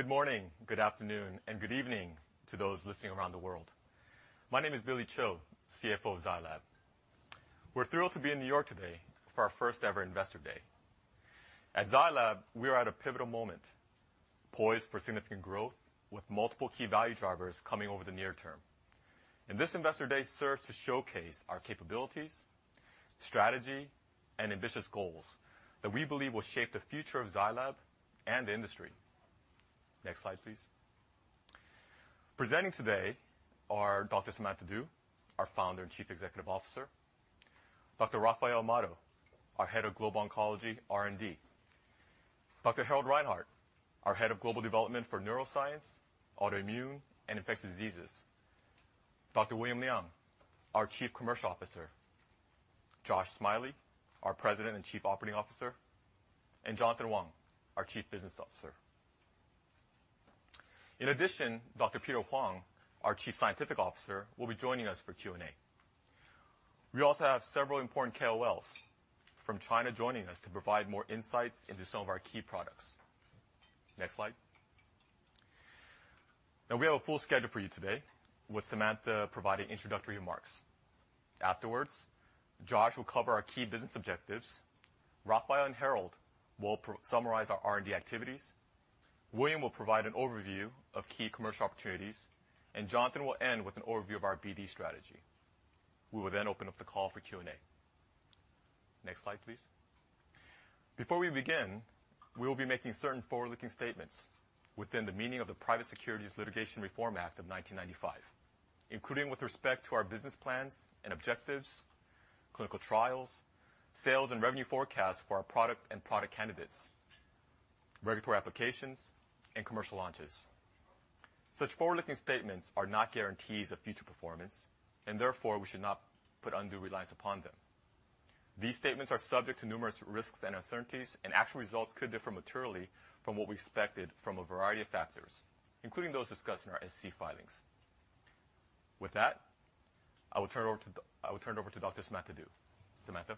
Good morning, good afternoon, and good evening to those listening around the world. My name is Billy Cho, CFO of Zai Lab. We're thrilled to be in New York today for our first ever Investor Day. At Zai Lab, we are at a pivotal moment, poised for significant growth, with multiple key value drivers coming over the near term. This Investor Day serves to showcase our capabilities, strategy, and ambitious goals that we believe will shape the future of Zai Lab and the industry. Next slide, please. Presenting today are Dr. Samantha Du, our Founder and Chief Executive Officer, Dr. Rafael Amado, our Head of Global Oncology R&D, Dr. Harald Reinhart, our Head of Global Development for Neuroscience, Autoimmune, and Infectious Diseases, Dr. William Liang, our Chief Commercial Officer, Josh Smiley, our President and Chief Operating Officer, and Jonathan Wang, our Chief Business Officer. In addition, Dr. Peter Huang, our Chief Scientific Officer, will be joining us for Q&A. We also have several important KOLs from China joining us to provide more insights into some of our key products. Next slide. We have a full schedule for you today, with Samantha providing introductory remarks. Afterwards, Josh will cover our key business objectives. Rafael and Harald will summarize our R&D activities. William will provide an overview of key commercial opportunities, and Jonathan will end with an overview of our BD strategy. We will then open up the call for Q&A. Next slide, please. Before we begin, we will be making certain forward-looking statements within the meaning of the Private Securities Litigation Reform Act of 1995, including with respect to our business plans and objectives, clinical trials, sales and revenue forecasts for our product and product candidates, regulatory applications, and commercial launches. Such forward-looking statements are not guarantees of future performance, therefore we should not put undue reliance upon them. These statements are subject to numerous risks and uncertainties, actual results could differ materially from what we expected from a variety of factors, including those discussed in our SEC filings. With that, I will turn it over to Dr. Samantha Du. Samantha?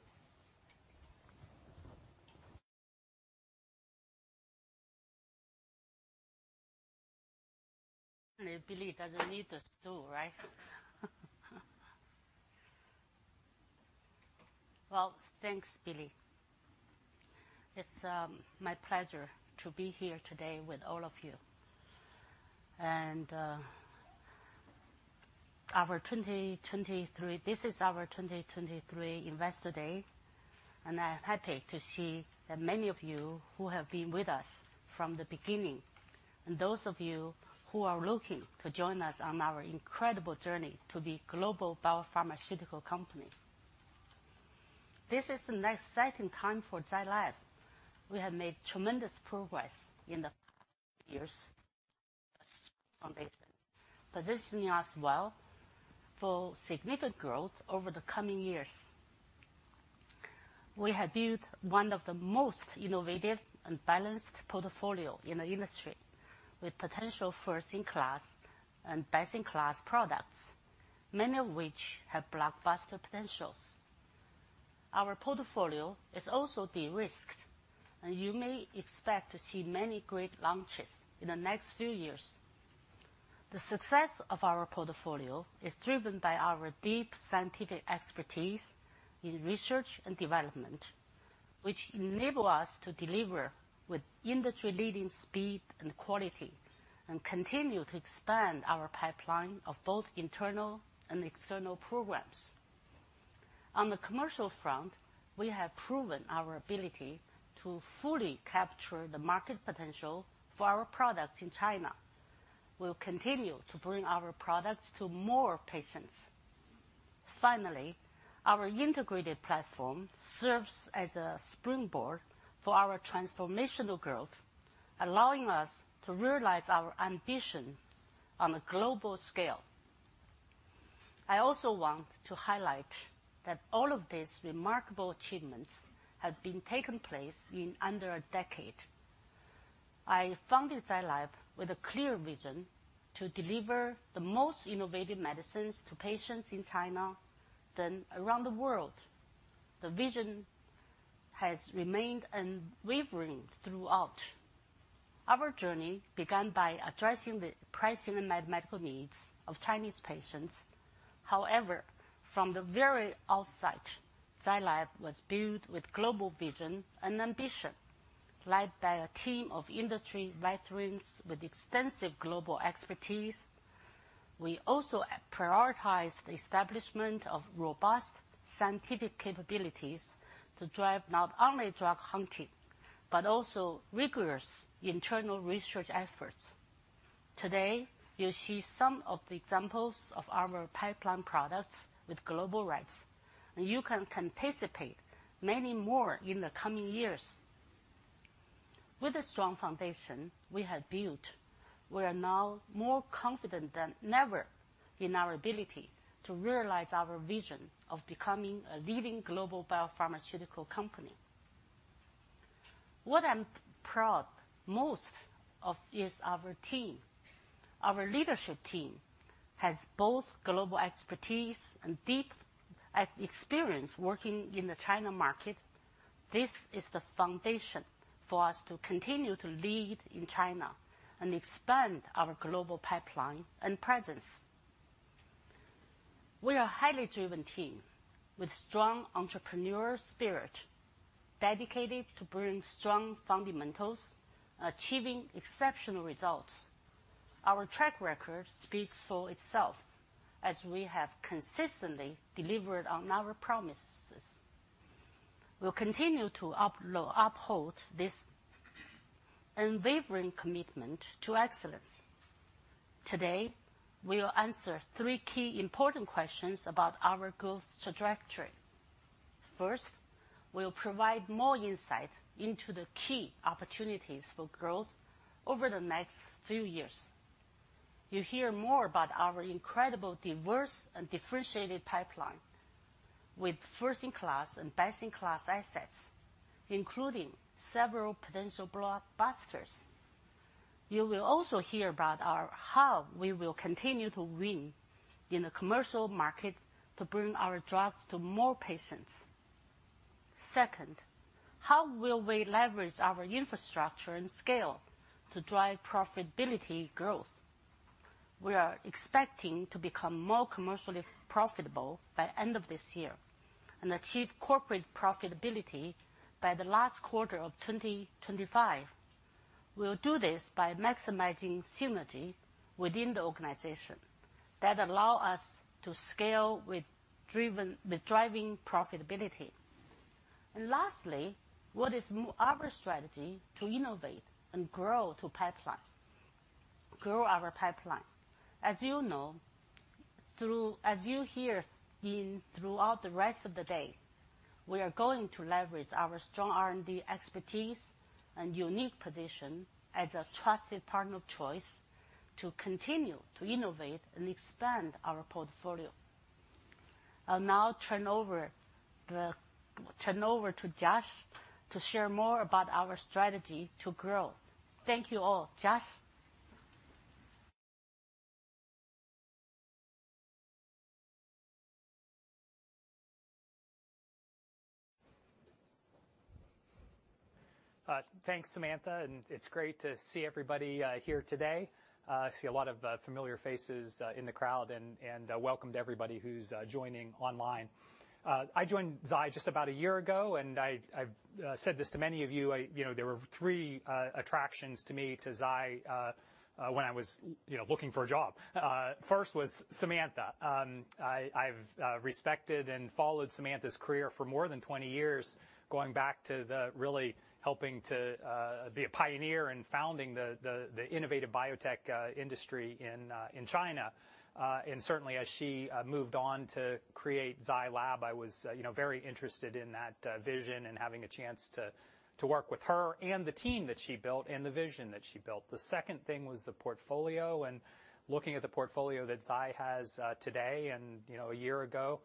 Billy doesn't need the stool, right? Well, thanks, Billy. It's my pleasure to be here today with all of you. This is our 2023 Investor Day, and I'm happy to see that many of you who have been with us from the beginning, and those of you who are looking to join us on our incredible journey to be global biopharmaceutical company. This is an exciting time for Zai Lab. We have made tremendous progress in the past years, a strong foundation, positioning us well for significant growth over the coming years. We have built one of the most innovative and balanced portfolio in the industry, with potential first-in-class and best-in-class products, many of which have blockbuster potentials. Our portfolio is also de-risked, and you may expect to see many great launches in the next few years. The success of our portfolio is driven by our deep scientific expertise in research and development, which enable us to deliver with industry-leading speed and quality, and continue to expand our pipeline of both internal and external programs. On the commercial front, we have proven our ability to fully capture the market potential for our products in China. We'll continue to bring our products to more patients. Finally, our integrated platform serves as a springboard for our transformational growth, allowing us to realize our ambition on a global scale. I also want to highlight that all of these remarkable achievements have been taken place in under a decade. I founded Zai Lab with a clear vision to deliver the most innovative medicines to patients in China, then around the world. The vision has remained unwavering throughout. Our journey began by addressing the pressing medical needs of Chinese patients. However, from the very outset, Zai Lab was built with global vision and ambition, led by a team of industry veterans with extensive global expertise. We also prioritized the establishment of robust scientific capabilities to drive not only drug hunting, but also rigorous internal research efforts. Today, you'll see some of the examples of our pipeline products with global rights, and you can anticipate many more in the coming years. With the strong foundation we have built, we are now more confident than ever in our ability to realize our vision of becoming a leading global biopharmaceutical company. What I'm proud most of is our team. Our leadership team has both global expertise and deep experience working in the China market. This is the foundation for us to continue to lead in China and expand our global pipeline and presence. We are a highly driven team with strong entrepreneurial spirit, dedicated to bring strong fundamentals, achieving exceptional results. Our track record speaks for itself, as we have consistently delivered on our promises. We'll continue to uphold this unwavering commitment to excellence. Today, we will answer three key important questions about our growth trajectory. First, we'll provide more insight into the key opportunities for growth over the next few years. You'll hear more about our incredible, diverse and differentiated pipeline, with first-in-class and best-in-class assets, including several potential blockbusters. You will also hear about how we will continue to win in the commercial market to bring our drugs to more patients. Second, how will we leverage our infrastructure and scale to drive profitability growth? We are expecting to become more commercially profitable by end of this year and achieve corporate profitability by the last quarter of 2025. We'll do this by maximizing synergy within the organization that allow us to scale with driving profitability. Lastly, what is our strategy to innovate and grow our pipeline? As you know, as you hear throughout the rest of the day, we are going to leverage our strong R&D expertise and unique position as a trusted partner of choice to continue to innovate and expand our portfolio. I'll now turn over to Josh to share more about our strategy to grow. Thank you, all. Josh? Thanks, Samantha. It's great to see everybody here today. I see a lot of familiar faces in the crowd, and welcome to everybody who's joining online. I joined Zai just about a year ago. I've said this to many of you. You know, there were three attractions to me, to Zai, when I was, you know, looking for a job. First was Samantha. I've respected and followed Samantha's career for more than 20 years, going back to the really helping to be a pioneer in founding the innovative biotech industry in China. Certainly as she moved on to create Zai Lab, I was, you know, very interested in that vision and having a chance to work with her and the team that she built and the vision that she built. The second thing was the portfolio, and looking at the portfolio that Zai has today and, you know, a year ago,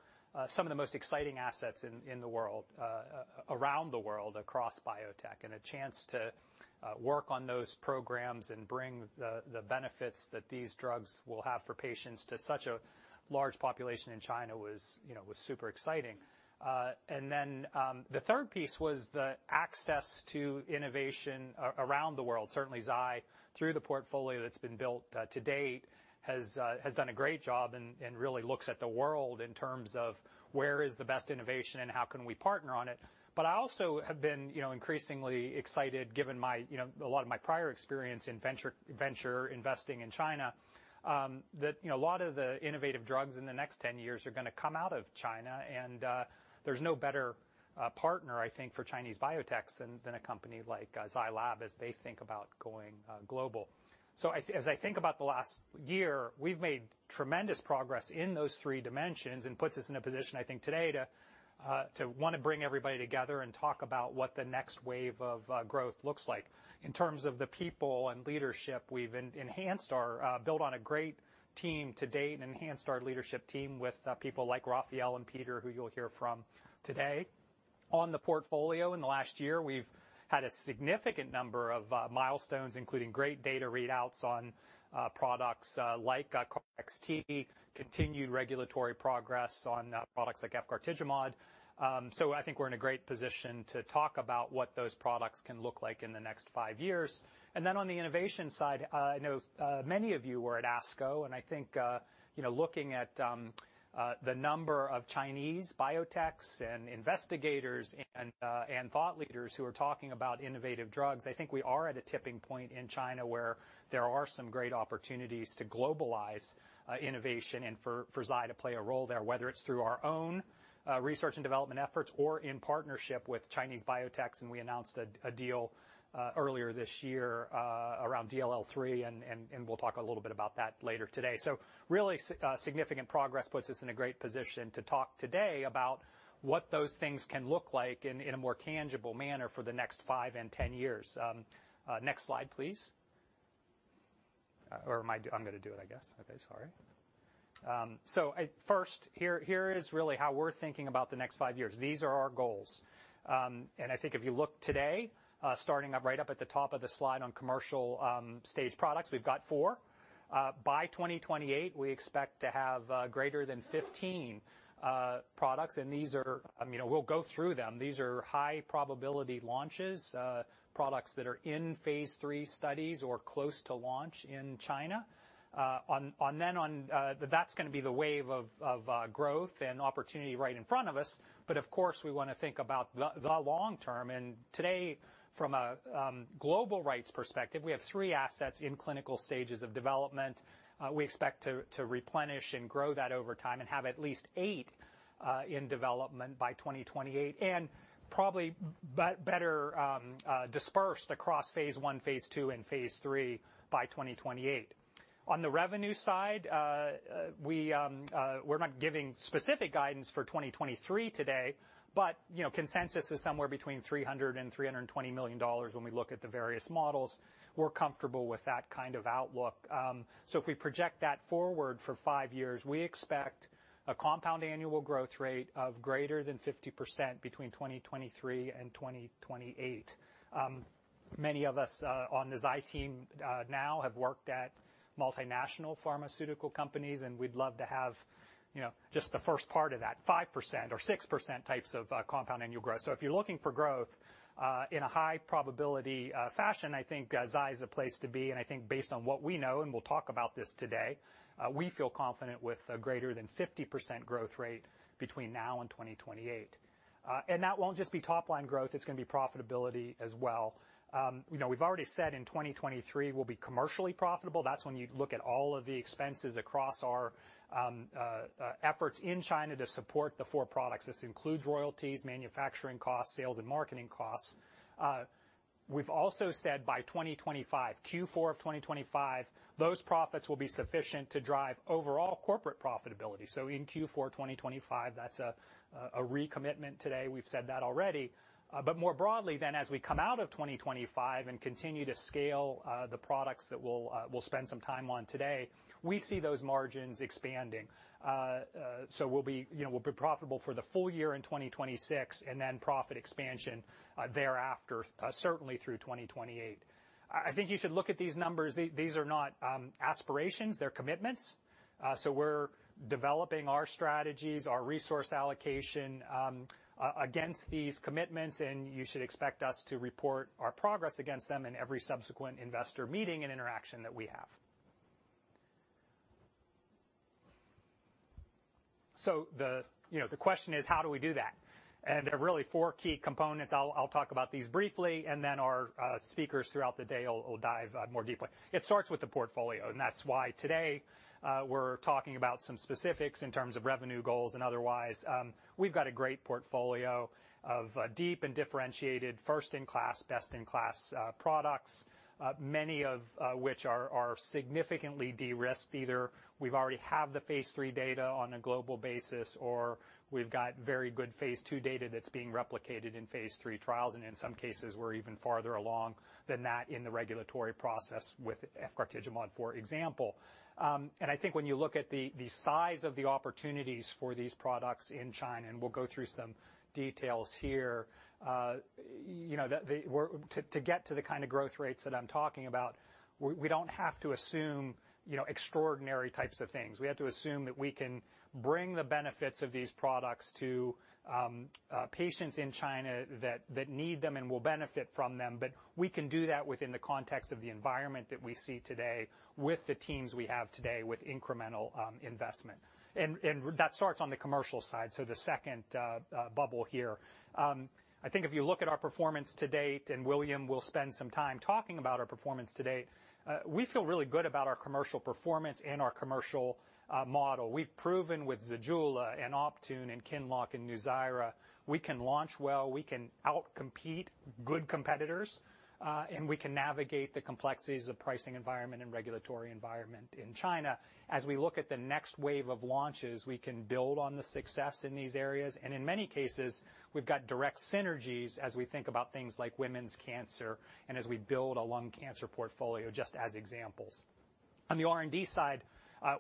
some of the most exciting assets in the world, around the world, across biotech, and a chance to work on those programs and bring the benefits that these drugs will have for patients to such a large population in China was, you know, was super exciting. Then, the third piece was the access to innovation around the world. Certainly, Zai, through the portfolio that's been built to date, has done a great job and really looks at the world in terms of where is the best innovation and how can we partner on it. I also have been, you know, increasingly excited, given my, you know, a lot of my prior experience in venture investing in China, that, you know, a lot of the innovative drugs in the next 10 years are gonna come out of China, and there's no better partner, I think, for Chinese biotechs than a company like Zai Lab as they think about going global. As I think about the last year, we've made tremendous progress in those three dimensions and puts us in a position, I think, today, to want to bring everybody together and talk about what the next wave of growth looks like. In terms of the people and leadership, we've enhanced our built on a great team to date, enhanced our leadership team with people like Rafael and Peter, who you'll hear from today. On the portfolio in the last year, we've had a significant number of milestones, including great data readouts on products like KARXT, continued regulatory progress on products like efgartigimod. I think we're in a great position to talk about what those products can look like in the next five years. Then on the innovation side, I know many of you were at ASCO, and I think, you know, looking at the number of Chinese biotechs and investigators and thought leaders who are talking about innovative drugs, I think we are at a tipping point in China, where there are some great opportunities to globalize innovation and for Zai to play a role there, whether it's through our own research and development efforts or in partnership with Chinese biotechs. We announced a deal earlier this year around DLL3, and we'll talk a little bit about that later today. Really significant progress puts us in a great position to talk today about what those things can look like in a more tangible manner for the next five and 10 years. Next slide, please. Or am I... I'm gonna do it, I guess. Okay, sorry. First, here is really how we're thinking about the next five years. These are our goals. I think if you look today, starting up right up at the top of the slide on commercial stage products, we've got four. By 2028, we expect to have greater than 15 products, and these are, I mean, we'll go through them. These are high-probability launches, products that are in phase III studies or close to launch in China. On then on, that's gonna be the wave of growth and opportunity right in front of us, of course, we wanna think about the long term. Today, from a global rights perspective, we have three assets in clinical stages of development. We expect to replenish and grow that over time and have at least eight in development by 2028, and probably better dispersed across phase I, phase II, and phase III by 2028. On the revenue side, we're not giving specific guidance for 2023 today, but, you know, consensus is somewhere between $300 million-$320 million when we look at the various models. We're comfortable with that kind of outlook. If we project that forward for five years, we expect a compound annual growth rate of greater than 50% between 2023 and 2028. Many of us on the Zai team now have worked at multinational pharmaceutical companies, and we'd love to have, you know, just the first part of that, 5% or 6% types of compound annual growth. If you're looking for growth in a high-probability fashion, I think Zai is the place to be, and I think based on what we know, and we'll talk about this today, we feel confident with a greater than 50% growth rate between now and 2028. And that won't just be top-line growth, it's gonna be profitability as well. You know, we've already said in 2023, we'll be commercially profitable. That's when you look at all of the expenses across our efforts in China to support the four products. This includes royalties, manufacturing costs, sales, and marketing costs. We've also said by 2025, Q4 of 2025, those profits will be sufficient to drive overall corporate profitability. In Q4 2025, that's a recommitment today. We've said that already. More broadly, then, as we come out of 2025 and continue to scale the products that we'll spend some time on today, we see those margins expanding. We'll be, you know, we'll be profitable for the full year in 2026, and then profit expansion thereafter, certainly through 2028. I think you should look at these numbers. These are not aspirations, they're commitments. We're developing our strategies, our resource allocation against these commitments, and you should expect us to report our progress against them in every subsequent investor meeting and interaction that we have. The, you know, the question is: how do we do that? There are really four key components. I'll talk about these briefly, and then our speakers throughout the day will dive more deeply. It starts with the portfolio, and that's why today, we're talking about some specifics in terms of revenue goals and otherwise. We've got a great portfolio of deep and differentiated first-in-class, best-in-class products, many of which are significantly de-risked. Either we've already have the phase III data on a global basis, or we've got very good phase II data that's being replicated in phase III trials, and in some cases, we're even farther along than that in the regulatory process with efgartigimod, for example. I think when you look at the size of the opportunities for these products in China, and we'll go through some details here, you know, to get to the kind of growth rates that I'm talking about, we don't have to assume, you know, extraordinary types of things. We have to assume that we can bring the benefits of these products to patients in China that need them and will benefit from them, but we can do that within the context of the environment that we see today, with the teams we have today, with incremental investment. And that starts on the commercial side, so the second bubble here. I think if you look at our performance to date, and William will spend some time talking about our performance to date, we feel really good about our commercial performance and our commercial model. We've proven with ZEJULA and OPTUNE and QINLOCK and NUZYRA, we can launch well, we can out-compete good competitors, and we can navigate the complexities of the pricing environment and regulatory environment in China. As we look at the next wave of launches, we can build on the success in these areas, and in many cases, we've got direct synergies as we think about things like women's cancer and as we build a lung cancer portfolio, just as examples. On the R&D side,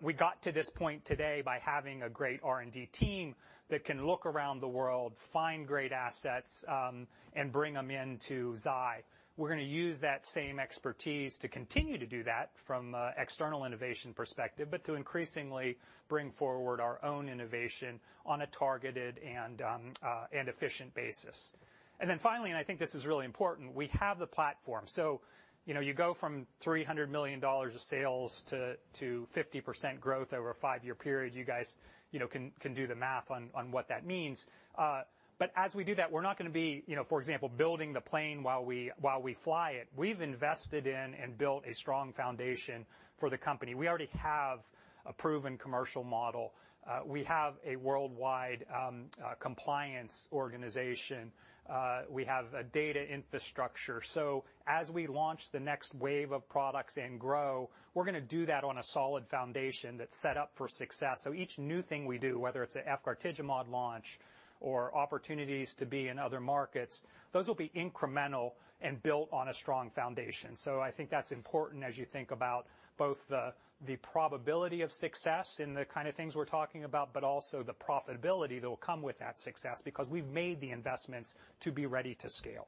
we got to this point today by having a great R&D team that can look around the world, find great assets, and bring them into Zai. We're gonna use that same expertise to continue to do that from a external innovation perspective, but to increasingly bring forward our own innovation on a targeted and efficient basis. Finally, and I think this is really important, we have the platform. You know, you go from $300 million of sales to 50% growth over a five-year period. You guys, you know, can do the math on what that means. As we do that, we're not gonna be, you know, for example, building the plane while we fly it. We've invested in and built a strong foundation for the company. We already have a proven commercial model. We have a worldwide compliance organization. We have a data infrastructure. As we launch the next wave of products and grow, we're gonna do that on a solid foundation that's set up for success. Each new thing we do, whether it's an efgartigimod launch or opportunities to be in other markets, those will be incremental and built on a strong foundation. I think that's important as you think about both the probability of success in the kind of things we're talking about, but also the profitability that will come with that success, because we've made the investments to be ready to scale.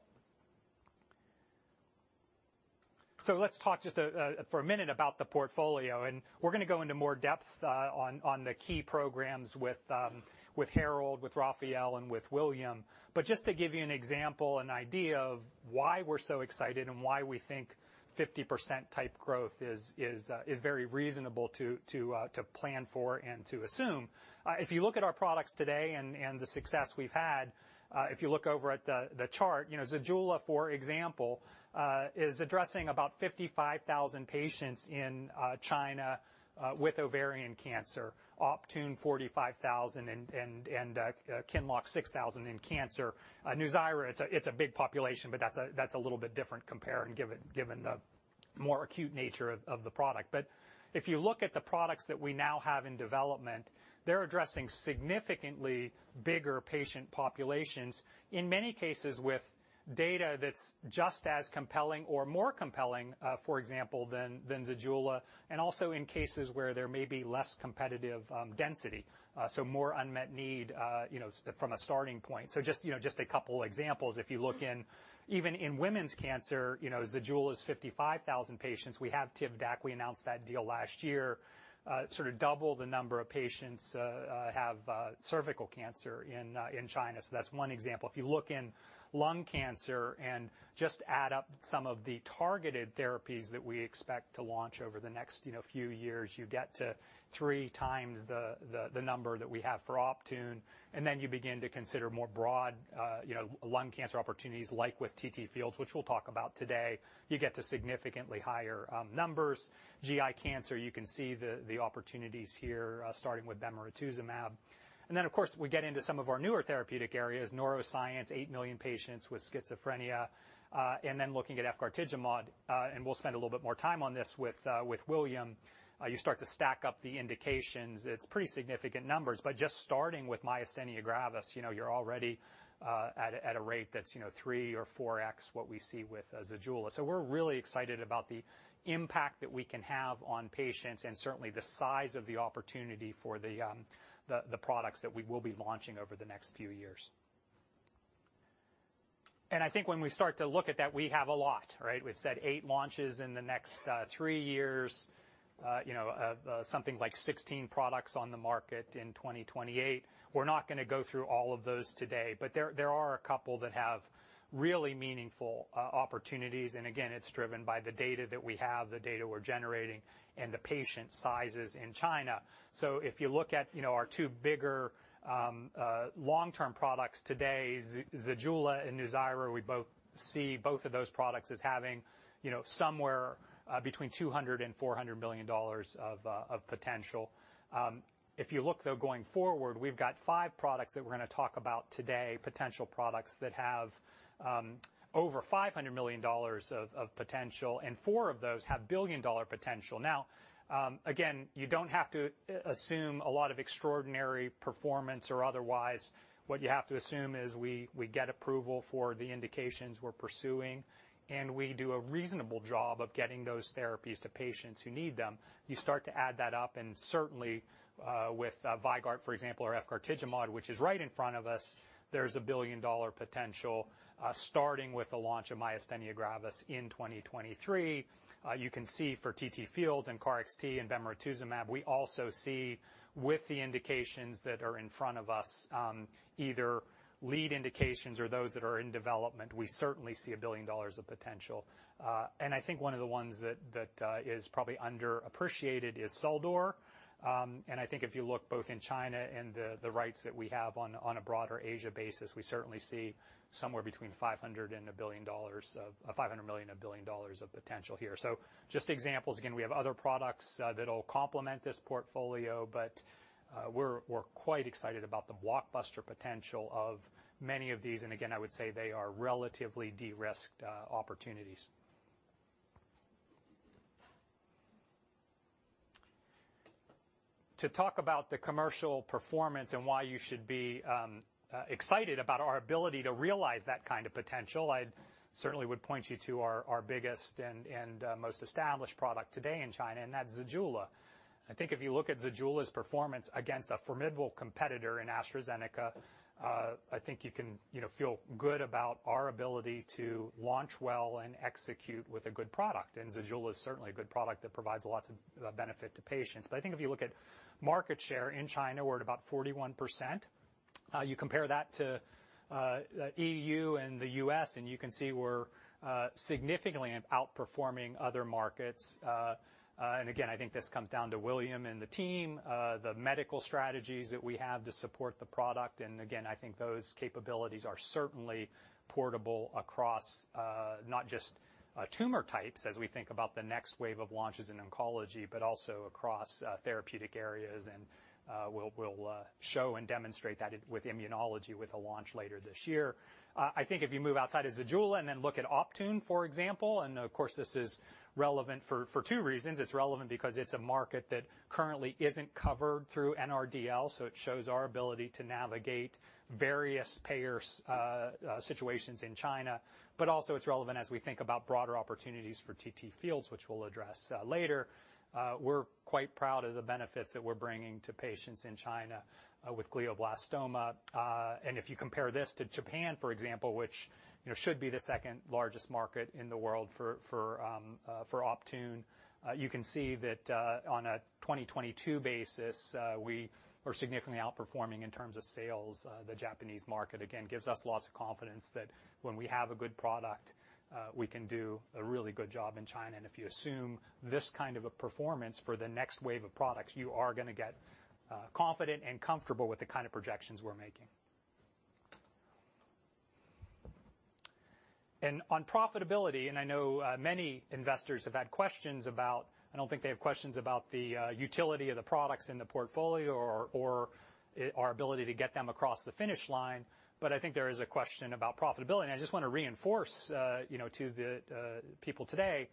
Let's talk just for a minute about the portfolio, and we're gonna go into more depth on the key programs with Harald, with Rafael, and with William. Just to give you an example, an idea of why we're so excited and why we think 50% type growth is very reasonable to plan for and to assume. If you look at our products today and the success we've had, if you look over at the chart, you know, ZEJULA, for example, is addressing about 55,000 patients in China, with ovarian cancer. OPTUNE, 45,000, and QINLOCK, 6,000 in cancer. NUZYRA, it's a big population, but that's a little bit different compare and given the more acute nature of the product. If you look at the products that we now have in development, they're addressing significantly bigger patient populations, in many cases, with data that's just as compelling or more compelling, for example, than ZEJULA, and also in cases where there may be less competitive density, so more unmet need, you know, from a starting point. Just, you know, just a couple examples. If you look in, even in women's cancer, you know, ZEJULA is 55,000 patients. We have Tivdak. We announced that deal last year. Sort of double the number of patients have cervical cancer in China. That's one example. You look in lung cancer and just add up some of the targeted therapies that we expect to launch over the next, you know, few years, you get to 3 times the number that we have for OPTUNE, then you begin to consider more broad, you know, lung cancer opportunities, like with TTFields, which we'll talk about today. You get to significantly higher numbers. GI cancer, you can see the opportunities here, starting with bemarituzumab. Then, of course, we get into some of our newer therapeutic areas, neuroscience, 8 million patients with schizophrenia, and then looking at efgartigimod, and we'll spend a little bit more time on this with William. You start to stack up the indications, it's pretty significant numbers. Just starting with myasthenia gravis, you know, you're already at a rate that's, you know, three or 4x what we see with ZEJULA. We're really excited about the impact that we can have on patients and certainly the size of the opportunity for the products that we will be launching over the next few years. I think when we start to look at that, we have a lot, right? We've said eight launches in the next three years, you know, something like 16 products on the market in 2028. We're not gonna go through all of those today, but there are a couple that have really meaningful opportunities. Again, it's driven by the data that we have, the data we're generating, and the patient sizes in China. If you look at, you know, our two bigger, long-term products today, ZEJULA and NUZYRA, we both see both of those products as having, you know, somewhere between $200 million-$400 million of potential. If you look, though, going forward, we've got five products that we're gonna talk about today, potential products that have over $500 million of potential, and four of those have billion-dollar potential. Again, you don't have to assume a lot of extraordinary performance or otherwise. What you have to assume is we get approval for the indications we're pursuing, and we do a reasonable job of getting those therapies to patients who need them. You start to add that up, certainly, with VYVGART, for example, or efgartigimod, which is right in front of us, there's a billion-dollar potential, starting with the launch of myasthenia gravis in 2023. You can see for TTFields and KARXT and bemarituzumab, we also see with the indications that are in front of us, either lead indications or those that are in development, we certainly see $1 billion of potential. I think one of the ones that is probably underappreciated is SUL-DUR. I think if you look both in China and the rights that we have on a broader Asia basis, we certainly see somewhere between $500 million and $1 billion of potential here. Just examples. We have other products that'll complement this portfolio, but we're quite excited about the blockbuster potential of many of these. Again, I would say they are relatively de-risked opportunities. To talk about the commercial performance and why you should be excited about our ability to realize that kind of potential, I certainly would point you to our biggest and most established product today in China, and that's ZEJULA. I think if you look at ZEJULA's performance against a formidable competitor in AstraZeneca, I think you can, you know, feel good about our ability to launch well and execute with a good product, and ZEJULA is certainly a good product that provides lots of benefit to patients. I think if you look at market share in China, we're at about 41%. You compare that to EU and the U.S., and you can see we're significantly outperforming other markets. Again, I think this comes down to William and the team, the medical strategies that we have to support the product. Again, I think those capabilities are certainly portable across not just tumor types as we think about the next wave of launches in oncology, but also across therapeutic areas. We'll show and demonstrate that with immunology, with a launch later this year. I think if you move outside of ZEJULA and then look at OPTUNE, for example, and of course, this is relevant for two reasons. It's relevant because it's a market that currently isn't covered through NRDL, so it shows our ability to navigate various payer's situations in China. Also it's relevant as we think about broader opportunities for TTFields, which we'll address later. We're quite proud of the benefits that we're bringing to patients in China with glioblastoma. If you compare this to Japan, for example, which, you know, should be the second largest market in the world for OPTUNE, you can see that on a 2022 basis, we are significantly outperforming in terms of sales. The Japanese market, again, gives us lots of confidence that when we have a good product, we can do a really good job in China. If you assume this kind of a performance for the next wave of products, you are gonna get confident and comfortable with the kind of projections we're making. On profitability, I know many investors have had questions about. I don't think they have questions about the utility of the products in the portfolio or our ability to get them across the finish line, but I think there is a question about profitability. I just want to reinforce, you know, to the people today,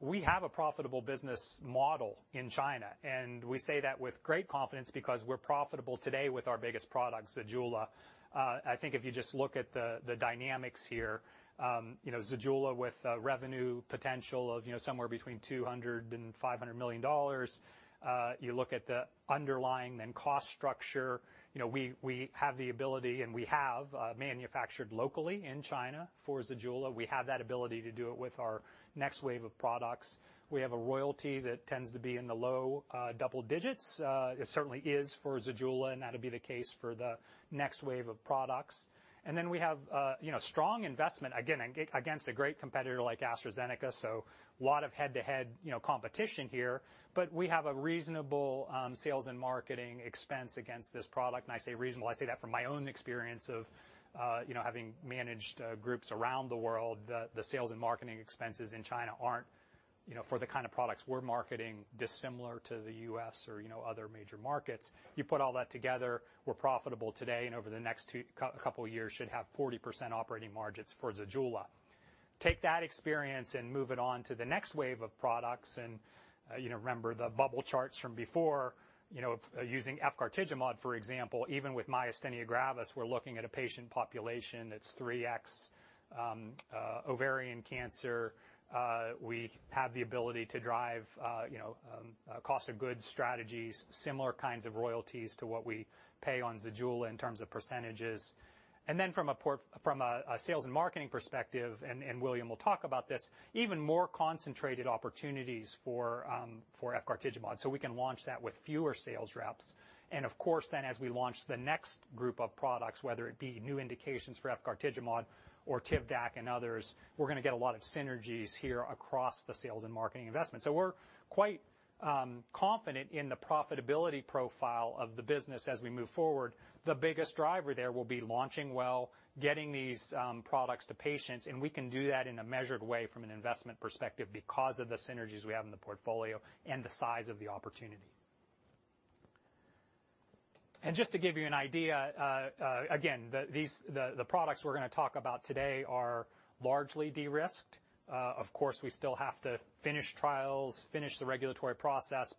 we have a profitable business model in China, and we say that with great confidence because we're profitable today with our biggest product, ZEJULA. I think if you just look at the dynamics here, you know, ZEJULA with a revenue potential of, you know, somewhere between $200 million-$500 million. You look at the underlying and cost structure, you know, we have the ability, and we have manufactured locally in China for ZEJULA. We have that ability to do it with our next wave of products. We have a royalty that tends to be in the low, double digits. It certainly is for ZEJULA, and that'll be the case for the next wave of products. We have, you know, strong investment, again, against a great competitor like AstraZeneca. A lot of head-to-head, you know, competition here. We have a reasonable, sales and marketing expense against this product. I say reasonable, I say that from my own experience of, you know, having managed, groups around the world. The sales and marketing expenses in China aren't, you know, for the kind of products we're marketing, dissimilar to the U.S. or, you know, other major markets. You put all that together, we're profitable today, and over the next couple of years, should have 40% operating margins for ZEJULA. Take that experience and move it on to the next wave of products. You know, remember the bubble charts from before, you know, using efgartigimod, for example, even with myasthenia gravis, we're looking at a patient population that's 3x. Ovarian cancer, we have the ability to drive, you know, cost of goods strategies, similar kinds of royalties to what we pay on ZEJULA in terms of percentages. From a sales and marketing perspective, and William will talk about this, even more concentrated opportunities for efgartigimod. We can launch that with fewer sales reps. Of course, then as we launch the next group of products, whether it be new indications for efgartigimod or Tivdak and others, we're going to get a lot of synergies here across the sales and marketing investment. We're quite confident in the profitability profile of the business as we move forward. The biggest driver there will be launching well, getting these products to patients, and we can do that in a measured way from an investment perspective because of the synergies we have in the portfolio and the size of the opportunity. Just to give you an idea, again, the products we're going to talk about today are largely de-risked. Of course, we still have to finish trials, finish the regulatory process.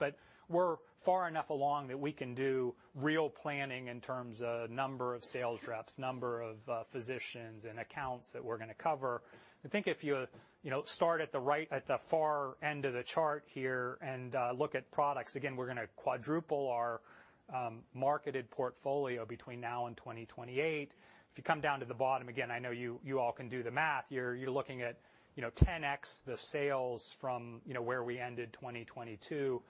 We're far enough along that we can do real planning in terms of number of sales reps, number of physicians and accounts that we're gonna cover. I think if you know, start at the right, at the far end of the chart here and look at products, again, we're gonna quadruple our marketed portfolio between now and 2028. If you come down to the bottom, again, I know you all can do the math. You're, you're looking at, you know, 10x the sales from, you know, where we ended 2022,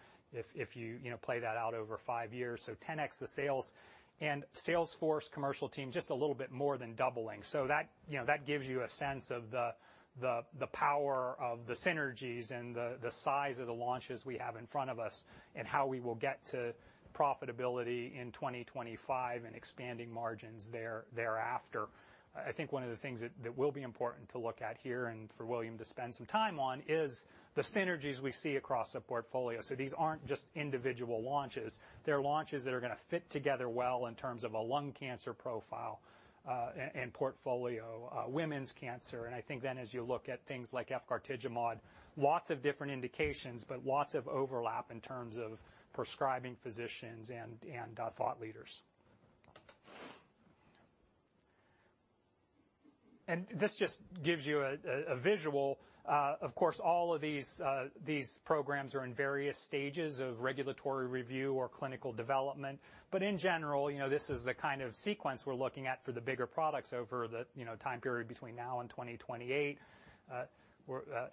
if you know, play that out over five years. 10x the sales and sales force commercial team just a little bit more than doubling. That, you know, that gives you a sense of the power of the synergies and the size of the launches we have in front of us and how we will get to profitability in 2025 and expanding margins thereafter. I think one of the things that will be important to look at here, and for William to spend some time on, is the synergies we see across the portfolio. These aren't just individual launches. They're launches that are gonna fit together well in terms of a lung cancer profile, and portfolio, women's cancer. I think then as you look at things like efgartigimod, lots of different indications, but lots of overlap in terms of prescribing physicians and thought leaders. This just gives you a visual. Of course, all of these programs are in various stages of regulatory review or clinical development. In general, you know, this is the kind of sequence we're looking at for the bigger products over the, you know, time period between now and 2028. Where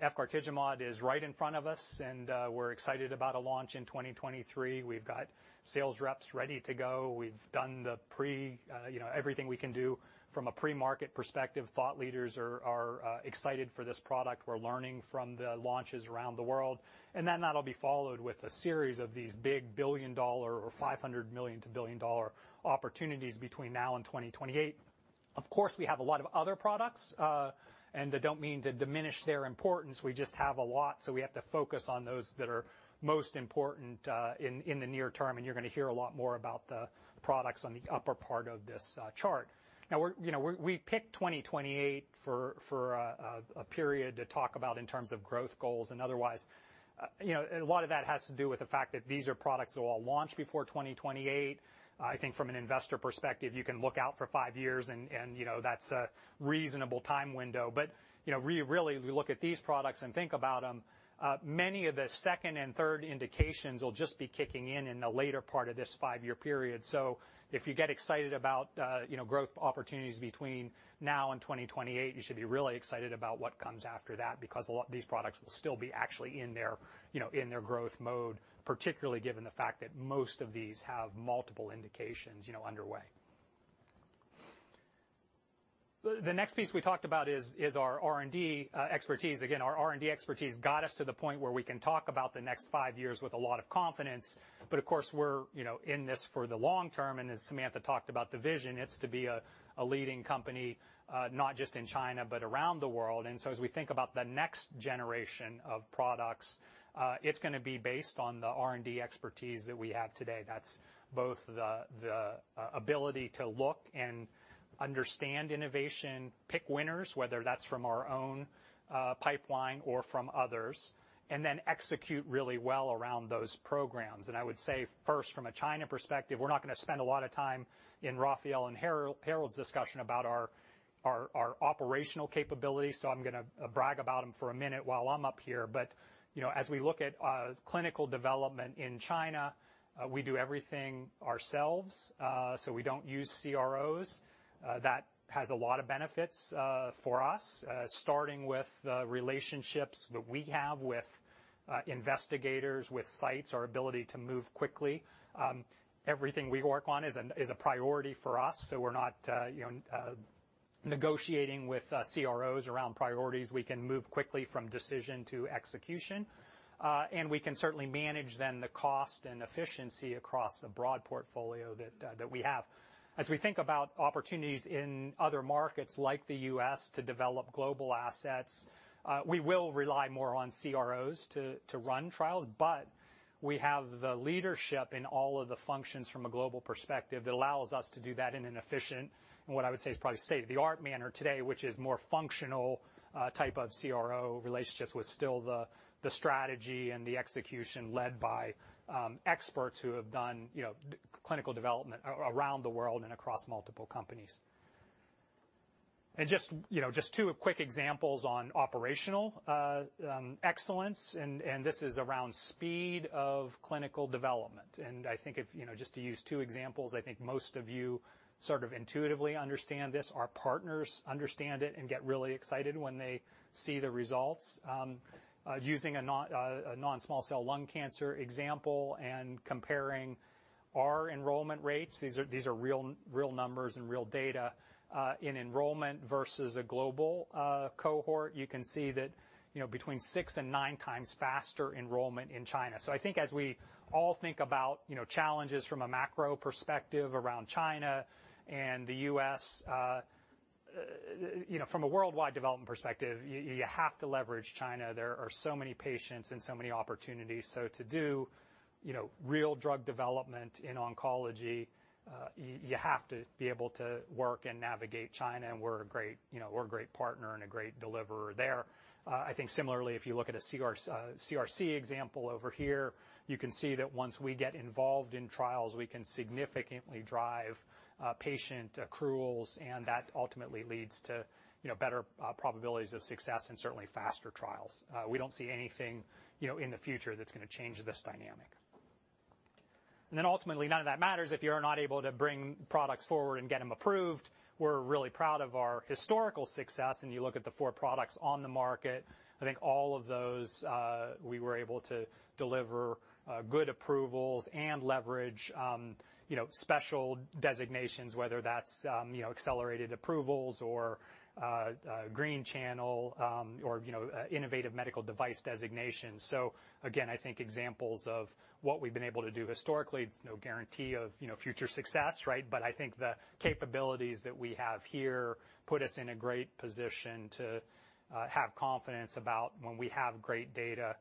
efgartigimod is right in front of us, and we're excited about a launch in 2023. We've got sales reps ready to go. We've done the pre, you know, everything we can do from a pre-market perspective. Thought leaders are excited for this product. We're learning from the launches around the world, that'll be followed with a series of these big billion-dollar or $500 million to billion-dollar opportunities between now and 2028. Of course, we have a lot of other products, I don't mean to diminish their importance. We just have a lot. We have to focus on those that are most important in the near term. You're gonna hear a lot more about the products on the upper part of this chart. You know, we picked 2028 for a period to talk about in terms of growth goals and otherwise. You know, a lot of that has to do with the fact that these are products that will all launch before 2028. I think from an investor perspective, you can look out for five years and, you know, that's a reasonable time window. You know, we really, we look at these products and think about them. Many of the second and third indications will just be kicking in in the later part of this five-year period. If you get excited about, you know, growth opportunities between now and 2028, you should be really excited about what comes after that, because these products will still be actually in their, you know, in their growth mode, particularly given the fact that most of these have multiple indications, you know, underway. The next piece we talked about is our R&D expertise. Again, our R&D expertise got us to the point where we can talk about the next five years with a lot of confidence. Of course, we're, you know, in this for the long term, and as Samantha talked about the vision, it's to be a leading company, not just in China but around the world. As we think about the next generation of products, it's gonna be based on the R&D expertise that we have today. That's both the ability to look and understand innovation, pick winners, whether that's from our own pipeline or from others, and then execute really well around those programs. I would say first, from a China perspective, we're not gonna spend a lot of time in Rafael Amado and Harald Reinhart's discussion about our operational capabilities, so I'm gonna brag about them for a minute while I'm up here. You know, as we look at clinical development in China, we do everything ourselves, so we don't use CROs. That has a lot of benefits for us, starting with the relationships that we have with investigators, with sites, our ability to move quickly. Everything we work on is a priority for us, we're not, you know, negotiating with CROs around priorities. We can move quickly from decision to execution, we can certainly manage then the cost and efficiency across the broad portfolio that we have. As we think about opportunities in other markets like the U.S. to develop global assets, we will rely more on CROs to run trials, we have the leadership in all of the functions from a global perspective that allows us to do that in an efficient, and what I would say is probably state-of-the-art manner today, which is more functional, type of CRO relationships, with still the strategy and the execution led by experts who have done, you know, clinical development around the world and across multiple companies. Just, you know, just two quick examples on operational excellence, and this is around speed of clinical development. I think if, you know, just to use two examples, I think most of you sort of intuitively understand this. Our partners understand it and get really excited when they see the results. Using a non-small cell lung cancer example and comparing our enrollment rates, these are real numbers and real data in enrollment versus a global cohort. You can see that, you know, between 6 and 9x faster enrollment in China. I think as we all think about, you know, challenges from a macro perspective around China and the U.S., you know, from a worldwide development perspective, you have to leverage China. There are so many patients and so many opportunities. To do, you know, real drug development in oncology, you have to be able to work and navigate China, and we're a great, you know, we're a great partner and a great deliverer there. Similarly, I think if you look at a CRC example over here, you can see that once we get involved in trials, we can significantly drive patient accruals, and that ultimately leads to, you know, better probabilities of success and certainly faster trials. We don't see anything, you know, in the future that's gonna change this dynamic. Ultimately, none of that matters if you're not able to bring products forward and get them approved. We're really proud of our historical success. You look at the four products on the market, I think all of those, we were able to deliver good approvals and leverage, you know, special designations, whether that's, you know, accelerated approvals or green channel, or, you know, innovative medical device designations. Again, I think examples of what we've been able to do historically, it's no guarantee of, you know, future success, right? I think the capabilities that we have here put us in a great position to have confidence about when we have great data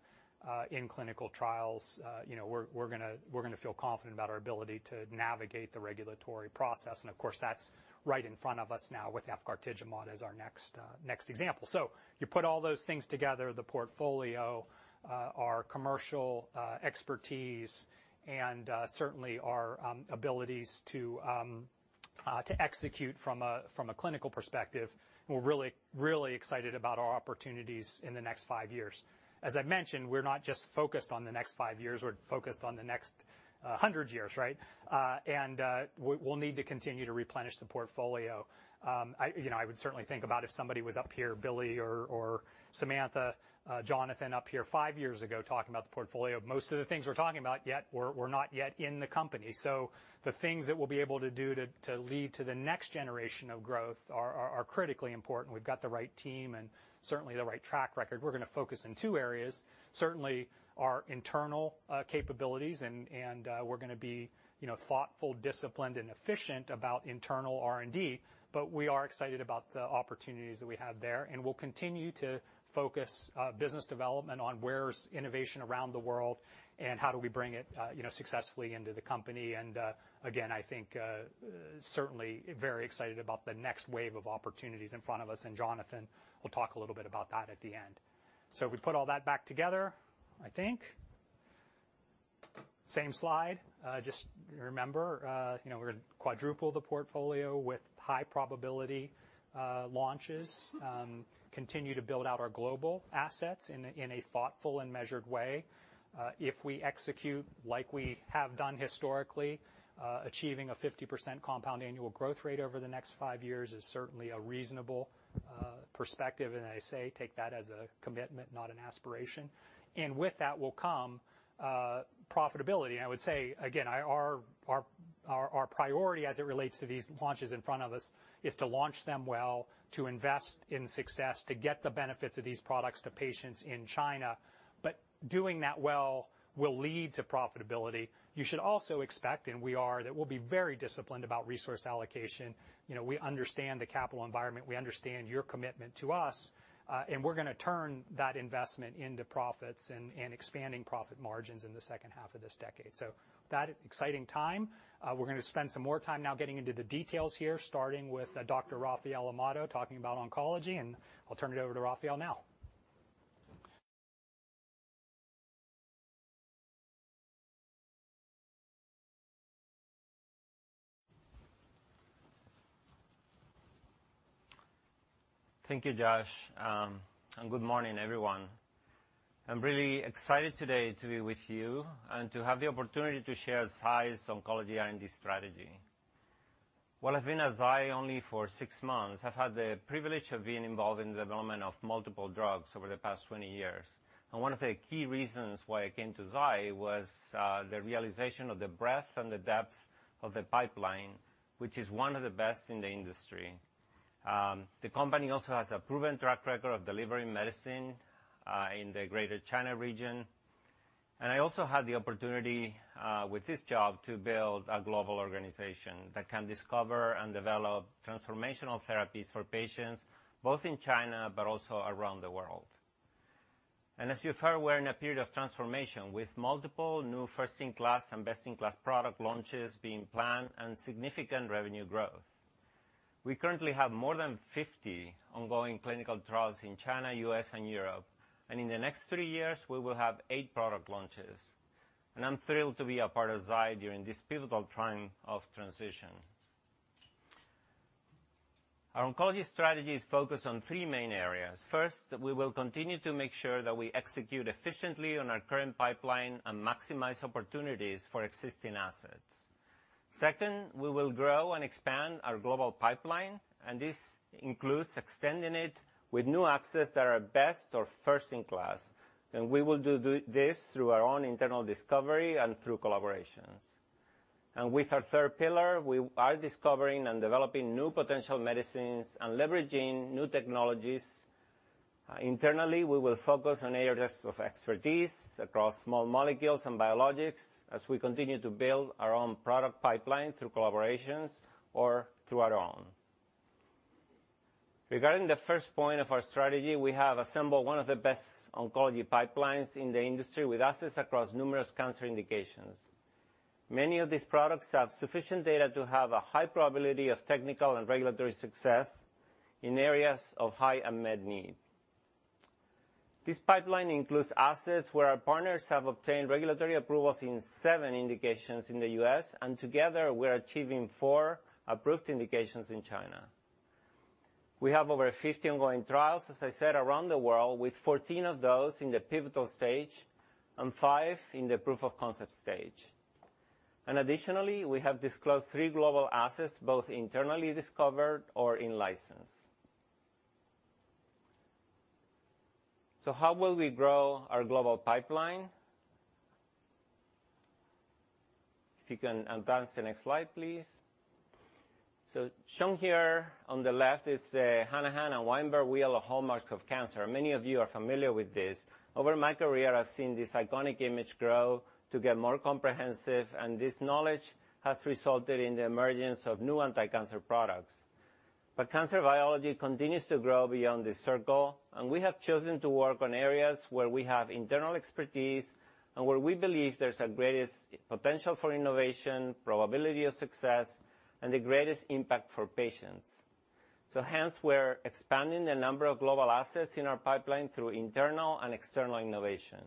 in clinical trials. You know, we're gonna feel confident about our ability to navigate the regulatory process. Of course, that's right in front of us now with efgartigimod as our next next example. You put all those things together, the portfolio, our commercial expertise, and certainly our abilities to execute from a clinical perspective. We're really, really excited about our opportunities in the next five years. As I've mentioned, we're not just focused on the next five years, we're focused on the next 100 years, right? We'll need to continue to replenish the portfolio. I, you know, I would certainly think about if somebody was up here, Billy or Samantha, Jonathan, up here five years ago talking about the portfolio, most of the things we're talking about yet were not yet in the company. The things that we'll be able to do to lead to the next generation of growth are critically important. We've got the right team and certainly the right track record. We're gonna focus in two areas, certainly our internal capabilities, and we're gonna be, you know, thoughtful, disciplined, and efficient about internal R&D. We are excited about the opportunities that we have there, and we'll continue to focus business development on where's innovation around the world and how do we bring it, you know, successfully into the company. Again, I think certainly very excited about the next wave of opportunities in front of us, and Jonathan will talk a little bit about that at the end. If we put all that back together, I think. Same slide. Just remember, you know, we're gonna quadruple the portfolio with high probability launches. Continue to build out our global assets in a thoughtful and measured way. If we execute like we have done historically, achieving a 50% compound annual growth rate over the next five years is certainly a reasonable perspective. I say take that as a commitment, not an aspiration. With that will come profitability. I would say, again, our priority as it relates to these launches in front of us is to launch them well, to invest in success, to get the benefits of these products to patients in China, but doing that well will lead to profitability. You should also expect, and we are, that we'll be very disciplined about resource allocation. You know, we understand the capital environment, we understand your commitment to us, and we're gonna turn that investment into profits and expanding profit margins in the second half of this decade. That exciting time. We're gonna spend some more time now getting into the details here, starting with, Dr. Rafael Amado, talking about oncology. I'll turn it over to Rafael now. Thank you, Josh. Good morning, everyone. I'm really excited today to be with you and to have the opportunity to share Zai's oncology R&D strategy. While I've been at Zai only for six months, I've had the privilege of being involved in the development of multiple drugs over the past 20 years. One of the key reasons why I came to Zai was the realization of the breadth and the depth of the pipeline, which is one of the best in the industry. The company also has a proven track record of delivering medicine in the Greater China region. I also had the opportunity with this job to build a global organization that can discover and develop transformational therapies for patients, both in China but also around the world. As you're far aware, in a period of transformation with multiple new first-in-class and best-in-class product launches being planned and significant revenue growth. We currently have more than 50 ongoing clinical trials in China, U.S., and Europe, and in the next three years, we will have 8 product launches. I'm thrilled to be a part of Zai during this pivotal time of transition. Our oncology strategy is focused on the main areas. First, we will continue to make sure that we execute efficiently on our current pipeline and maximize opportunities for existing assets. Second, we will grow and expand our global pipeline, and this includes extending it with new access that are best or first in class, and we will do this through our own internal discovery and through collaborations. With our third pillar, we are discovering and developing new potential medicines and leveraging new technologies. Internally, we will focus on areas of expertise across small molecules and biologics as we continue to build our own product pipeline through collaborations or through our own. Regarding the first point of our strategy, we have assembled one of the best oncology pipelines in the industry with assets across numerous cancer indications. Many of these products have sufficient data to have a high probability of technical and regulatory success in areas of high unmet need. This pipeline includes assets where our partners have obtained regulatory approvals in seven indications in the U.S., and together we're achieving four approved indications in China. We have over 50 ongoing trials, as I said, around the world, with 14 of those in the pivotal stage and five in the proof of concept stage. Additionally, we have disclosed three global assets, both internally discovered or in-license. How will we grow our global pipeline? If you can advance the next slide, please. Shown here on the left is the Hanahan and Weinberg Wheel of Hallmarks of Cancer. Many of you are familiar with this. Over my career, I've seen this iconic image grow to get more comprehensive, and this knowledge has resulted in the emergence of new anticancer products. Cancer biology continues to grow beyond this circle, and we have chosen to work on areas where we have internal expertise and where we believe there's a greatest potential for innovation, probability of success, and the greatest impact for patients. Hence, we're expanding the number of global assets in our pipeline through internal and external innovation.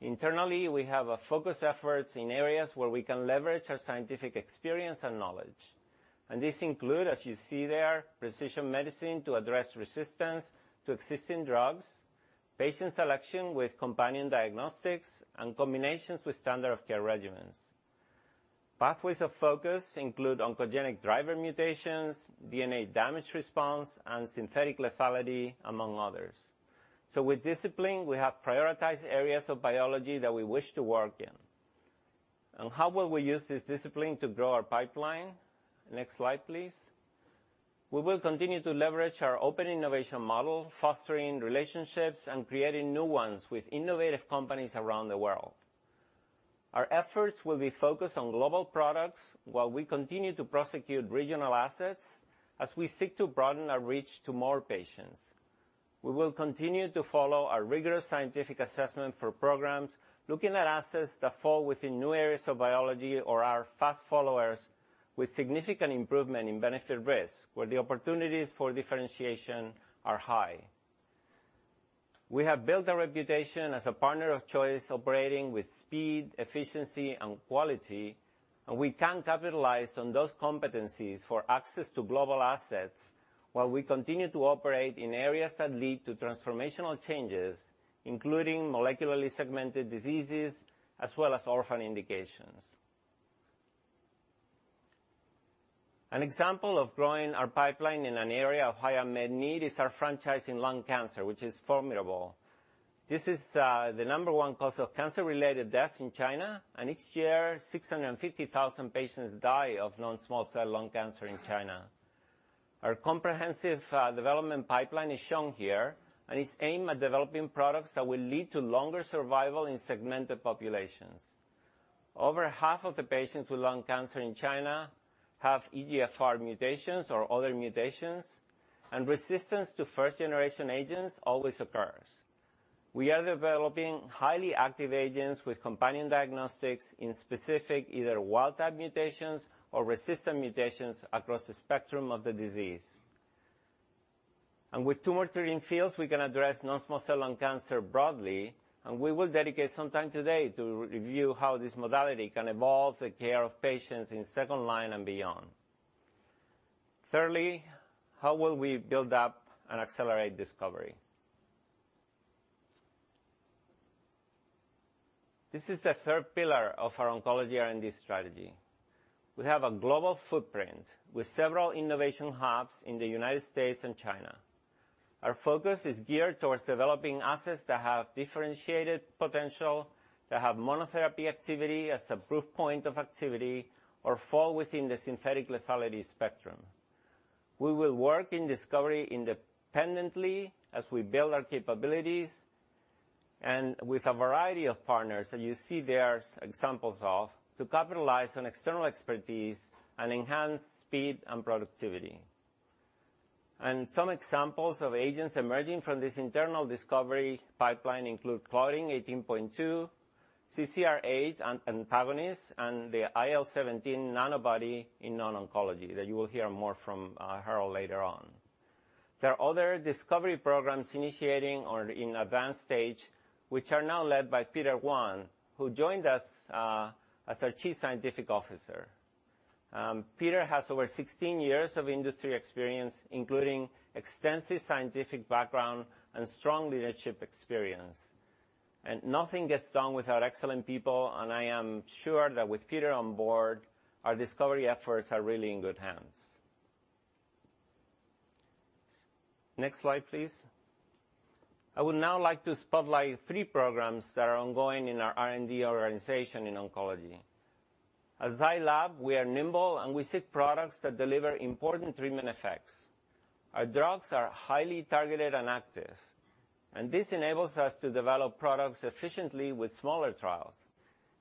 Internally, we have a focused efforts in areas where we can leverage our scientific experience and knowledge. These include, as you see there, precision medicine to address resistance to existing drugs, patient selection with companion diagnostics, and combinations with standard of care regimens. Pathways of focus include oncogenic driver mutations, DNA damage response, and synthetic lethality, among others. With discipline, we have prioritized areas of biology that we wish to work in. How will we use this discipline to grow our pipeline? Next slide, please. We will continue to leverage our open innovation model, fostering relationships and creating new ones with innovative companies around the world. Our efforts will be focused on global products while we continue to prosecute regional assets as we seek to broaden our reach to more patients. We will continue to follow our rigorous scientific assessment for programs, looking at assets that fall within new areas of biology or are fast followers with significant improvement in benefit risk, where the opportunities for differentiation are high. We have built a reputation as a partner of choice, operating with speed, efficiency, and quality, and we can capitalize on those competencies for access to global assets while we continue to operate in areas that lead to transformational changes, including molecularly segmented diseases as well as orphan indications. An example of growing our pipeline in an area of higher med need is our franchise in lung cancer, which is formidable. This is the number one cause of cancer-related death in China. Each year, 650,000 patients die of non-small cell lung cancer in China. Our comprehensive development pipeline is shown here, and it's aimed at developing products that will lead to longer survival in segmented populations. Over half of the patients with lung cancer in China have EGFR mutations or other mutations, and resistance to first-generation agents always occurs. We are developing highly active agents with companion diagnostics in specific, either wild-type mutations or resistant mutations across the spectrum of the disease. With Tumor Treating Fields, we can address non-small cell lung cancer broadly, and we will dedicate some time today to review how this modality can evolve the care of patients in second line and beyond. Thirdly, how will we build up and accelerate discovery? This is the third pillar of our oncology R&D strategy. We have a global footprint with several innovation hubs in the United States and China. Our focus is geared towards developing assets that have differentiated potential, that have monotherapy activity as a proof point of activity, or fall within the synthetic lethality spectrum. We will work in discovery independently as we build our capabilities and with a variety of partners, and you see there are examples of, to capitalize on external expertise and enhance speed and productivity. Some examples of agents emerging from this internal discovery pipeline include Claudin 18.2, CCR8 antagonist, and the IL-17 nanobody in non-oncology that you will hear more from Harald later on. There are other discovery programs initiating or in advanced stage, which are now led by Peter Huang, who joined us as our Chief Scientific Officer. Peter has over 16 years of industry experience, including extensive scientific background and strong leadership experience. Nothing gets done without excellent people, and I am sure that with Peter on board, our discovery efforts are really in good hands. Next slide, please. I would now like to spotlight three programs that are ongoing in our R&D organization in oncology. At Zai Lab, we are nimble, and we seek products that deliver important treatment effects. Our drugs are highly targeted and active, and this enables us to develop products efficiently with smaller trials.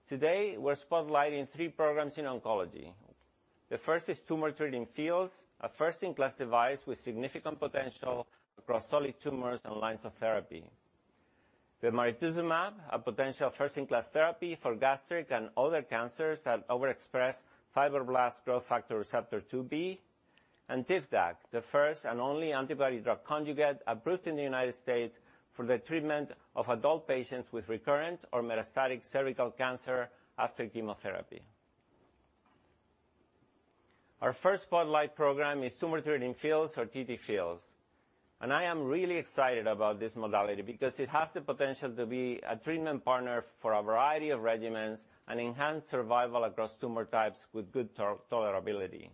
Today, we're spotlighting three programs in oncology. The first is Tumor Treating Fields, a first-in-class device with significant potential across solid tumors and lines of therapy. Bemarituzumab, a potential first-in-class therapy for gastric and other cancers that overexpress Fibroblast Growth Factor Receptor 2B, and Tivdak, the first and only antibody drug conjugate approved in the United States for the treatment of adult patients with recurrent or metastatic cervical cancer after chemotherapy. Our first spotlight program is Tumor Treating Fields, or TTFields. I am really excited about this modality because it has the potential to be a treatment partner for a variety of regimens and enhance survival across tumor types with good tolerability.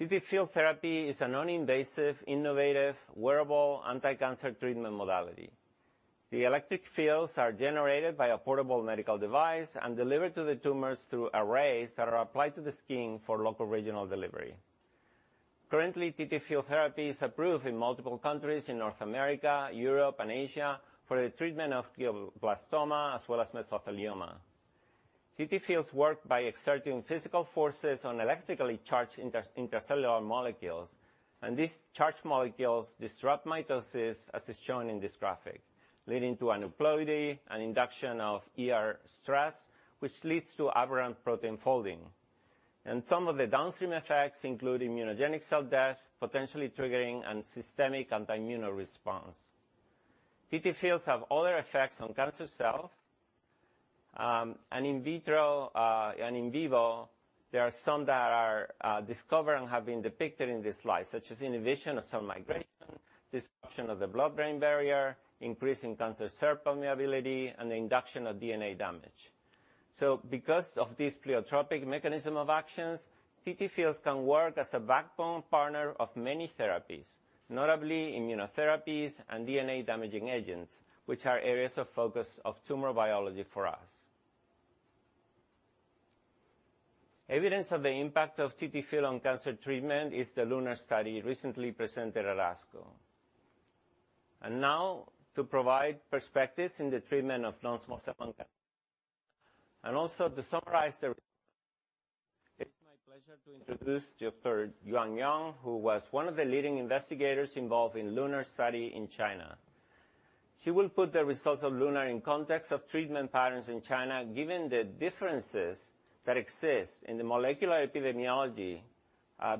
TTField therapy is a non-invasive, innovative, wearable, anti-cancer treatment modality. The electric fields are generated by a portable medical device and delivered to the tumors through arrays that are applied to the skin for local regional delivery. Currently, TTField therapy is approved in multiple countries in North America, Europe, and Asia for the treatment of glioblastoma as well as mesothelioma. TTFields work by exerting physical forces on electrically charged intracellular molecules. These charged molecules disrupt mitosis, as is shown in this graphic, leading to aneuploidy and induction of ER stress, which leads to aberrant protein folding. Some of the downstream effects include immunogenic cell death, potentially triggering a systemic autoimmune response. TTFields have other effects on cancer cells, and in vitro, and in vivo, there are some that are discovered and have been depicted in this slide, such as inhibition of cell migration, disruption of the blood-brain barrier, increase in cancer cell permeability, and induction of DNA damage. Because of this pleiotropic mechanism of actions, TTFields can work as a backbone partner of many therapies, notably immunotherapies and DNA-damaging agents, which are areas of focus of tumor biology for us. Evidence of the impact of TTFields on cancer treatment is the LUNAR study recently presented at ASCO. Now, to provide perspectives in the treatment of non-small cell lung cancer and also to summarize. It's my pleasure to introduce Dr. Yuan Yang, who was one of the leading investigators involved in LUNAR study in China. She will put the results of LUNAR in context of treatment patterns in China, given the differences that exist in the molecular epidemiology,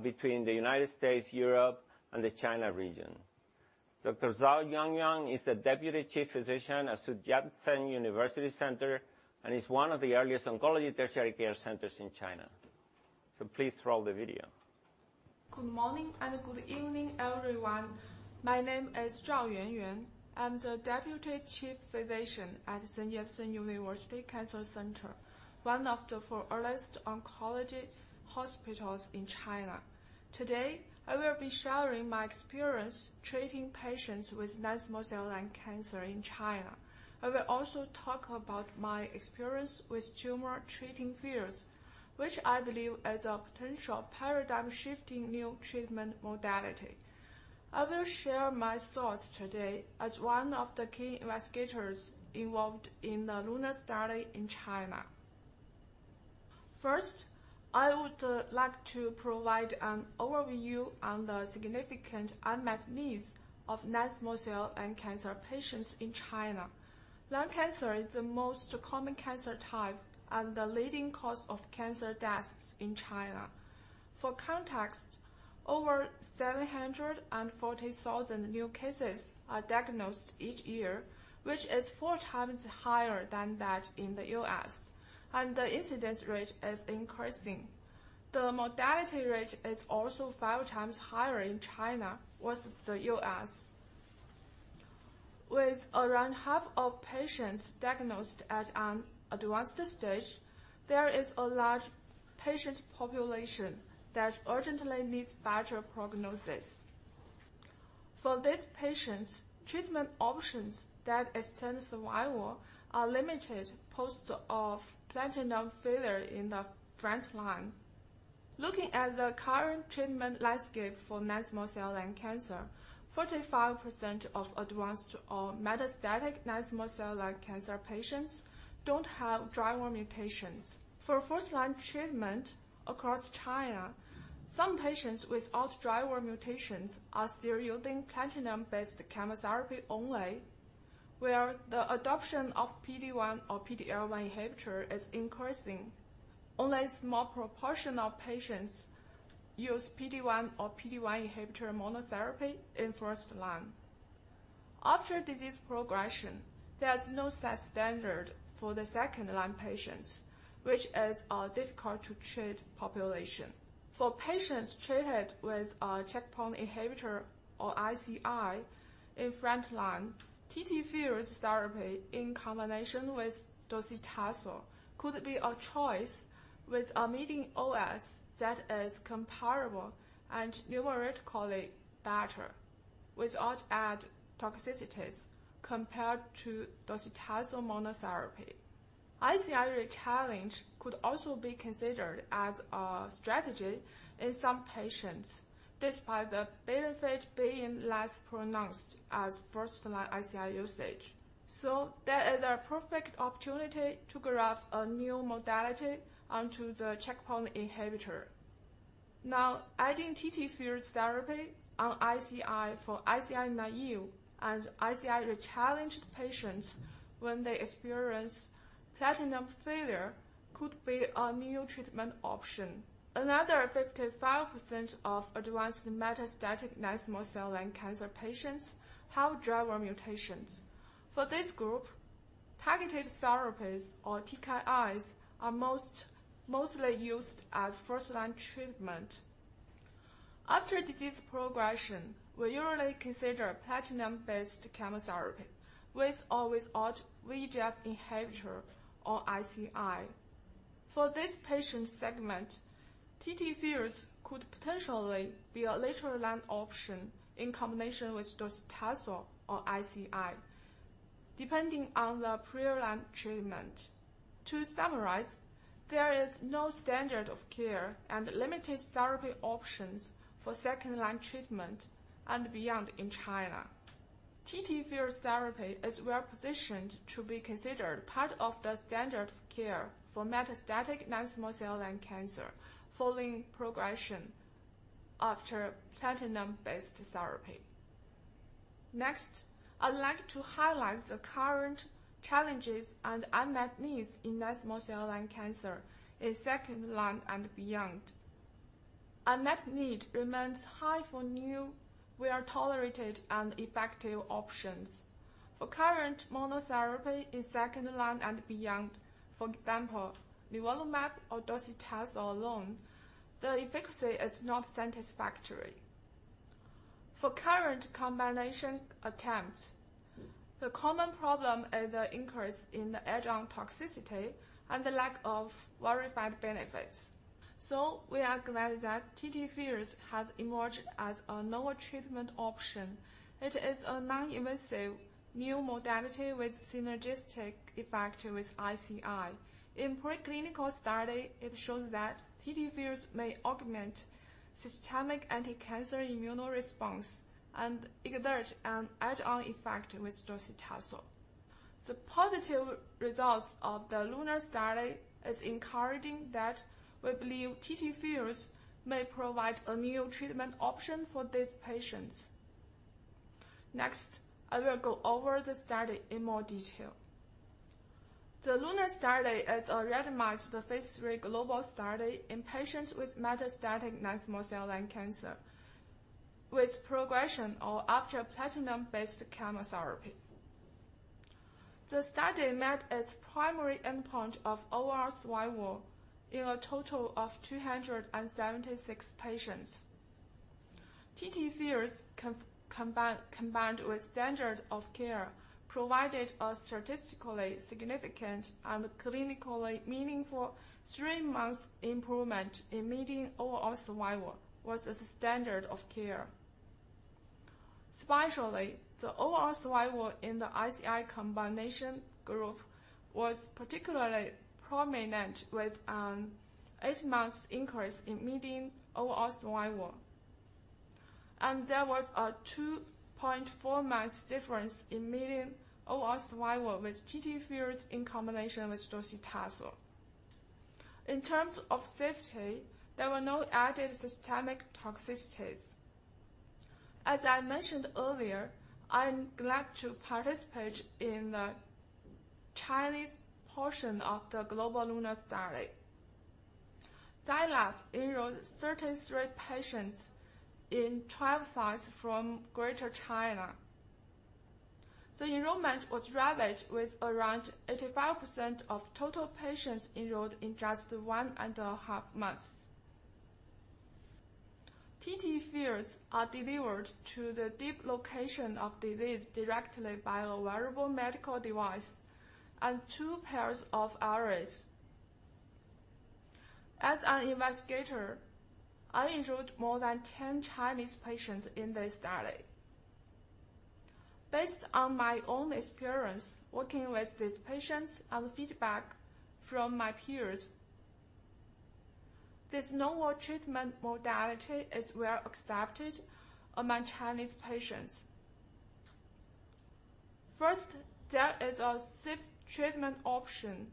between the United States, Europe, and the China region. Dr. Zhao Yuanyuan is the Deputy Chief Physician at Sun Yat-sen University Cancer Center, and is one of the earliest oncology tertiary care centers in China. Please roll the video. Good morning and good evening, everyone. My name is Zhao Yuanyuan. I'm the Deputy Chief Physician at Sun Yat-sen University Cancer Center, one of the foremost oncology hospitals in China. Today, I will be sharing my experience treating patients with non-small cell lung cancer in China. I will also talk about my experience with Tumor Treating Fields, which I believe is a potential paradigm-shifting new treatment modality. I will share my thoughts today as one of the key investigators involved in the LUNAR study in China. First, I would like to provide an overview on the significant unmet needs of non-small cell and cancer patients in China. Lung cancer is the most common cancer type and the leading cause of cancer deaths in China. For context, over 740,000 new cases are diagnosed each year, which is 4x higher than that in the U.S., and the incidence rate is increasing. The mortality rate is also 5x higher in China versus the U.S. With around half of patients diagnosed at an advanced stage, there is a large patient population that urgently needs better prognosis. For these patients, treatment options that extend survival are limited post of platinum failure in the front line. Looking at the current treatment landscape for non-small cell lung cancer, 45% of advanced or metastatic non-small cell lung cancer patients don't have driver mutations. For first-line treatment across China, some patients without driver mutations are still using platinum-based chemotherapy only, where the adoption of PD-1 or PD-L1 inhibitor is increasing. Only a small proportion of patients use PD-1 or PD-1 inhibitor monotherapy in first line. After disease progression, there's no set standard for the second-line patients, which is a difficult to treat population. For patients treated with a checkpoint inhibitor or ICI in front line, TTFields therapy in combination with docetaxel could be a choice with a median OS that is comparable and numerically better without add toxicities compared to docetaxel monotherapy. ICI rechallenge could also be considered as a strategy in some patients, despite the benefit being less pronounced as first-line ICI usage. There is a perfect opportunity to graph a new modality onto the checkpoint inhibitor. Adding TTFields therapy on ICI for ICI-naïve and ICI-rechallenged patients when they experience platinum failure, could be a new treatment option. Another 55% of advanced metastatic non-small cell lung cancer patients have driver mutations. For this group, targeted therapies or TKIs are mostly used as first-line treatment. After disease progression, we usually consider platinum-based chemotherapy, with or without VEGF inhibitor or ICI. For this patient segment, TTFields could potentially be a later line option in combination with docetaxel or ICI, depending on the prior line treatment. To summarize, there is no standard of care and limited therapy options for second-line treatment and beyond in China. TTFields therapy is well positioned to be considered part of the standard of care for metastatic non-small cell lung cancer, following progression after platinum-based therapy. I'd like to highlight the current challenges and unmet needs in non-small cell lung cancer in second-line and beyond. Unmet need remains high for new well-tolerated and effective options. For current monotherapy in second-line and beyond, for example, nivolumab or docetaxel alone, the efficacy is not satisfactory. We are glad that TTFields has emerged as a novel treatment option. It is a non-invasive new modality with synergistic effect with ICI. In preclinical study, it shows that TTFields may augment systemic anticancer immunoresponse and exert an add-on effect with docetaxel. The positive results of the LUNAR study is encouraging that we believe TTFields may provide a new treatment option for these patients. I will go over the study in more detail. The LUNAR study is a randomized, the phase III global study in patients with metastatic non-small cell lung cancer, with progression or after platinum-based chemotherapy. The study met its primary endpoint of overall survival in a total of 276 patients. TTFields combined with standard of care, provided a statistically significant and clinically meaningful three-month improvement in meeting overall survival versus standard of care. Especially, the overall survival in the ICI combination group was particularly prominent, with an eight-month increase in median overall survival. There was a 2.4 months difference in median overall survival with TTFields in combination with docetaxel. In terms of safety, there were no added systemic toxicities. As I mentioned earlier, I'm glad to participate in the Chinese portion of the global LUNAR study. Zai Lab enrolled 33 patients in trial sites from Greater China. The enrollment was rapid, with around 85% of total patients enrolled in just 1.5 months. TTFields are delivered to the deep location of disease directly by a wearable medical device and two pairs of arrays. As an investigator, I enrolled more than 10 Chinese patients in this study. Based on my own experience working with these patients and feedback from my peers, this novel treatment modality is well accepted among Chinese patients. First, there is a safe treatment option.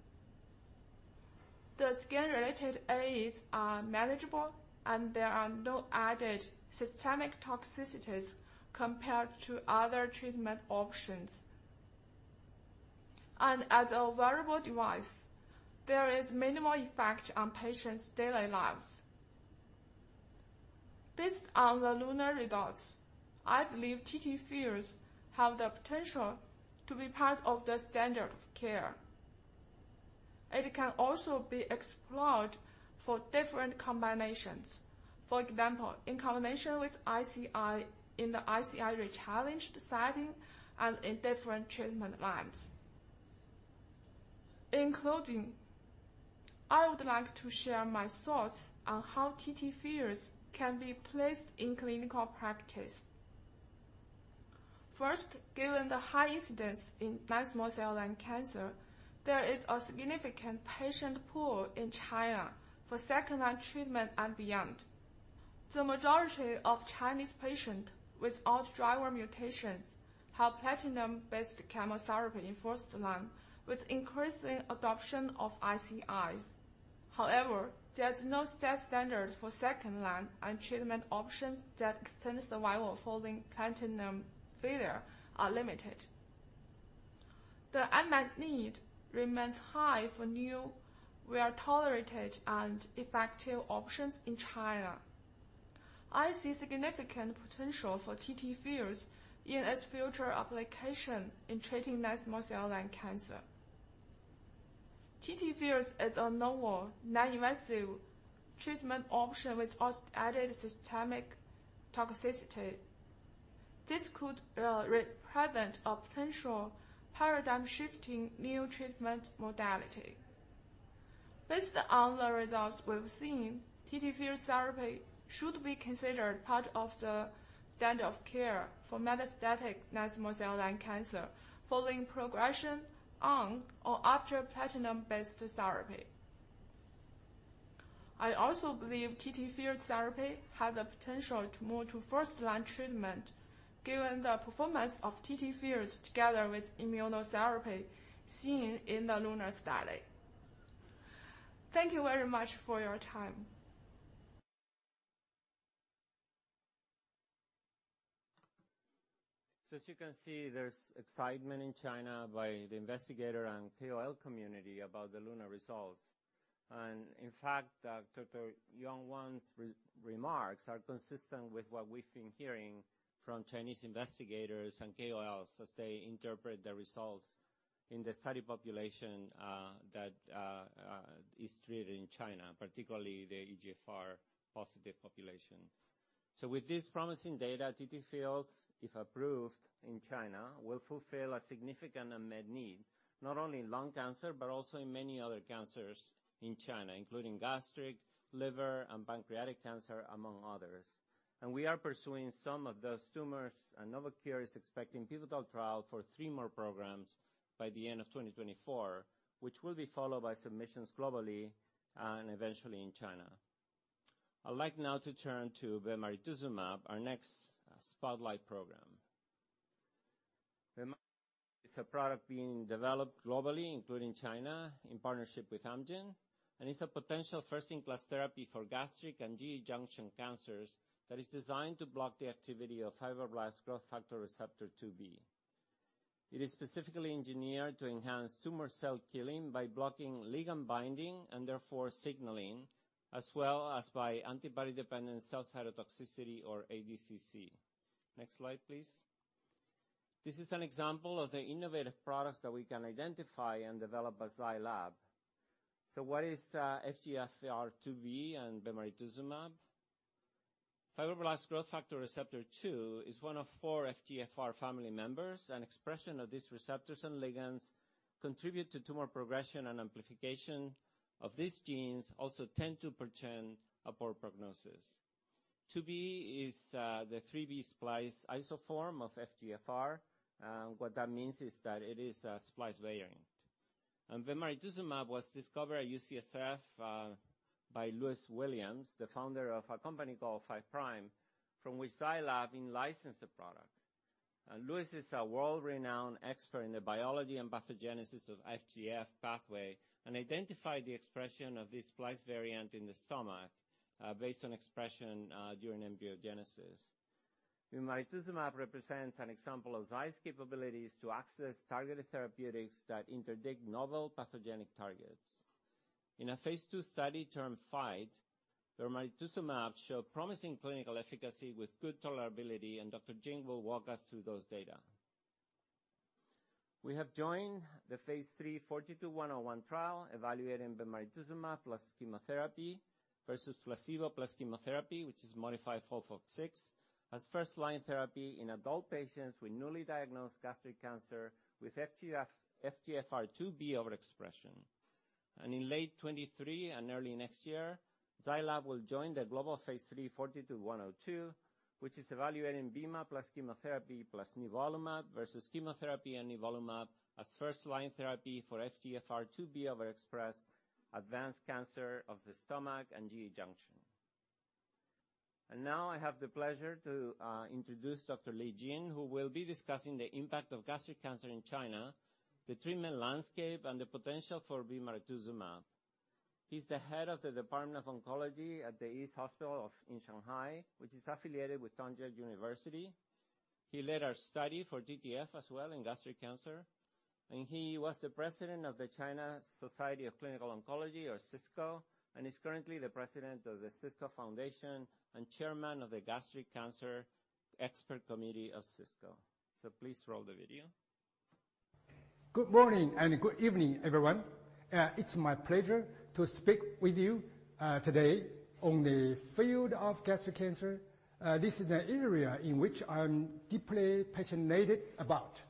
The skin-related AEs are manageable, and there are no added systemic toxicities compared to other treatment options. As a wearable device, there is minimal effect on patients' daily lives. Based on the LUNAR results, I believe TTFields have the potential to be part of the standard of care. It can also be explored for different combinations. For example, in combination with ICI, in the ICI rechallenged setting and in different treatment arms. In closing, I would like to share my thoughts on how TTFields can be placed in clinical practice. Given the high incidence in non-small cell lung cancer, there is a significant patient pool in China for second-line treatment and beyond. The majority of Chinese patients without driver mutations have platinum-based chemotherapy in first line, with increasing adoption of ICIs. There is no set standard for second-line, and treatment options that extend survival following platinum failure are limited. The unmet need remains high for new, well-tolerated, and effective options in China. I see significant potential for TTFields in its future application in treating non-small cell lung cancer. TTFields is a novel, non-invasive treatment option without added systemic toxicity. This could represent a potential paradigm-shifting new treatment modality. Based on the results we've seen, TTFields therapy should be considered part of the standard of care for metastatic non-small cell lung cancer following progression on or after platinum-based therapy. I also believe TTFields therapy has the potential to move to first-line treatment, given the performance of TTFields together with immunotherapy seen in the LUNAR study. Thank you very much for your time. As you can see, there's excitement in China by the investigator and KOL community about the LUNAR results. In fact, Dr. Yong Wan's re-remarks are consistent with what we've been hearing from Chinese investigators and KOLs as they interpret the results in the study population that is treated in China, particularly the EGFR-positive population. With this promising data, TTFields, if approved in China, will fulfill a significant unmet need, not only in lung cancer, but also in many other cancers in China, including gastric, liver, and pancreatic cancer, among others. We are pursuing some of those tumors, and Novocure is expecting pivotal trial for three more programs by the end of 2024, which will be followed by submissions globally and eventually in China. I'd like now to turn to bemarituzumab, our next spotlight program. Bem is a product being developed globally, including China, in partnership with Amgen, and is a potential first-in-class therapy for gastric and GE junction cancers that is designed to block the activity of fibroblast growth factor receptor 2b. It is specifically engineered to enhance tumor cell killing by blocking ligand binding, and therefore signaling, as well as by antibody-dependent cell cytotoxicity, or ADCC. Next slide, please. This is an example of the innovative products that we can identify and develop at Zai Lab. What is FGFR2b and bemarituzumab? Fibroblast growth factor receptor 2 is one of four FGFR family members, and expression of these receptors and ligands contribute to tumor progression and amplification of these genes also tend to portend a poor prognosis. 2b is the 3b splice isoform of FGFR. What that means is that it is a splice variant. Bemarituzumab was discovered at UCSF by Lewis Williams, the founder of a company called Five Prime, from which Zai Lab then licensed the product. Lewis is a world-renowned expert in the biology and pathogenesis of FGF pathway, and identified the expression of this splice variant in the stomach based on expression during embryogenesis. Bemarituzumab represents an example of Zai's capabilities to access targeted therapeutics that interdict novel pathogenic targets. In a phase II study turned FIGHT, bemarituzumab showed promising clinical efficacy with good tolerability, and Dr. Jin will walk us through those data. We have joined the phase III FORTITUDE-101 trial, evaluating bemarituzumab plus chemotherapy versus placebo plus chemotherapy, which is modified FOLFOX-6, as first-line therapy in adult patients with newly diagnosed gastric cancer with FGFR2b overexpression. In late 2023 and early next year, Zai Lab will join the global phase III FORTITUDE-102, which is evaluating bema plus chemotherapy plus nivolumab versus chemotherapy and nivolumab as first-line therapy for FGFR2b overexpressed advanced cancer of the stomach and GE junction. Now I have the pleasure to introduce Dr. Li Jin, who will be discussing the impact of gastric cancer in China, the treatment landscape, and the potential for bemarituzumab. He's the head of the Department of Oncology at the East Hospital in Shanghai, which is affiliated with Tongji University. He led our study for DTF as well in gastric cancer, and he was the president of the Chinese Society of Clinical Oncology, or CSCO, and is currently the president of the CSCO Foundation and chairman of the Gastric Cancer Expert Committee of CSCO. Please roll the video. Good morning, and good evening, everyone. It's my pleasure to speak with you today on the field of gastric cancer. This is an area in which I'm deeply passionate about.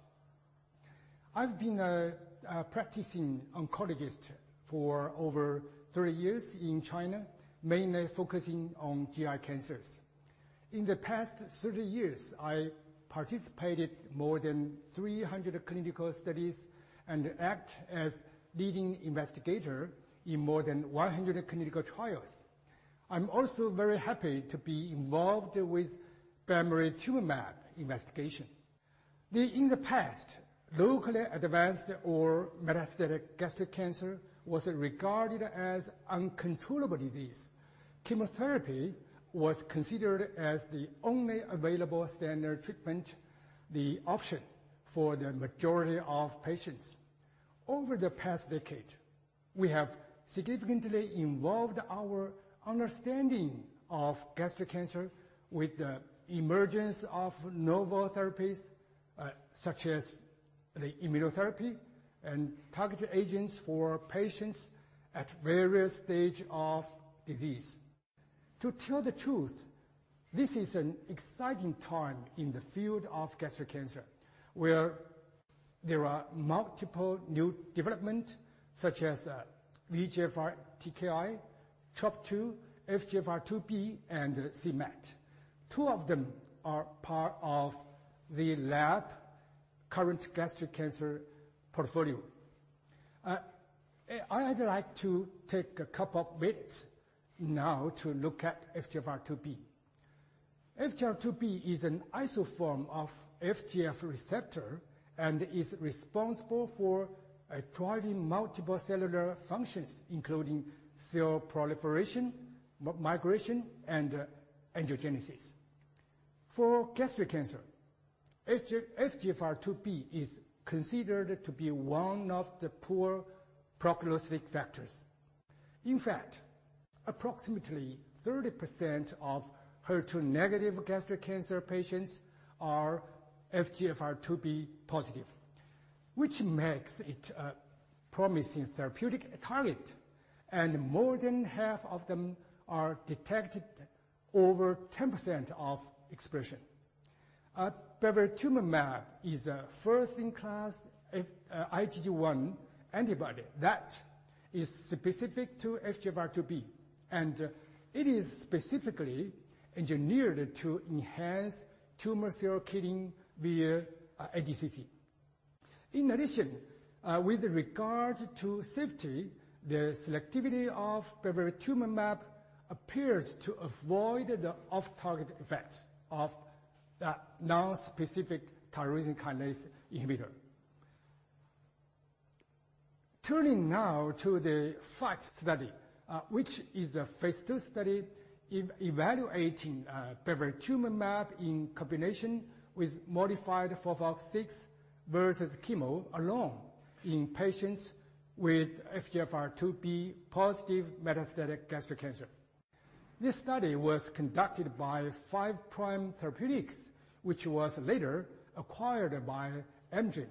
I've been a practicing oncologist for over 30 years in China, mainly focusing on GI cancers. In the past 30 years, I participated more than 300 clinical studies and act as leading investigator in more than 100 clinical trials. I'm also very happy to be involved with bemarituzumab investigation. In the past, locally advanced or metastatic gastric cancer was regarded as uncontrollable disease. Chemotherapy was considered as the only available standard treatment, the option for the majority of patients. Over the past decade, we have significantly evolved our understanding of gastric cancer with the emergence of novel therapies, such as the immunotherapy and targeted agents for patients at various stage of disease. To tell the truth, this is an exciting time in the field of gastric cancer, where there are multiple new development, such as VEGF-R, TKI, Trop-2, FGFR2b, and c-Met. Two of them are part of Zai Lab current gastric cancer portfolio. I'd like to take a couple of minutes now to look at FGFR2b. FGFR2b is an isoform of FGF receptor and is responsible for driving multiple cellular functions, including cell proliferation, migration, and angiogenesis. For gastric cancer, FGFR2b is considered to be one of the poor prognostic factors. In fact, approximately 30% of HER2 negative gastric cancer patients are FGFR2b positive, which makes it a promising therapeutic target, and more than half of them are detected over 10% of expression. Bemarituzumab is a first-in-class IgG1 antibody that is specific to FGFR2b, and it is specifically engineered to enhance tumor cell killing via ADCC. In addition, with regard to safety, the selectivity of bemarituzumab appears to avoid the off-target effects of the nonspecific tyrosine kinase inhibitor. Turning now to the FACTT study, which is a phase two study, evaluating bemarituzumab in combination with modified FOLFOX6 versus chemo alone in patients with FGFR2b-positive metastatic gastric cancer. This study was conducted by Five Prime Therapeutics, which was later acquired by Amgen.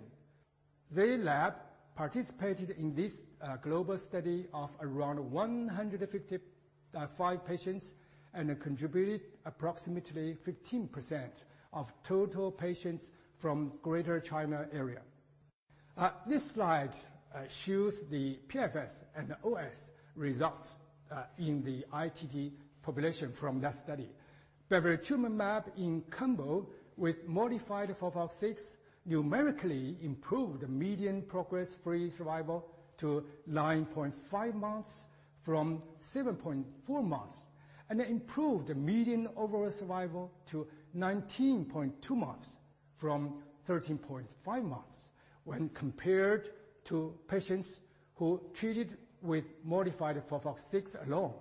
Zai Lab participated in this global study of around 155 patients, and contributed approximately 15% of total patients from Greater China area. This slide shows the PFS and OS results in the ITT population from that study. Bemarituzumab in combo with modified FOLFOX 6, numerically improved median progress-free survival to 9.5 months from 7.4 months, and improved median overall survival to 19.2 months from 13.5 months when compared to patients who treated with modified FOLFOX 6 alone.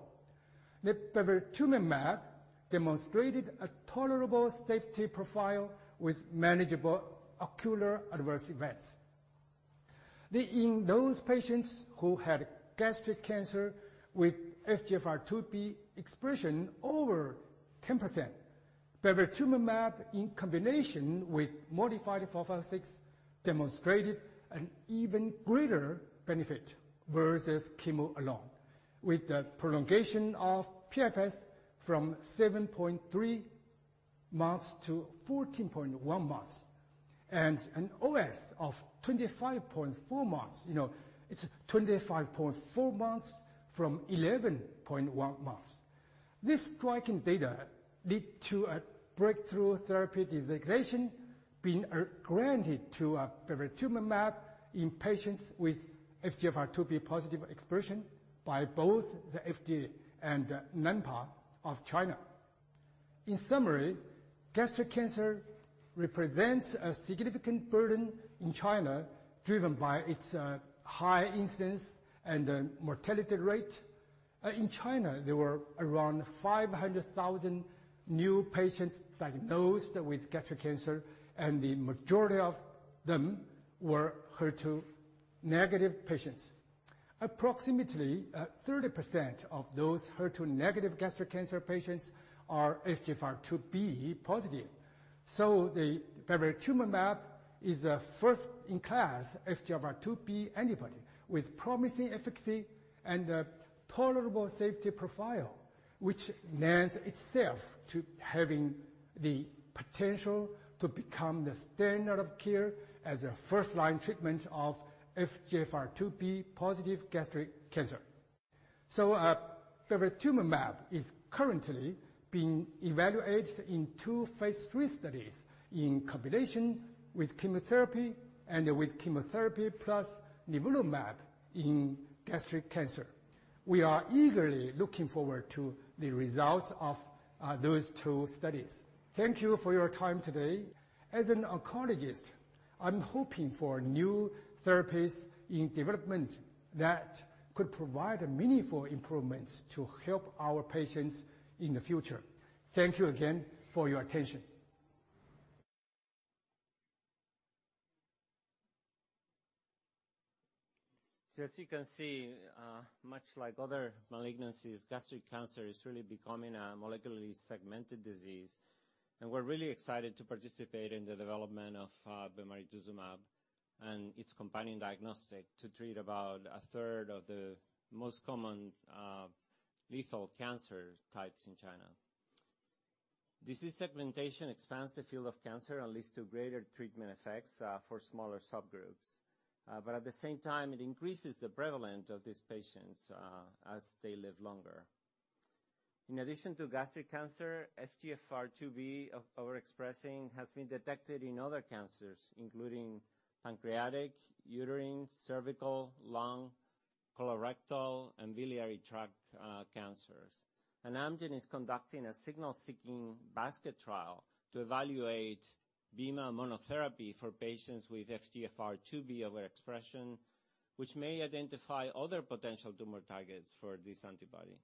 Bemarituzumab demonstrated a tolerable safety profile with manageable ocular adverse events. In those patients who had gastric cancer with FGFR2b expression over 10%, bemarituzumab in combination with modified FOLFOX 6 demonstrated an even greater benefit versus chemo alone, with the prolongation of PFS from 7.3 months to 14.1 months, and an OS of 25.4 months. You know, it's 25.4 months from 11.1 months. This striking data lead to a breakthrough therapy designation being granted to bemarituzumab in patients with FGFR2b positive expression by both the FDA and NMPA of China. In summary, gastric cancer represents a significant burden in China, driven by its high incidence and mortality rate. In China, there were around 500,000 new patients diagnosed with gastric cancer, and the majority of them were HER2-negative patients. Approximately, 30% of those HER2-negative gastric cancer patients are FGFR2b positive. The bemarituzumab is a first-in-class FGFR2b antibody with promising efficacy and a tolerable safety profile, which lends itself to having the potential to become the standard of care as a first-line treatment of FGFR2b positive gastric cancer. Bemarituzumab is currently being evaluated in two phase III studies, in combination with chemotherapy and with chemotherapy plus nivolumab in gastric cancer. We are eagerly looking forward to the results of those two studies. Thank you for your time today. As an oncologist, I'm hoping for new therapies in development that could provide meaningful improvements to help our patients in the future. Thank you again for your attention. As you can see, much like other malignancies, gastric cancer is really becoming a molecularly segmented disease, and we're really excited to participate in the development of bemarituzumab and its companion diagnostic to treat about a third of the most common, lethal cancer types in China. Disease segmentation expands the field of cancer and leads to greater treatment effects for smaller subgroups. But at the same time, it increases the prevalence of these patients as they live longer. In addition to gastric cancer, FGFR2B overexpressing has been detected in other cancers, including pancreatic, uterine, cervical, lung, colorectal, and biliary tract cancers. Amgen is conducting a signal seeking basket trial to evaluate bema monotherapy for patients with FGFR2B overexpression, which may identify other potential tumor targets for this antibody.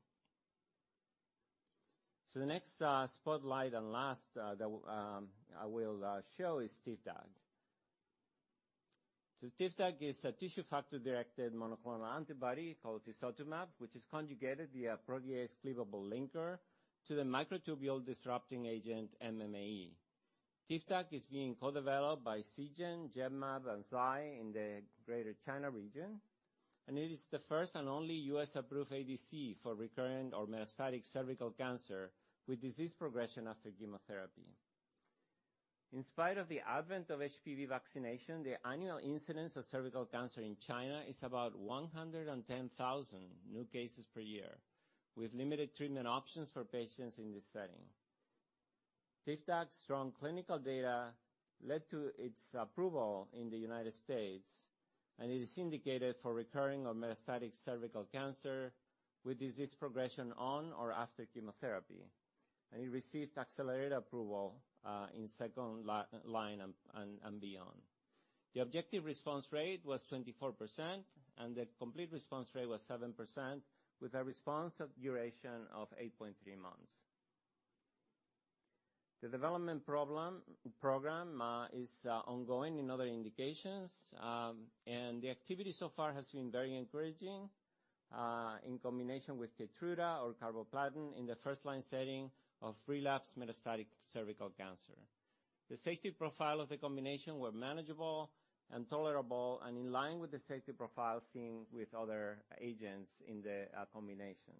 The next spotlight and last that I will show is Tivdak. Tivdak is a tissue factor-directed monoclonal antibody called tisotumab, which is conjugated via a protease cleavable linker to the microtubule disrupting agent, MMAE. Tivdak is being co-developed by Seagen, Genmab, and Zai in the Greater China region. It is the first and only U.S.-approved ADC for recurrent or metastatic cervical cancer with disease progression after chemotherapy. In spite of the advent of HPV vaccination, the annual incidence of cervical cancer in China is about 110,000 new cases per year, with limited treatment options for patients in this setting.... Tivdak's strong clinical data led to its approval in the United States, and it is indicated for recurring or metastatic cervical cancer with disease progression on or after chemotherapy, and it received accelerated approval in second line and beyond. The objective response rate was 24%, and the complete response rate was 7%, with a response of duration of 8.3 months. The development program is ongoing in other indications, and the activity so far has been very encouraging in combination with KEYTRUDA or carboplatin in the first-line setting of relapsed metastatic cervical cancer. The safety profile of the combination were manageable and tolerable and in line with the safety profile seen with other agents in the combination.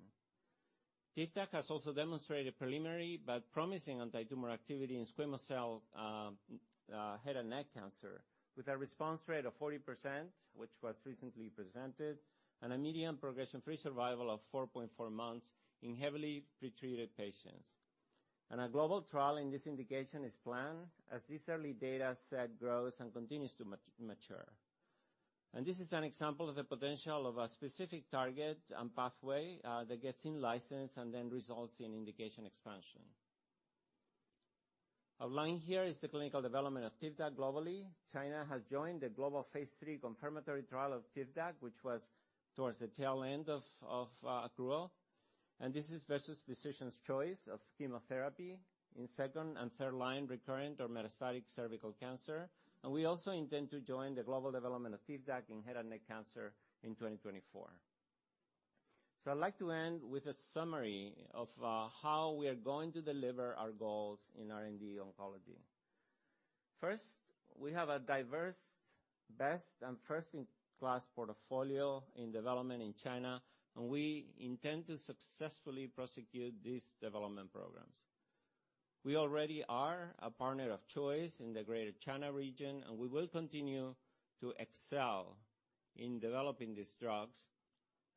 Tivdak has also demonstrated preliminary but promising anti-tumor activity in squamous cell head and neck cancer, with a response rate of 40%, which was recently presented, and a median progression-free survival of 4.4 months in heavily pretreated patients. A global trial in this indication is planned, as this early data set grows and continues to mature. This is an example of the potential of a specific target and pathway that gets in license and then results in indication expansion. Outlined here is the clinical development of Tivdak globally. China has joined the global phase III confirmatory trial of Tivdak, which was towards the tail end of accrual, and this is versus physician's choice of chemotherapy in second and third line recurrent or metastatic cervical cancer. We also intend to join the global development of Tivdak in head and neck cancer in 2024. I'd like to end with a summary of how we are going to deliver our goals in R&D oncology. First, we have a diverse, best, and first-in-class portfolio in development in China, and we intend to successfully prosecute these development programs. We already are a partner of choice in the Greater China region, and we will continue to excel in developing these drugs,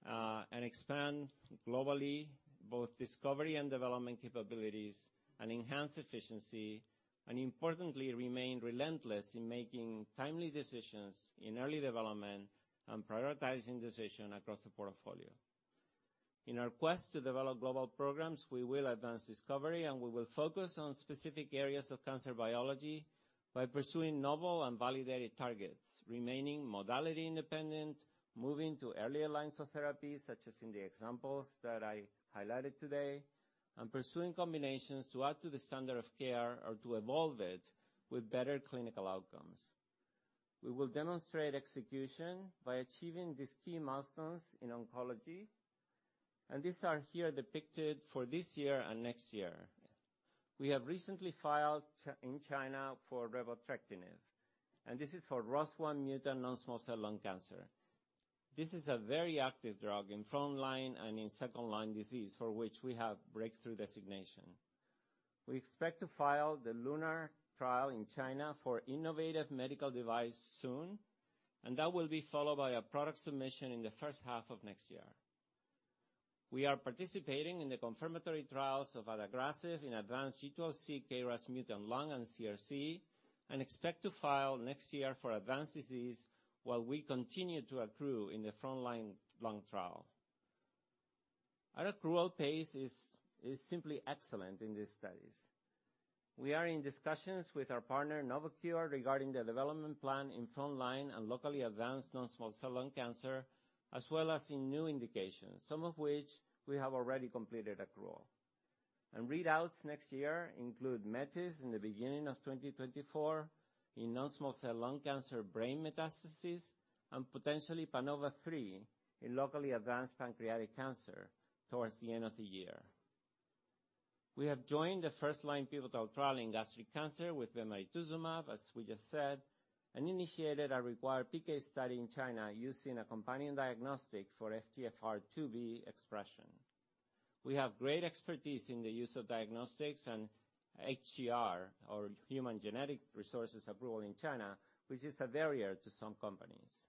and expand globally both discovery and development capabilities and enhance efficiency, and importantly, remain relentless in making timely decisions in early development and prioritizing decision across the portfolio. In our quest to develop global programs, we will advance discovery, and we will focus on specific areas of cancer biology by pursuing novel and validated targets, remaining modality-independent, moving to earlier lines of therapy, such as in the examples that I highlighted today, and pursuing combinations to add to the standard of care or to evolve it with better clinical outcomes. We will demonstrate execution by achieving these key milestones in oncology, and these are here depicted for this year and next year. We have recently filed in China for repotrectinib, and this is for ROS1 mutant non-small cell lung cancer. This is a very active drug in front line and in second-line disease, for which we have breakthrough designation. We expect to file the LUNAR trial in China for innovative medical device soon, that will be followed by a product submission in the first half of next year. We are participating in the confirmatory trials of adagrasib in advanced G12C KRAS-mutant lung and CRC, expect to file next year for advanced disease while we continue to accrue in the front-line lung trial. Our accrual pace is simply excellent in these studies. We are in discussions with our partner, Novocure, regarding the development plan in front-line and locally advanced non-small cell lung cancer, as well as in new indications, some of which we have already completed accrual. Readouts next year include METIS in the beginning of 2024 in non-small cell lung cancer brain metastases, and potentially PANOVA-3 in locally advanced pancreatic cancer towards the end of the year. We have joined the first-line pivotal trial in gastric cancer with bemarituzumab, as we just said, and initiated a required PK study in China using a companion diagnostic for FGFR2b expression. We have great expertise in the use of diagnostics and HGR, or human genetic resources, approval in China, which is a barrier to some companies.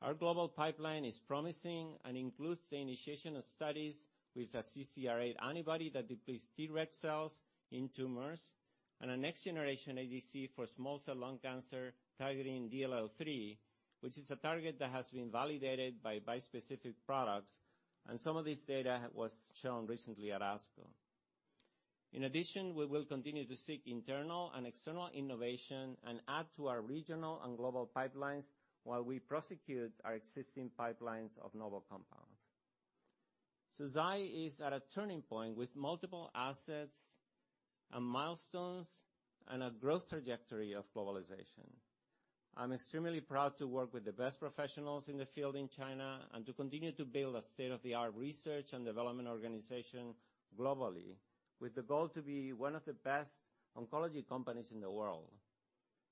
Our global pipeline is promising and includes the initiation of studies with a CCR8 antibody that depletes T reg cells in tumors, and a next-generation ADC for small cell lung cancer targeting DLL3, which is a target that has been validated by bispecific products, and some of this data was shown recently at ASCO. We will continue to seek internal and external innovation and add to our regional and global pipelines while we prosecute our existing pipelines of novel compounds. Zai is at a turning point with multiple assets and milestones and a growth trajectory of globalization. I'm extremely proud to work with the best professionals in the field in China, and to continue to build a state-of-the-art research and development organization globally, with the goal to be one of the best oncology companies in the world.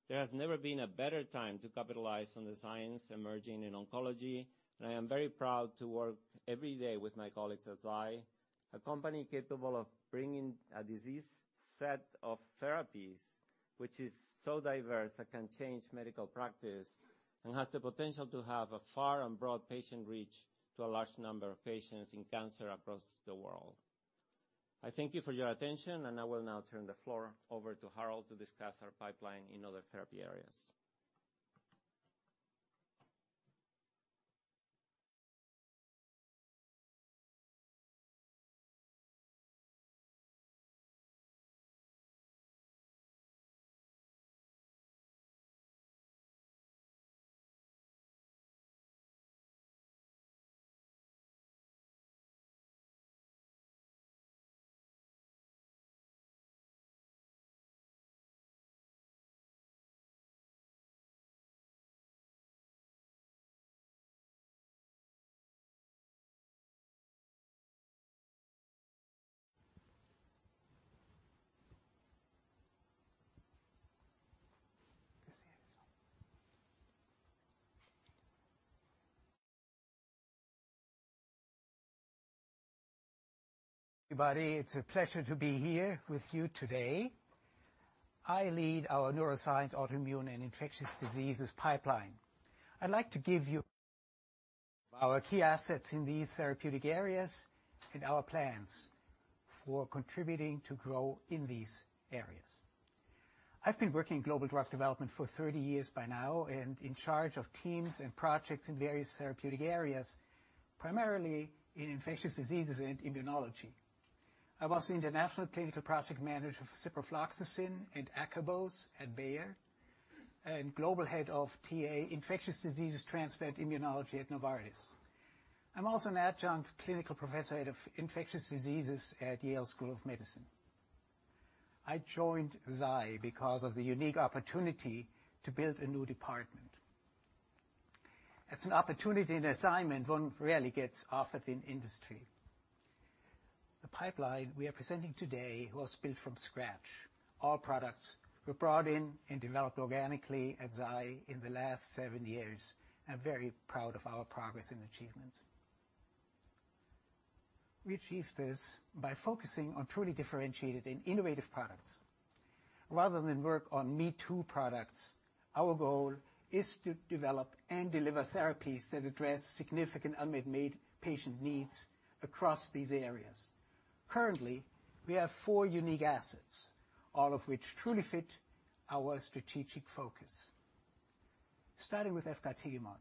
There has never been a better time to capitalize on the science emerging in oncology, and I am very proud to work every day with my colleagues at Zai, a company capable of bringing a disease set of therapies, which is so diverse that can change medical practice and has the potential to have a far and broad patient reach to a large number of patients in cancer across the world. I thank you for your attention, and I will now turn the floor over to Harald to discuss our pipeline in other therapy areas. Everybody, it's a pleasure to be here with you today. I lead our neuroscience, autoimmune, and infectious diseases pipeline. I'd like to give you our key assets in these therapeutic areas and our plans for contributing to grow in these areas. I've been working in global drug development for 30 years by now, and in charge of teams and projects in various therapeutic areas, primarily in infectious diseases and immunology. I was the international clinical project manager for ciprofloxacin and acarbose at Bayer, and Global Head of TA Infectious Diseases, Transplant Immunology at Novartis. I'm also an adjunct clinical professor head of infectious diseases at Yale School of Medicine. I joined Zai because of the unique opportunity to build a new department. It's an opportunity and assignment one rarely gets offered in industry. The pipeline we are presenting today was built from scratch. All products were brought in and developed organically at Zai in the last seven years. I'm very proud of our progress and achievement. We achieved this by focusing on truly differentiated and innovative products. Rather than work on me-too products, our goal is to develop and deliver therapies that address significant unmet made patient needs across these areas. Currently, we have four unique assets, all of which truly fit our strategic focus. Starting with Efgartigimod.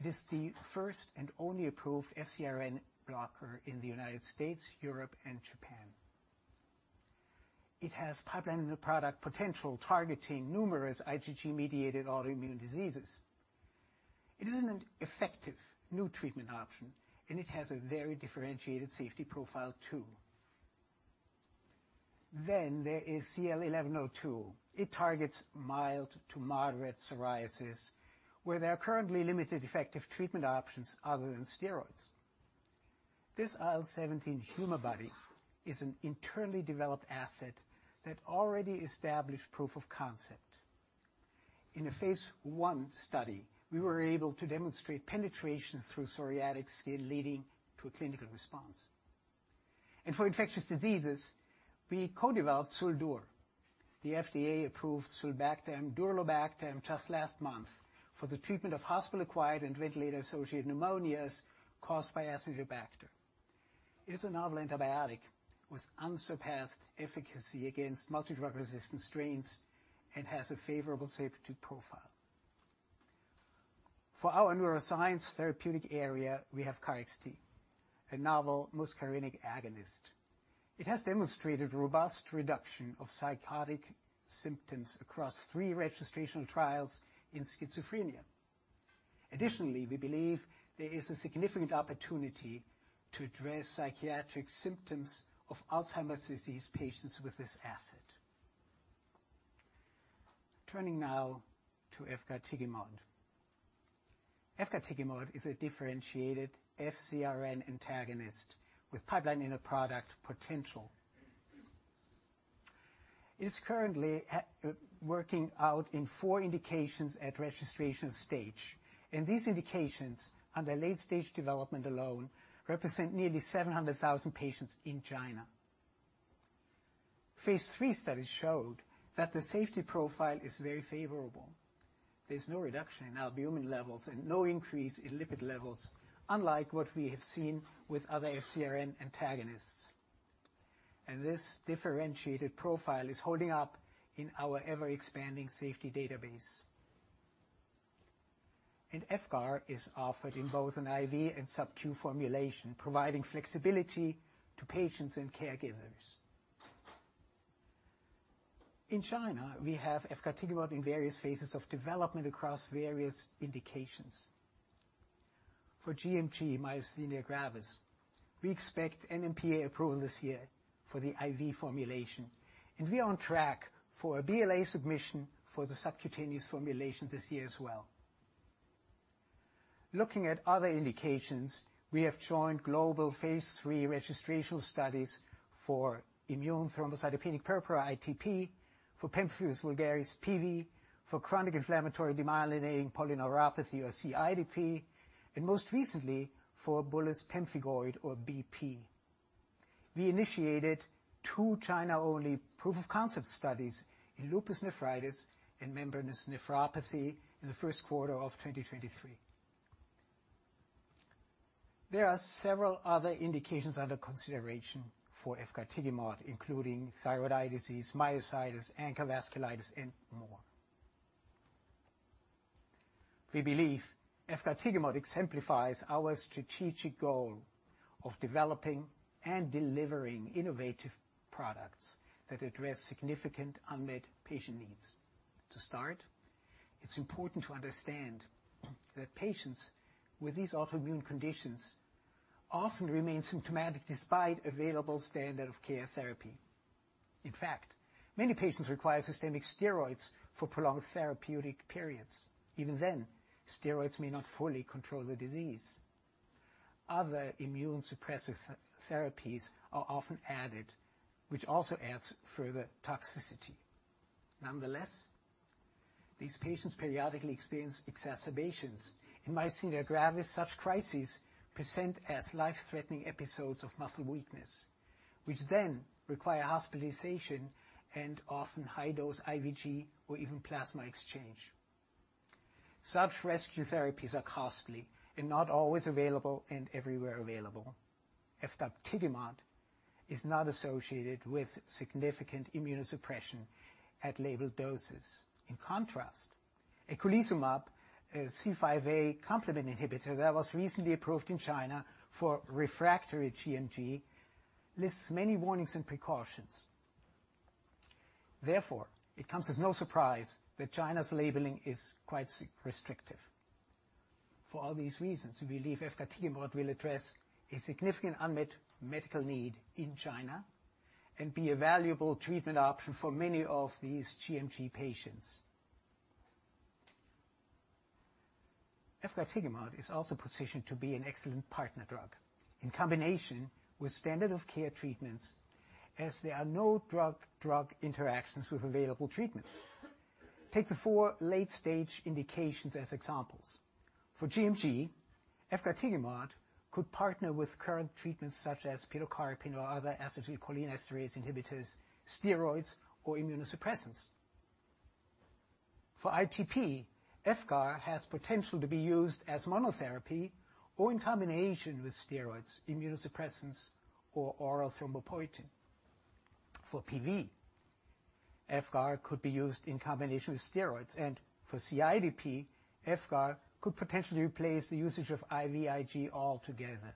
It is the first and only approved FcRn blocker in the United States, Europe, and Japan. It has pipeline in the product potential, targeting numerous IgG-mediated autoimmune diseases. It is an effective new treatment option. It has a very differentiated safety profile, too. There is CL-1102. It targets mild to moderate psoriasis, where there are currently limited effective treatment options other than steroids. This IL-17 human body is an internally developed asset that already established proof of concept. In a phase I study, we were able to demonstrate penetration through psoriatic skin, leading to a clinical response. For infectious diseases, we co-developed SUL-DUR. The FDA approved sulbactam, durlobactam just last month for the treatment of hospital-acquired and ventilator-associated pneumonias caused by Acinetobacter. It's a novel antibiotic with unsurpassed efficacy against multi-drug resistant strains and has a favorable safety profile. For our neuroscience therapeutic area, we have KARXT, a novel muscarinic agonist. It has demonstrated robust reduction of psychotic symptoms across three registrational trials in schizophrenia. Additionally, we believe there is a significant opportunity to address psychiatric symptoms of Alzheimer's disease patients with this asset. Turning now to efgartigimod. Efgartigimod is a differentiated FcRn antagonist with pipeline in a product potential. It is currently at working out in four indications at registration stage. These indications, under late stage development alone, represent nearly 700,000 patients in China. phase III studies showed that the safety profile is very favorable. There's no reduction in albumin levels and no increase in lipid levels, unlike what we have seen with other FcRn antagonists. This differentiated profile is holding up in our ever-expanding safety database. Efgar is offered in both an IV and sub-Q formulation, providing flexibility to patients and caregivers. In China, we have efgartigimod in various phases of development across various indications. For gMG myasthenia gravis, we expect NMPA approval this year for the IV formulation. We are on track for a BLA submission for the subcutaneous formulation this year as well. Looking at other indications, we have joined global phase III registrational studies for immune thrombocytopenic purpura, ITP, for pemphigus vulgaris, PV, for chronic inflammatory demyelinating polyneuropathy or CIDP, and most recently for bullous pemphigoid or BP. We initiated two China-only proof of concept studies in lupus nephritis and membranous nephropathy in the first quarter of 2023. There are several other indications under consideration for efgartigimod, including thyroid disease, myositis, ANCA vasculitis, and more. We believe efgartigimod exemplifies our strategic goal of developing and delivering innovative products that address significant unmet patient needs. To start, it's important to understand that patients with these autoimmune conditions often remain symptomatic despite available standard of care therapy. In fact, many patients require systemic steroids for prolonged therapeutic periods. Even then, steroids may not fully control the disease. Other immune suppressive therapies are often added, which also adds further toxicity. These patients periodically experience exacerbations. In myasthenia gravis, such crises present as life-threatening episodes of muscle weakness, which then require hospitalization and often high-dose IVIG or even plasma exchange. Such rescue therapies are costly and not always available and everywhere available. Efgartigimod is not associated with significant immunosuppression at labeled doses. In contrast, eculizumab, a C5a complement inhibitor that was recently approved in China for refractory gMG, lists many warnings and precautions. It comes as no surprise that China's labeling is quite restrictive. For all these reasons, we believe efgartigimod will address a significant unmet medical need in China and be a valuable treatment option for many of these gMG patients. Efgartigimod is also positioned to be an excellent partner drug in combination with standard of care treatments, as there are no drug-drug interactions with available treatments. Take the four late-stage indications as examples. For gMG, efgartigimod could partner with current treatments such as pyridostigmine or other acetylcholinesterase inhibitors, steroids, or immunosuppressants. For ITP, efgarti has potential to be used as monotherapy or in combination with steroids, immunosuppressants, or oral thrombopoietin. For PV, efgarti could be used in combination with steroids. For CIDP, efgarti could potentially replace the usage of IVIG altogether.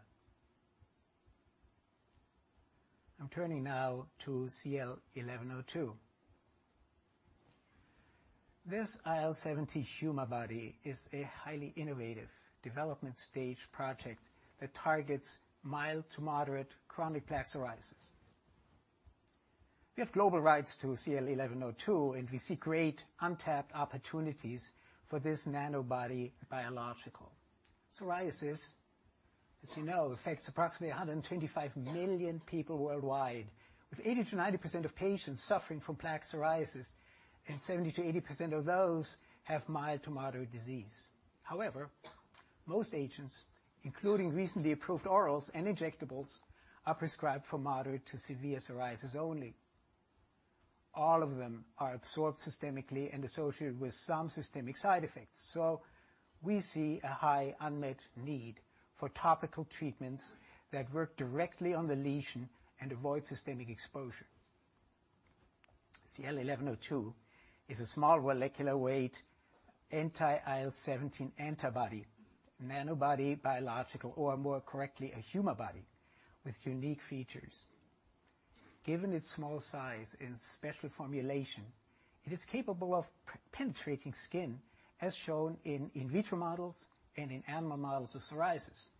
I'm turning now to CL-1102. This IL-17 humabody is a highly innovative development stage project that targets mild to moderate chronic plaque psoriasis. We have global rights to CL-1102. We see great untapped opportunities for this nanobody biological. Psoriasis, as you know, affects approximately 125 million people worldwide, with 80%-90% of patients suffering from plaque psoriasis and 70%-80% of those have mild to moderate disease. Most agents, including recently approved orals and injectables, are prescribed for moderate to severe psoriasis only. All of them are absorbed systemically and associated with some systemic side effects. We see a high unmet need for topical treatments that work directly on the lesion and avoid systemic exposure. CL-1102 is a small molecular weight, anti-IL-17 antibody, nanobody biological, or more correctly, a humabody with unique features. Given its small size and special formulation, it is capable of penetrating skin, as shown in in vitro models and in animal models of psoriasis.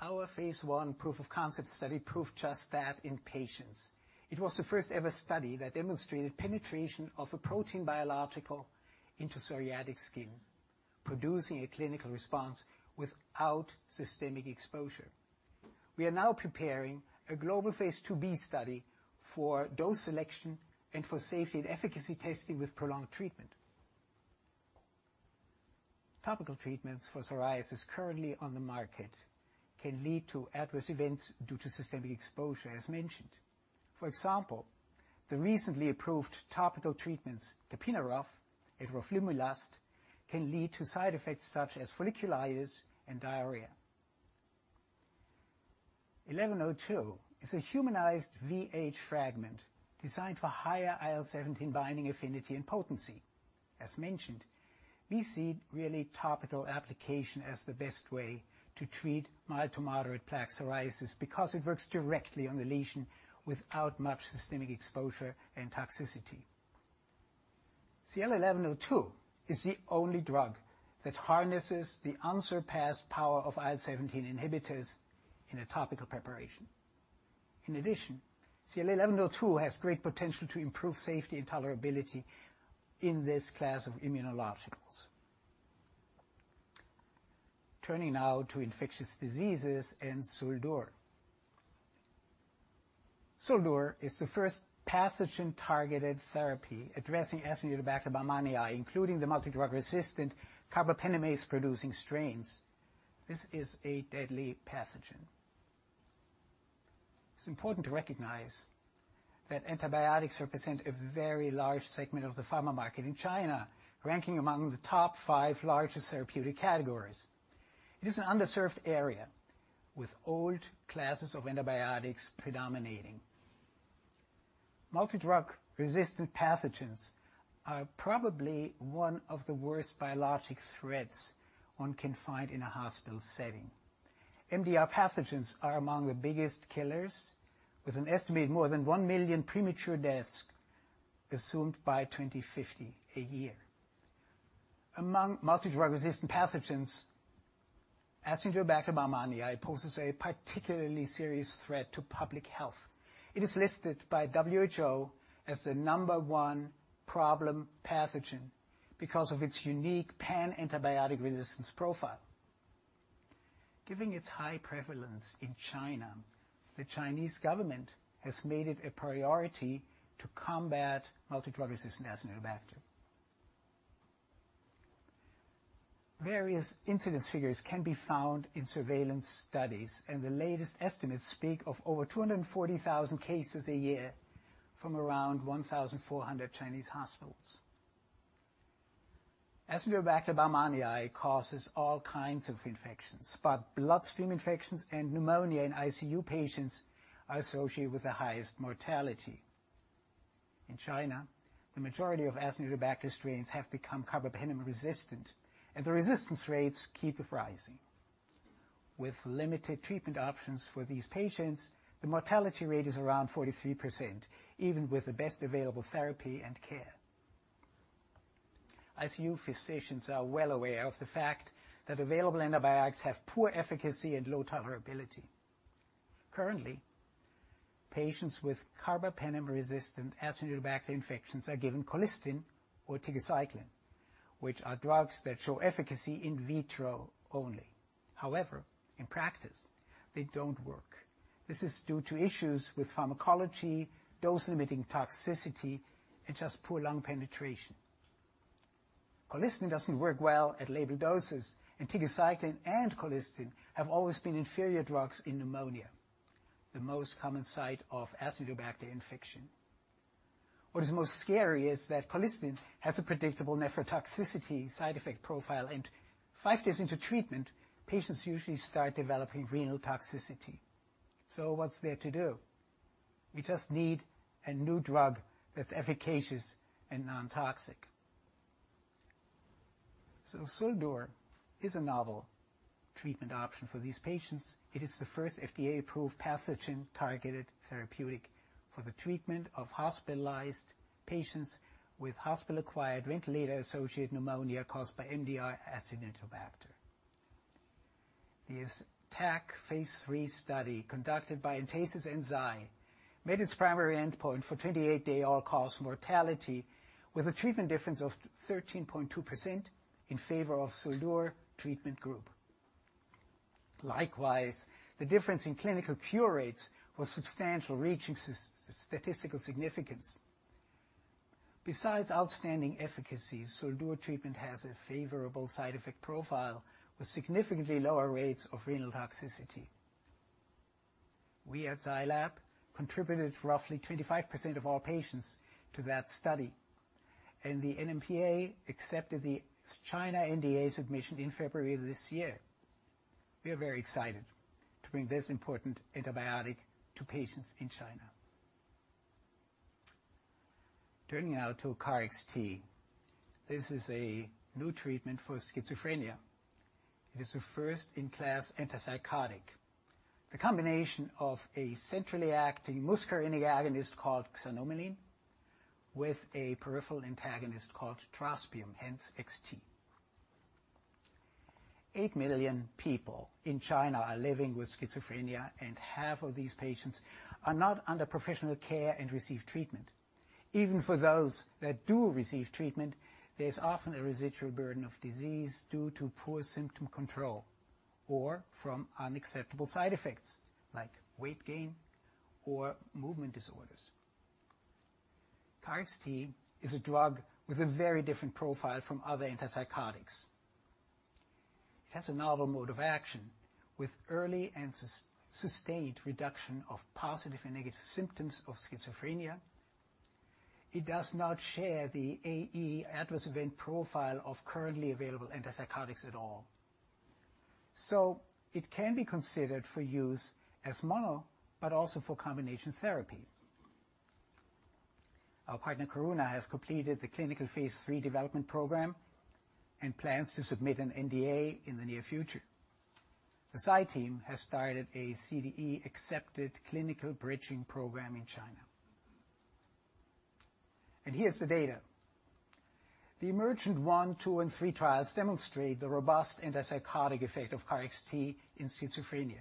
Our phase I proof of concept study proved just that in patients. It was the first-ever study that demonstrated penetration of a protein biological into psoriatic skin, producing a clinical response without systemic exposure. We are now preparing a global phase IIb study for dose selection and for safety and efficacy testing with prolonged treatment. Topical treatments for psoriasis currently on the market can lead to adverse events due to systemic exposure, as mentioned. For example, the recently approved topical treatments, tapinarof and roflumilast, can lead to side effects such as folliculitis and diarrhea. 1102 is a humanized VH fragment designed for higher IL-17 binding affinity and potency. As mentioned, we see really topical application as the best way to treat mild to moderate plaque psoriasis because it works directly on the lesion without much systemic exposure and toxicity. CL-1102 is the only drug that harnesses the unsurpassed power of IL-17 inhibitors in a topical preparation. In addition, CL-1102 has great potential to improve safety and tolerability in this class of immunologics. Turning now to infectious diseases and SUL-DUR. SUL-DUR is the first pathogen-targeted therapy addressing Acinetobacter baumannii, including the multi-drug resistant carbapenemase-producing strains. This is a deadly pathogen. It's important to recognize that antibiotics represent a very large segment of the pharma market in China, ranking among the top 5 largest therapeutic categories. It is an underserved area, with old classes of antibiotics predominating. Multi-drug resistant pathogens are probably one of the worst biologic threats one can find in a hospital setting. MDR pathogens are among the biggest killers, with an estimated more than 1 million premature deaths assumed by 2050 a year. Among multi-drug resistant pathogens, Acinetobacter baumannii poses a particularly serious threat to public health. It is listed by WHO as the number 1 problem pathogen because of its unique pan-antibiotic resistance profile. Given its high prevalence in China, the Chinese government has made it a priority to combat multi-drug-resistant Acinetobacter. Various incidence figures can be found in surveillance studies, the latest estimates speak of over 240,000 cases a year from around 1,400 Chinese hospitals. Acinetobacter baumannii causes all kinds of infections, bloodstream infections and pneumonia in ICU patients are associated with the highest mortality. In China, the majority of Acinetobacter strains have become carbapenem-resistant, the resistance rates keep rising. With limited treatment options for these patients, the mortality rate is around 43%, even with the best available therapy and care. ICU physicians are well aware of the fact that available antibiotics have poor efficacy and low tolerability. Currently, patients with carbapenem-resistant Acinetobacter infections are given colistin or tigecycline, which are drugs that show efficacy in vitro only. In practice, they don't work. This is due to issues with pharmacology, dose-limiting toxicity, and just poor lung penetration. Colistin doesn't work well at label doses, tigecycline and colistin have always been inferior drugs in pneumonia, the most common site of Acinetobacter infection. What is most scary is that colistin has a predictable nephrotoxicity side effect profile, five days into treatment, patients usually start developing renal toxicity. What's there to do? We just need a new drug that's efficacious and non-toxic. SUL-DUR is a novel treatment option for these patients. It is the first FDA-approved pathogen-targeted therapeutic for the treatment of hospitalized patients with hospital-acquired ventilator-associated pneumonia caused by MDR Acinetobacter. The ATTACK phase III study, conducted by Entasis and Zai, made its primary endpoint for 28-day all-cause mortality, with a treatment difference of 13.2% in favor of SUL-DUR treatment group. Likewise, the difference in clinical cure rates was substantial, reaching statistical significance. Besides outstanding efficacy, SUL-DUR treatment has a favorable side effect profile, with significantly lower rates of renal toxicity. We at Zai Lab contributed roughly 25% of all patients to that study, and the NMPA accepted the China NDA submission in February of this year. We are very excited to bring this important antibiotic to patients in China. Turning now to KARXT. This is a new treatment for schizophrenia. It is a first-in-class antipsychotic. The combination of a centrally acting muscarinic agonist called xanomeline with a peripheral antagonist called trospium, hence XT. 8 million people in China are living with schizophrenia, and half of these patients are not under professional care and receive treatment. Even for those that do receive treatment, there's often a residual burden of disease due to poor symptom control or from unacceptable side effects, like weight gain or movement disorders. KARXT is a drug with a very different profile from other antipsychotics. It has a novel mode of action with early and sustained reduction of positive and negative symptoms of schizophrenia. It does not share the AE, adverse event, profile of currently available antipsychotics at all. It can be considered for use as mono, but also for combination therapy. Our partner, Karuna, has completed the clinical phase III development program and plans to submit an NDA in the near future. The Zai team has started a CDE-accepted clinical bridging program in China. Here's the data. The EMERGENT-1, 2, and 3 trials demonstrate the robust antipsychotic effect of KARXT in schizophrenia.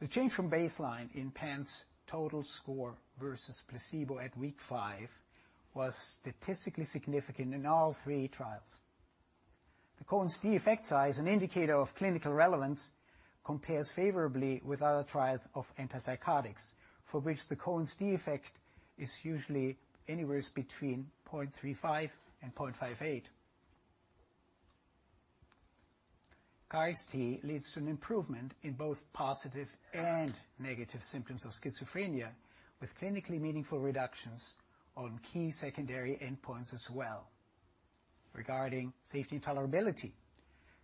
The change from baseline in PANSS total score versus placebo at week five was statistically significant in all three trials. The Cohen's d effect size, an indicator of clinical relevance, compares favorably with other trials of antipsychotics, for which the Cohen's d effect is usually anywhere between 0.35 and 0.58. KARXT leads to an improvement in both positive and negative symptoms of schizophrenia, with clinically meaningful reductions on key secondary endpoints as well. Regarding safety and tolerability,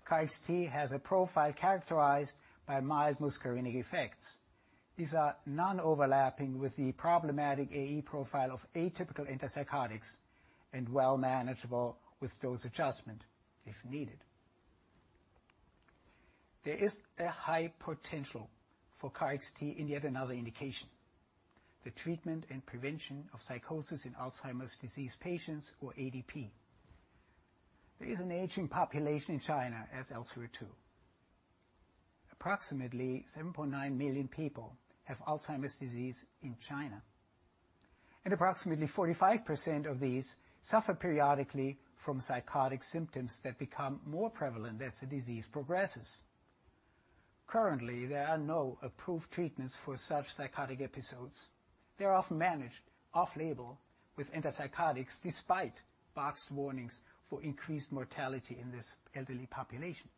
KARXT has a profile characterized by mild muscarinic effects. These are non-overlapping with the problematic AE profile of atypical antipsychotics and well manageable with dose adjustment if needed. There is a high potential for KARXT in yet another indication, the treatment and prevention of psychosis in Alzheimer's disease patients or ADP. There is an aging population in China, as elsewhere, too. Approximately 7.9 million people have Alzheimer's disease in China, and approximately 45% of these suffer periodically from psychotic symptoms that become more prevalent as the disease progresses. Currently, there are no approved treatments for such psychotic episodes. They're often managed off-label with antipsychotics, despite boxed warnings for increased mortality in this elderly population.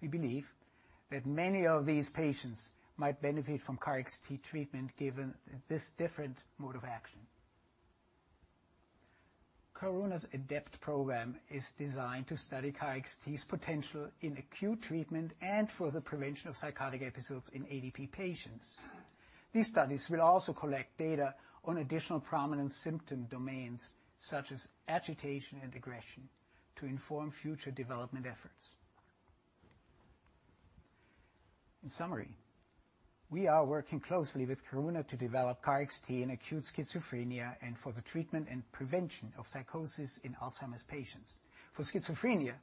We believe that many of these patients might benefit from KARXT treatment, given this different mode of action. Karuna's ADEPT program is designed to study KARXT's potential in acute treatment and for the prevention of psychotic episodes in ADP patients. These studies will also collect data on additional prominent symptom domains, such as agitation and aggression, to inform future development efforts. In summary, we are working closely with Karuna to develop KARXT in acute schizophrenia and for the treatment and prevention of psychosis in Alzheimer's patients. For schizophrenia,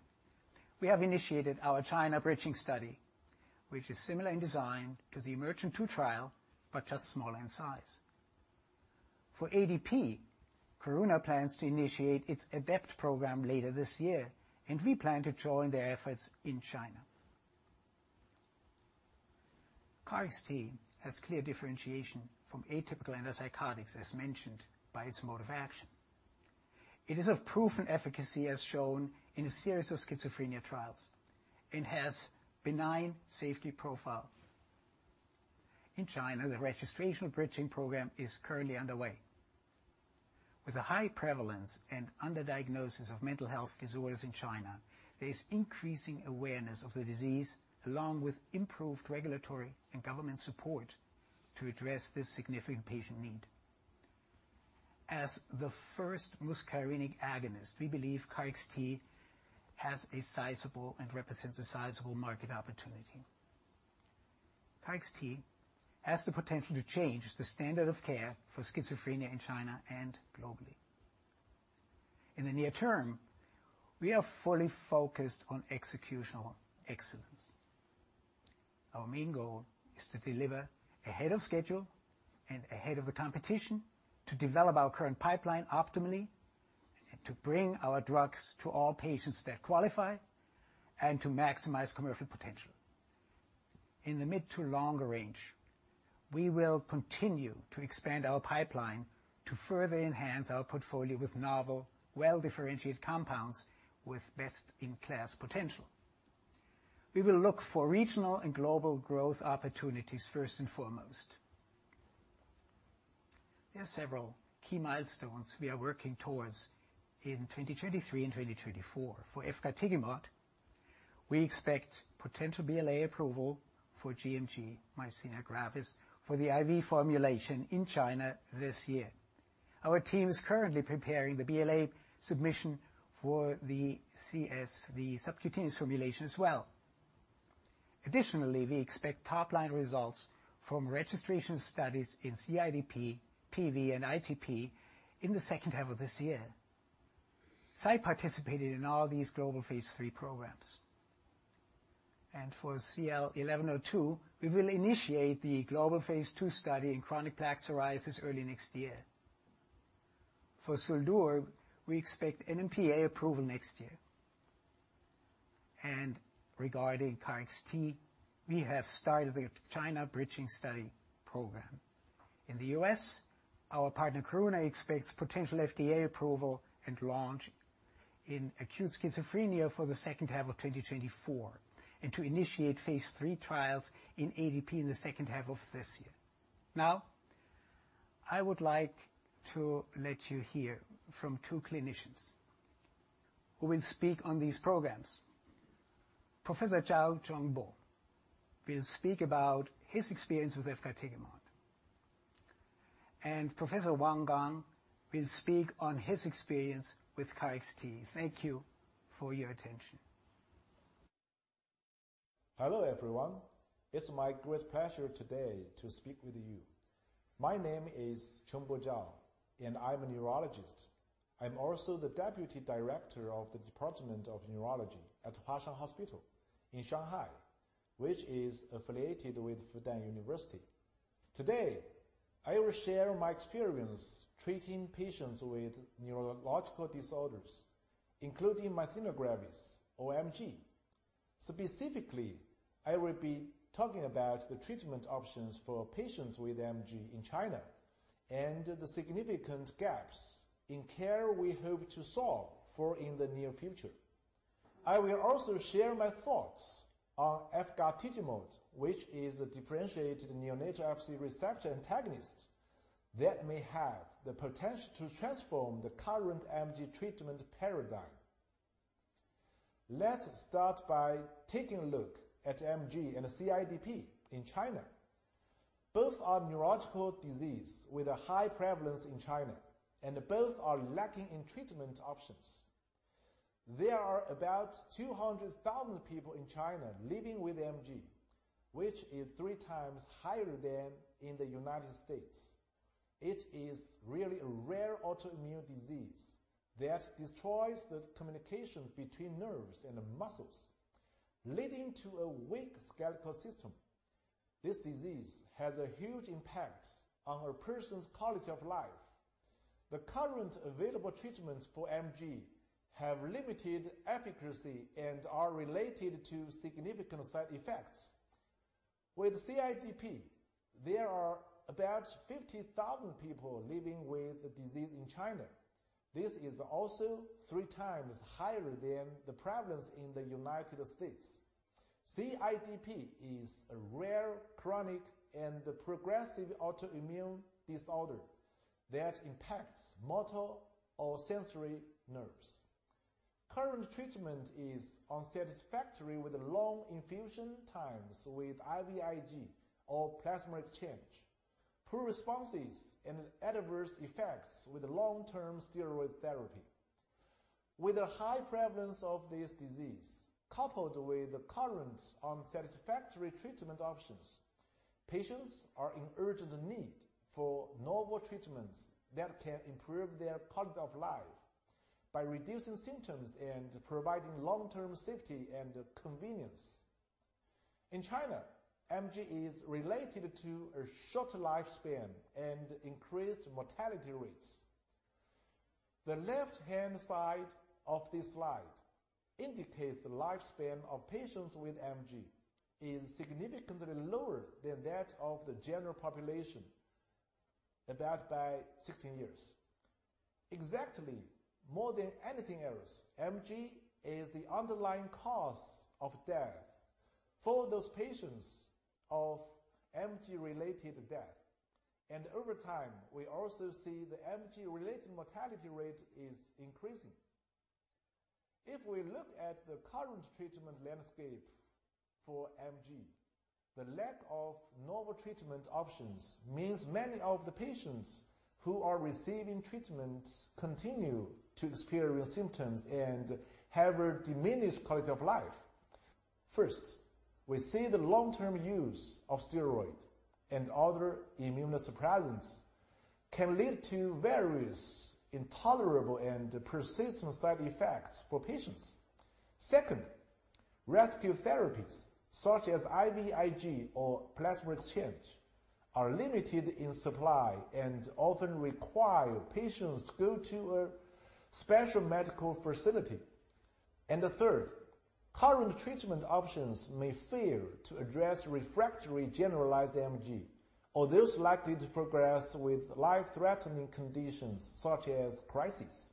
we have initiated our China bridging study, which is similar in design to the EMERGENT-2 trial, but just smaller in size. For ADP, Karuna plans to initiate its ADEPT program later this year. We plan to join their efforts in China. KARXT has clear differentiation from atypical antipsychotics, as mentioned, by its mode of action. It is of proven efficacy as shown in a series of schizophrenia trials and has benign safety profile. In China, the registration bridging program is currently underway. With a high prevalence and underdiagnosis of mental health disorders in China, there is increasing awareness of the disease, along with improved regulatory and government support to address this significant patient need. As the first muscarinic agonist, we believe KARXT has a sizable and represents a sizable market opportunity. KARXT has the potential to change the standard of care for schizophrenia in China and globally. In the near term, we are fully focused on executional excellence. Our main goal is to deliver ahead of schedule and ahead of the competition, to develop our current pipeline optimally, and to bring our drugs to all patients that qualify, and to maximize commercial potential. In the mid to longer range, we will continue to expand our pipeline to further enhance our portfolio with novel, well-differentiated compounds with best-in-class potential. We will look for regional and global growth opportunities first and foremost. There are several key milestones we are working towards in 2023 and 2024. For efgartigimod, we expect potential BLA approval for GMG myasthenia gravis for the IV formulation in China this year. Our team is currently preparing the BLA submission for the SC subcutaneous formulation as well. Additionally, we expect top-line results from registration studies in CIDP, PV, and ITP in the second half of this year. I participated in all these global phase III programs. For CL-1102, we will initiate the global phase II study in chronic plaque psoriasis early next year. For SUL-DUR, we expect NMPA approval next year. Regarding KARXT, we have started the China bridging study program. In the US, our partner, Karuna, expects potential FDA approval and launch in acute schizophrenia for the second half of 2024, and to initiate phase III trials in ADEPT in the second half of this year. Now, I would like to let you hear from two clinicians who will speak on these programs. Professor Zhao Chongbo will speak about his experience with efgartigimod, and Professor Wang Gang will speak on his experience with KARXT. Thank you for your attention. Hello, everyone. It's my great pleasure today to speak with you. My name is Zhao Chongbo, and I'm a neurologist. I'm also the deputy director of the Department of Neurology at Huashan Hospital in Shanghai, which is affiliated with Fudan University. Today, I will share my experience treating patients with neurological disorders, including myasthenia gravis or MG. Specifically, I will be talking about the treatment options for patients with MG in China and the significant gaps in care we hope to solve for in the near future. I will also share my thoughts on efgartigimod, which is a differentiated neonatal Fc receptor antagonist that may have the potential to transform the current MG treatment paradigm. Let's start by taking a look at MG and CIDP in China. Both are neurological disease with a high prevalence in China, and both are lacking in treatment options. There are about 200,000 people in China living with MG, which is three times higher than in the United States. It is really a rare autoimmune disease that destroys the communication between nerves and muscles, leading to a weak skeletal system. This disease has a huge impact on a person's quality of life. The current available treatments for MG have limited efficacy and are related to significant side effects. With CIDP, there are about 50,000 people living with the disease in China. This is also three times higher than the prevalence in the United States. CIDP is a rare, chronic, and progressive autoimmune disorder that impacts motor or sensory nerves. Current treatment is unsatisfactory, with long infusion times with IVIG or plasma exchange, poor responses, and adverse effects with long-term steroid therapy. With a high prevalence of this disease, coupled with the current unsatisfactory treatment options, patients are in urgent need for novel treatments that can improve their quality of life by reducing symptoms and providing long-term safety and convenience. In China, MG is related to a shorter life span and increased mortality rates. The left-hand side of this slide indicates the lifespan of patients with MG is significantly lower than that of the general population, about by 16 years. Exactly, more than anything else, MG is the underlying cause of death for those patients of MG-related death. Over time, we also see the MG-related mortality rate is increasing. If we look at the current treatment landscape for MG, the lack of novel treatment options means many of the patients who are receiving treatment continue to experience symptoms and have a diminished quality of life. First, we see the long-term use of steroids and other immunosuppressants can lead to various intolerable and persistent side effects for patients. Second, rescue therapies such as IVIG or plasma exchange are limited in supply and often require patients to go to a special medical facility. The third, current treatment options may fail to address refractory generalized MG or those likely to progress with life-threatening conditions such as crisis.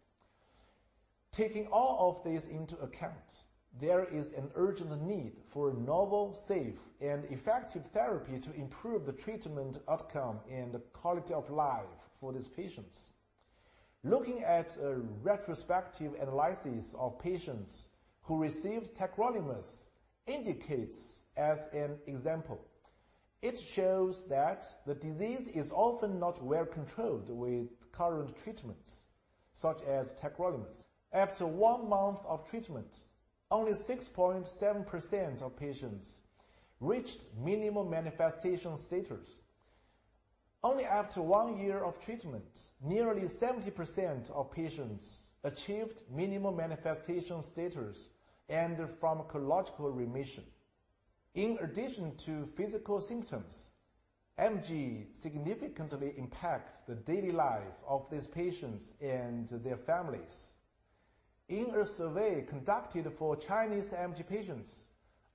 Taking all of this into account, there is an urgent need for a novel, safe, and effective therapy to improve the treatment outcome and quality of life for these patients. Looking at a retrospective analysis of patients who received tacrolimus indicates, as an example, it shows that the disease is often not well controlled with current treatments such as tacrolimus. After one month of treatment, only 6.7% of patients reached minimal manifestation status. Only after 1 year of treatment, nearly 70% of patients achieved minimal manifestation status and pharmacological remission. In addition to physical symptoms, MG significantly impacts the daily life of these patients and their families. In a survey conducted for Chinese MG patients,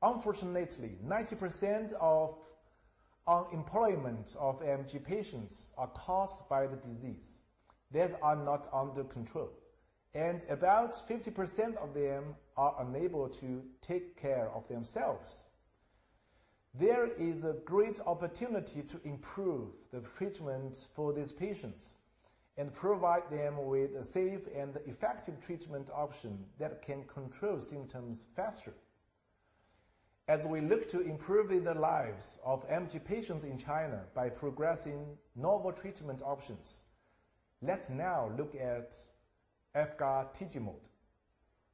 unfortunately, 90% of unemployment of MG patients are caused by the disease that are not under control, and about 50% of them are unable to take care of themselves. There is a great opportunity to improve the treatment for these patients and provide them with a safe and effective treatment option that can control symptoms faster. As we look to improving the lives of MG patients in China by progressing novel treatment options, let's now look at efgartigimod.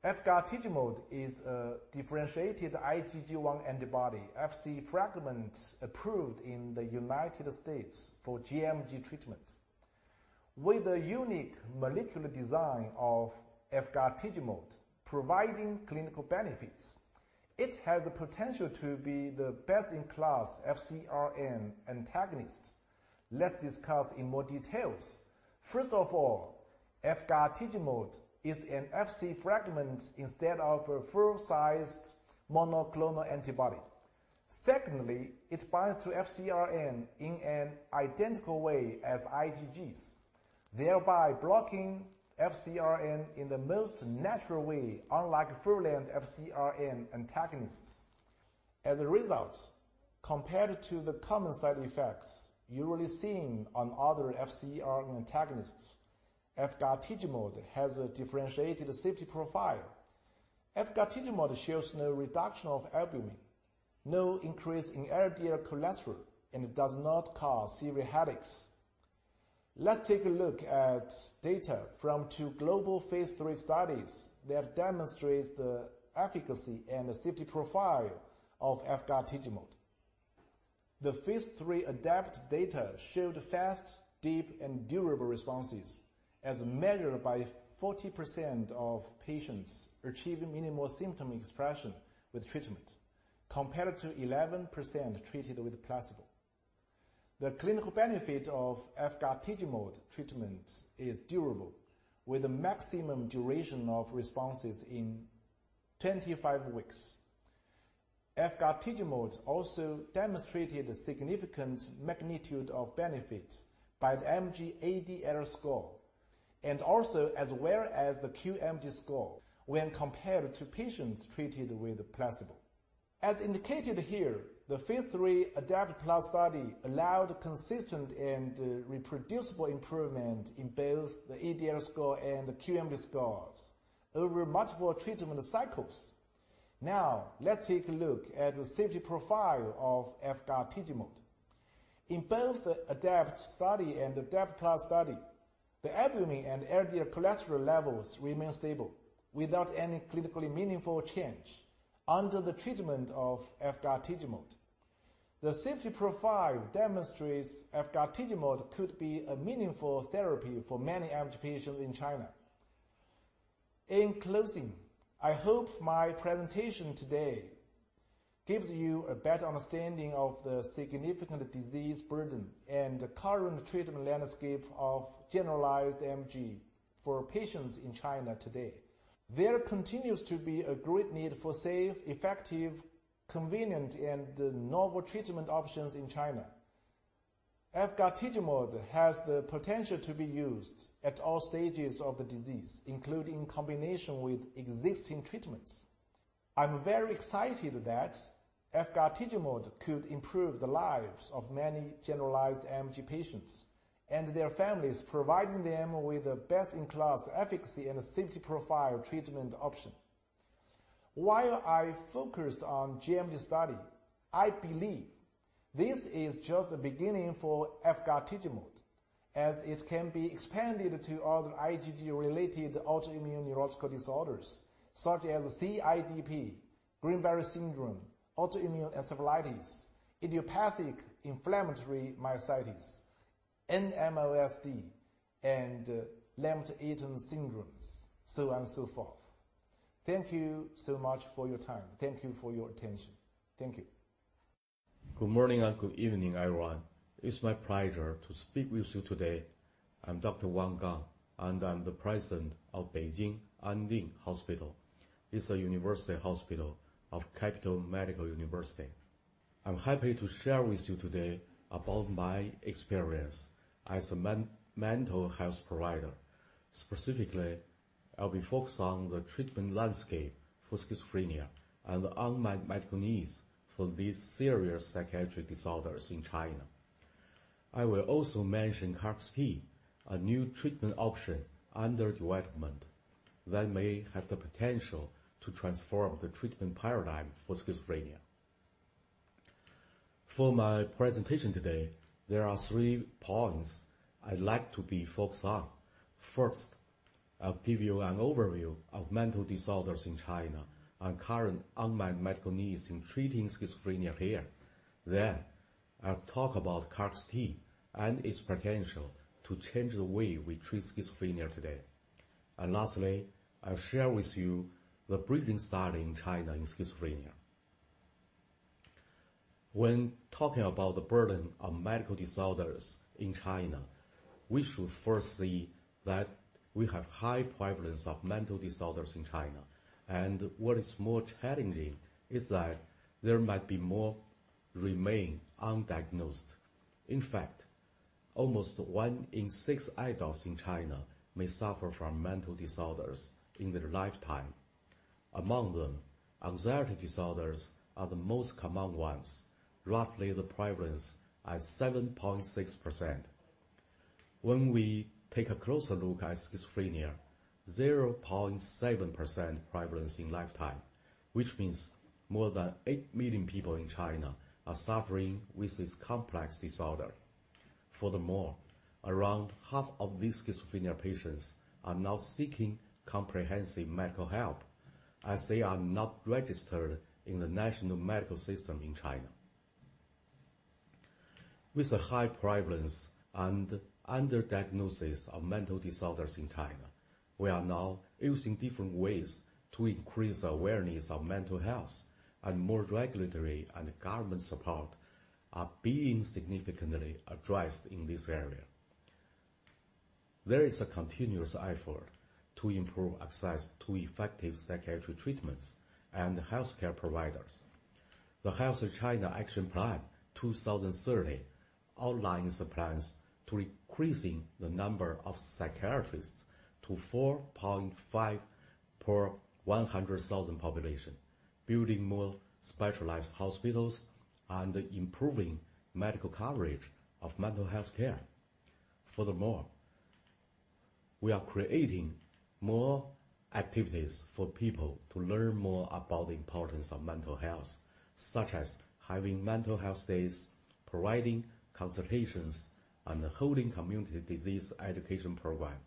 Efgartigimod is a differentiated IgG1 antibody, Fc fragment approved in the United States for gMG treatment. With a unique molecular design of efgartigimod providing clinical benefits, it has the potential to be the best-in-class FcRn antagonist. Let's discuss in more details. First of all, efgartigimod is an Fc fragment instead of a full-sized monoclonal antibody. Secondly, it binds to FcRn in an identical way as IgGs, thereby blocking FcRn in the most natural way, unlike full-length FcRn antagonists. As a result, compared to the common side effects usually seen on other FcRn antagonists, efgartigimod has a differentiated safety profile. Efgartigimod shows no reduction of albumin, no increase in LDL cholesterol, and it does not cause severe headaches. Let's take a look at data from two global phase III studies that demonstrates the efficacy and the safety profile of efgartigimod. The phase III ADAPT data showed fast, deep, and durable responses, as measured by 40% of patients achieving minimal symptom expression with treatment, compared to 11% treated with placebo. The clinical benefit of efgartigimod treatment is durable, with a maximum duration of responses in 25 weeks. Efgartigimod also demonstrated a significant magnitude of benefit by the MG ADL score, and also as well as the QMG score when compared to patients treated with placebo. As indicated here, the phase III ADAPT plus study allowed consistent and reproducible improvement in both the ADL score and the QMG scores over multiple treatment cycles. Now, let's take a look at the safety profile of efgartigimod. In both the ADAPT study and the ADAPT plus study, the albumin and LDL cholesterol levels remain stable without any clinically meaningful change under the treatment of efgartigimod. The safety profile demonstrates efgartigimod could be a meaningful therapy for many MG patients in China. In closing, I hope my presentation today gives you a better understanding of the significant disease burden and the current treatment landscape of generalized MG for patients in China today. There continues to be a great need for safe, effective, convenient, and novel treatment options in China. Efgartigimod has the potential to be used at all stages of the disease, including combination with existing treatments. I'm very excited that efgartigimod could improve the lives of many generalized MG patients and their families, providing them with a best-in-class efficacy and safety profile treatment option. While I focused on gMG study, I believe this is just the beginning for efgartigimod, as it can be expanded to other IgG-related autoimmune neurological disorders such as CIDP, Guillain-Barré syndrome, autoimmune encephalitis, idiopathic inflammatory myositis, NMOSD, and Lambert-Eaton syndromes, so on and so forth. Thank you so much for your time. Thank you for your attention. Thank you. Good morning and good evening, everyone. It's my pleasure to speak with you today. I'm Dr. Wang Gang, and I'm the president of Beijing Anding Hospital. It's a university hospital of Capital Medical University. I'm happy to share with you today about my experience as a mental health provider. Specifically, I'll be focused on the treatment landscape for schizophrenia and the unmet medical needs for these serious psychiatric disorders in China. I will also mention KARXT, a new treatment option under development that may have the potential to transform the treatment paradigm for schizophrenia. For my presentation today, there are three points I'd like to be focused on. First, I'll give you an overview of mental disorders in China and current unmet medical needs in treating schizophrenia here. I'll talk about KARXT and its potential to change the way we treat schizophrenia today. Lastly, I'll share with you the briefing study in China in schizophrenia. When talking about the burden of medical disorders in China, we should first see that we have high prevalence of mental disorders in China, and what is more challenging is that there might be more remain undiagnosed. In fact, almost 1 in 6 adults in China may suffer from mental disorders in their lifetime. Among them, anxiety disorders are the most common ones, roughly the prevalence at 7.6%. When we take a closer look at schizophrenia, 0.7% prevalence in lifetime, which means more than 8 million people in China are suffering with this complex disorder. Furthermore, around half of these schizophrenia patients are now seeking comprehensive medical help, as they are not registered in the national medical system in China. With a high prevalence and under-diagnosis of mental disorders in China, we are now using different ways to increase awareness of mental health, and more regulatory and government support are being significantly addressed in this area. There is a continuous effort to improve access to effective psychiatry treatments and healthcare providers. The Healthy China Action Plan 2030 outlines the plans to increasing the number of psychiatrists to 4.5 per 100,000 population, building more specialized hospitals, and improving medical coverage of mental health care. Furthermore, we are creating more activities for people to learn more about the importance of mental health, such as having mental health days, providing consultations, and holding community disease education program.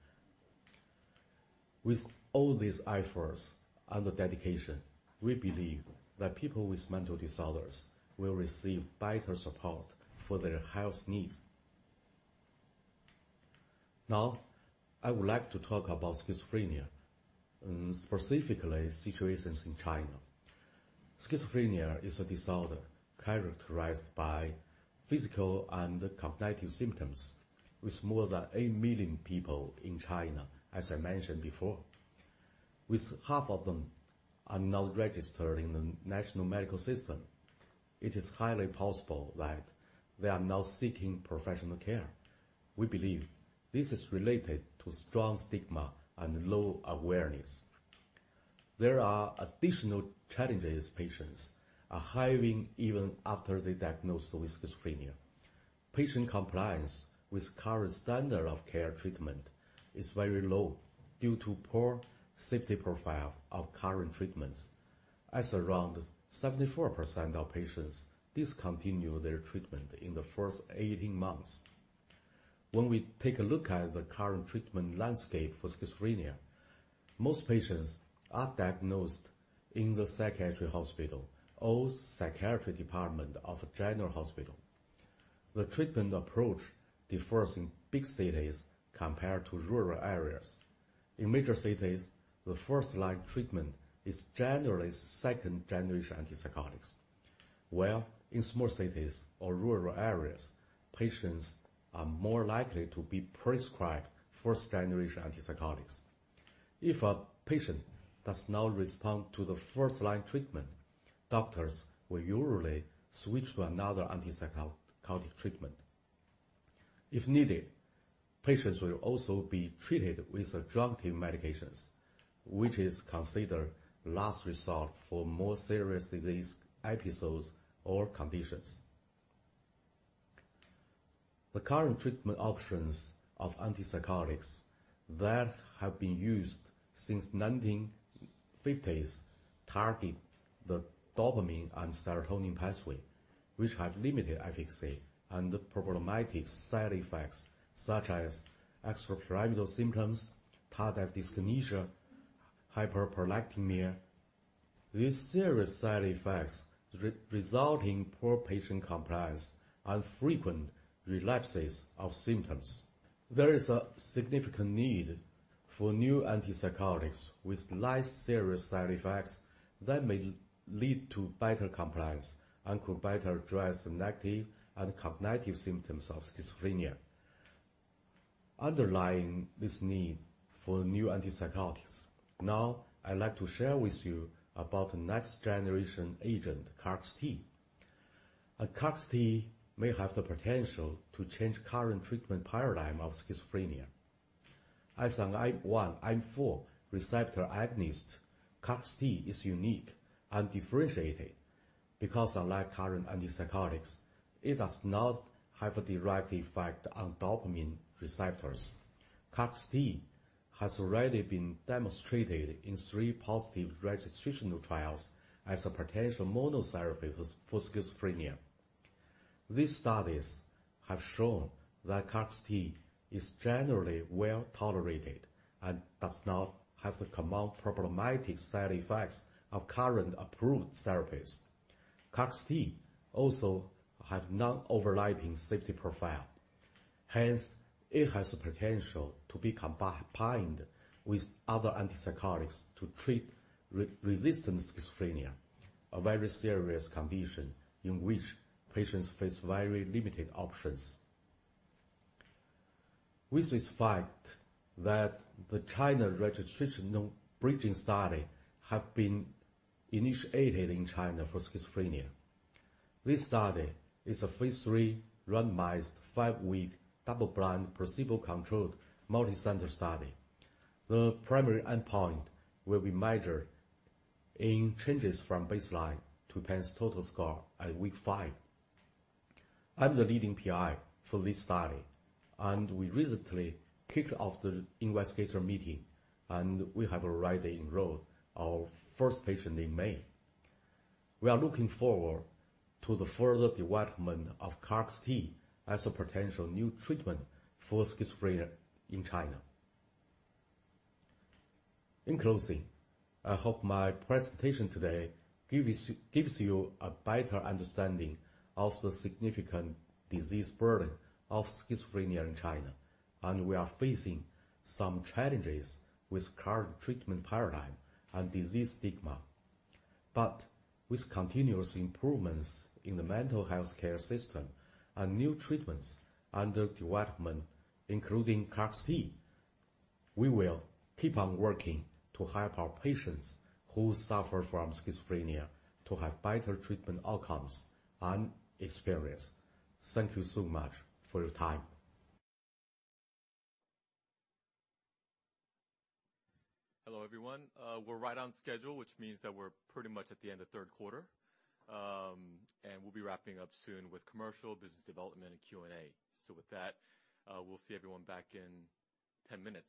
With all these efforts and the dedication, we believe that people with mental disorders will receive better support for their health needs. I would like to talk about schizophrenia, specifically situations in China. Schizophrenia is a disorder characterized by physical and cognitive symptoms, with more than 8 million people in China, as I mentioned before. Half of them are now registered in the national medical system, it is highly possible that they are now seeking professional care. We believe this is related to strong stigma and low awareness. There are additional challenges patients are having even after they're diagnosed with schizophrenia. Patient compliance with current standard of care treatment is very low due to poor safety profile of current treatments, as around 74% of patients discontinue their treatment in the first 18 months. We take a look at the current treatment landscape for schizophrenia, most patients are diagnosed in the psychiatry hospital or psychiatry department of a general hospital. The treatment approach differs in big cities compared to rural areas. In major cities, the first-line treatment is generally second-generation antipsychotics, where in small cities or rural areas, patients are more likely to be prescribed first-generation antipsychotics. If a patient does not respond to the first-line treatment, doctors will usually switch to another psychotic treatment. If needed, patients will also be treated with adjunctive medications, which is considered last resort for more serious disease episodes or conditions. The current treatment options of antipsychotics that have been used since 1950s, target the dopamine and serotonin pathway, which have limited efficacy and problematic side effects, such as extrapyramidal symptoms, tardive dyskinesia, hyperprolactinaemia. These serious side effects result in poor patient compliance and frequent relapses of symptoms. There is a significant need for new antipsychotics with less serious side effects that may lead to better compliance and could better address the negative and cognitive symptoms of schizophrenia, underlying this need for new antipsychotics. I'd like to share with you about the next generation agent, KARXT. KARXT may have the potential to change current treatment paradigm of schizophrenia. As an I one/I four receptor agonist, KARXT is unique and differentiated because unlike current antipsychotics, it does not have a direct effect on dopamine receptors. KARXT has already been demonstrated in 3 positive registrational trials as a potential monotherapy for schizophrenia. These studies have shown that KARXT is generally well-tolerated and does not have the common problematic side effects of current approved therapies. KARXT also have non-overlapping safety profile. It has the potential to be combined with other antipsychotics to treat resistant schizophrenia, a very serious condition in which patients face very limited options. With this fact, that the China Registrational Bridging Study have been initiated in China for schizophrenia. This study is a phase III randomized, five-week, double-blind, placebo-controlled, multicenter study. The primary endpoint will be measured in changes from baseline to PANSS Total score at week five. I'm the leading PI for this study, and we recently kicked off the investigator meeting, and we have already enrolled our first patient in May. We are looking forward to the further development of KARXT as a potential new treatment for schizophrenia in China. In closing, I hope my presentation today gives you a better understanding of the significant disease burden of schizophrenia in China. We are facing some challenges with current treatment paradigm and disease stigma. With continuous improvements in the mental health care system and new treatments under development, including KARXT, we will keep on working to help our patients who suffer from schizophrenia to have better treatment outcomes and experience. Thank you so much for your time. Hello, everyone. We're right on schedule, which means that we're pretty much at the end of third quarter. We'll be wrapping up soon with commercial, business development, and Q&A. With that, we'll see everyone back in 10 minutes.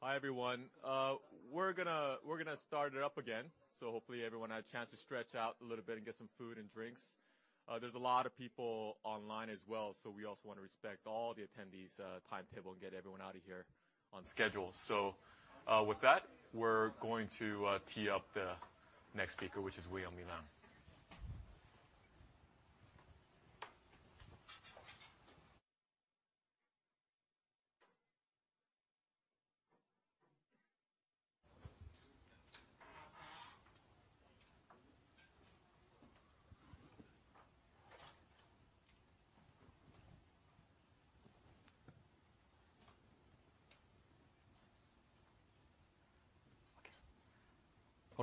Hi, everyone. We're gonna start it up again, so hopefully everyone had a chance to stretch out a little bit and get some food and drinks. There's a lot of people online as well, so we also want to respect all the attendees', timetable and get everyone out of here on schedule. With that, we're going to tee up the next speaker, which is Wei On Melang.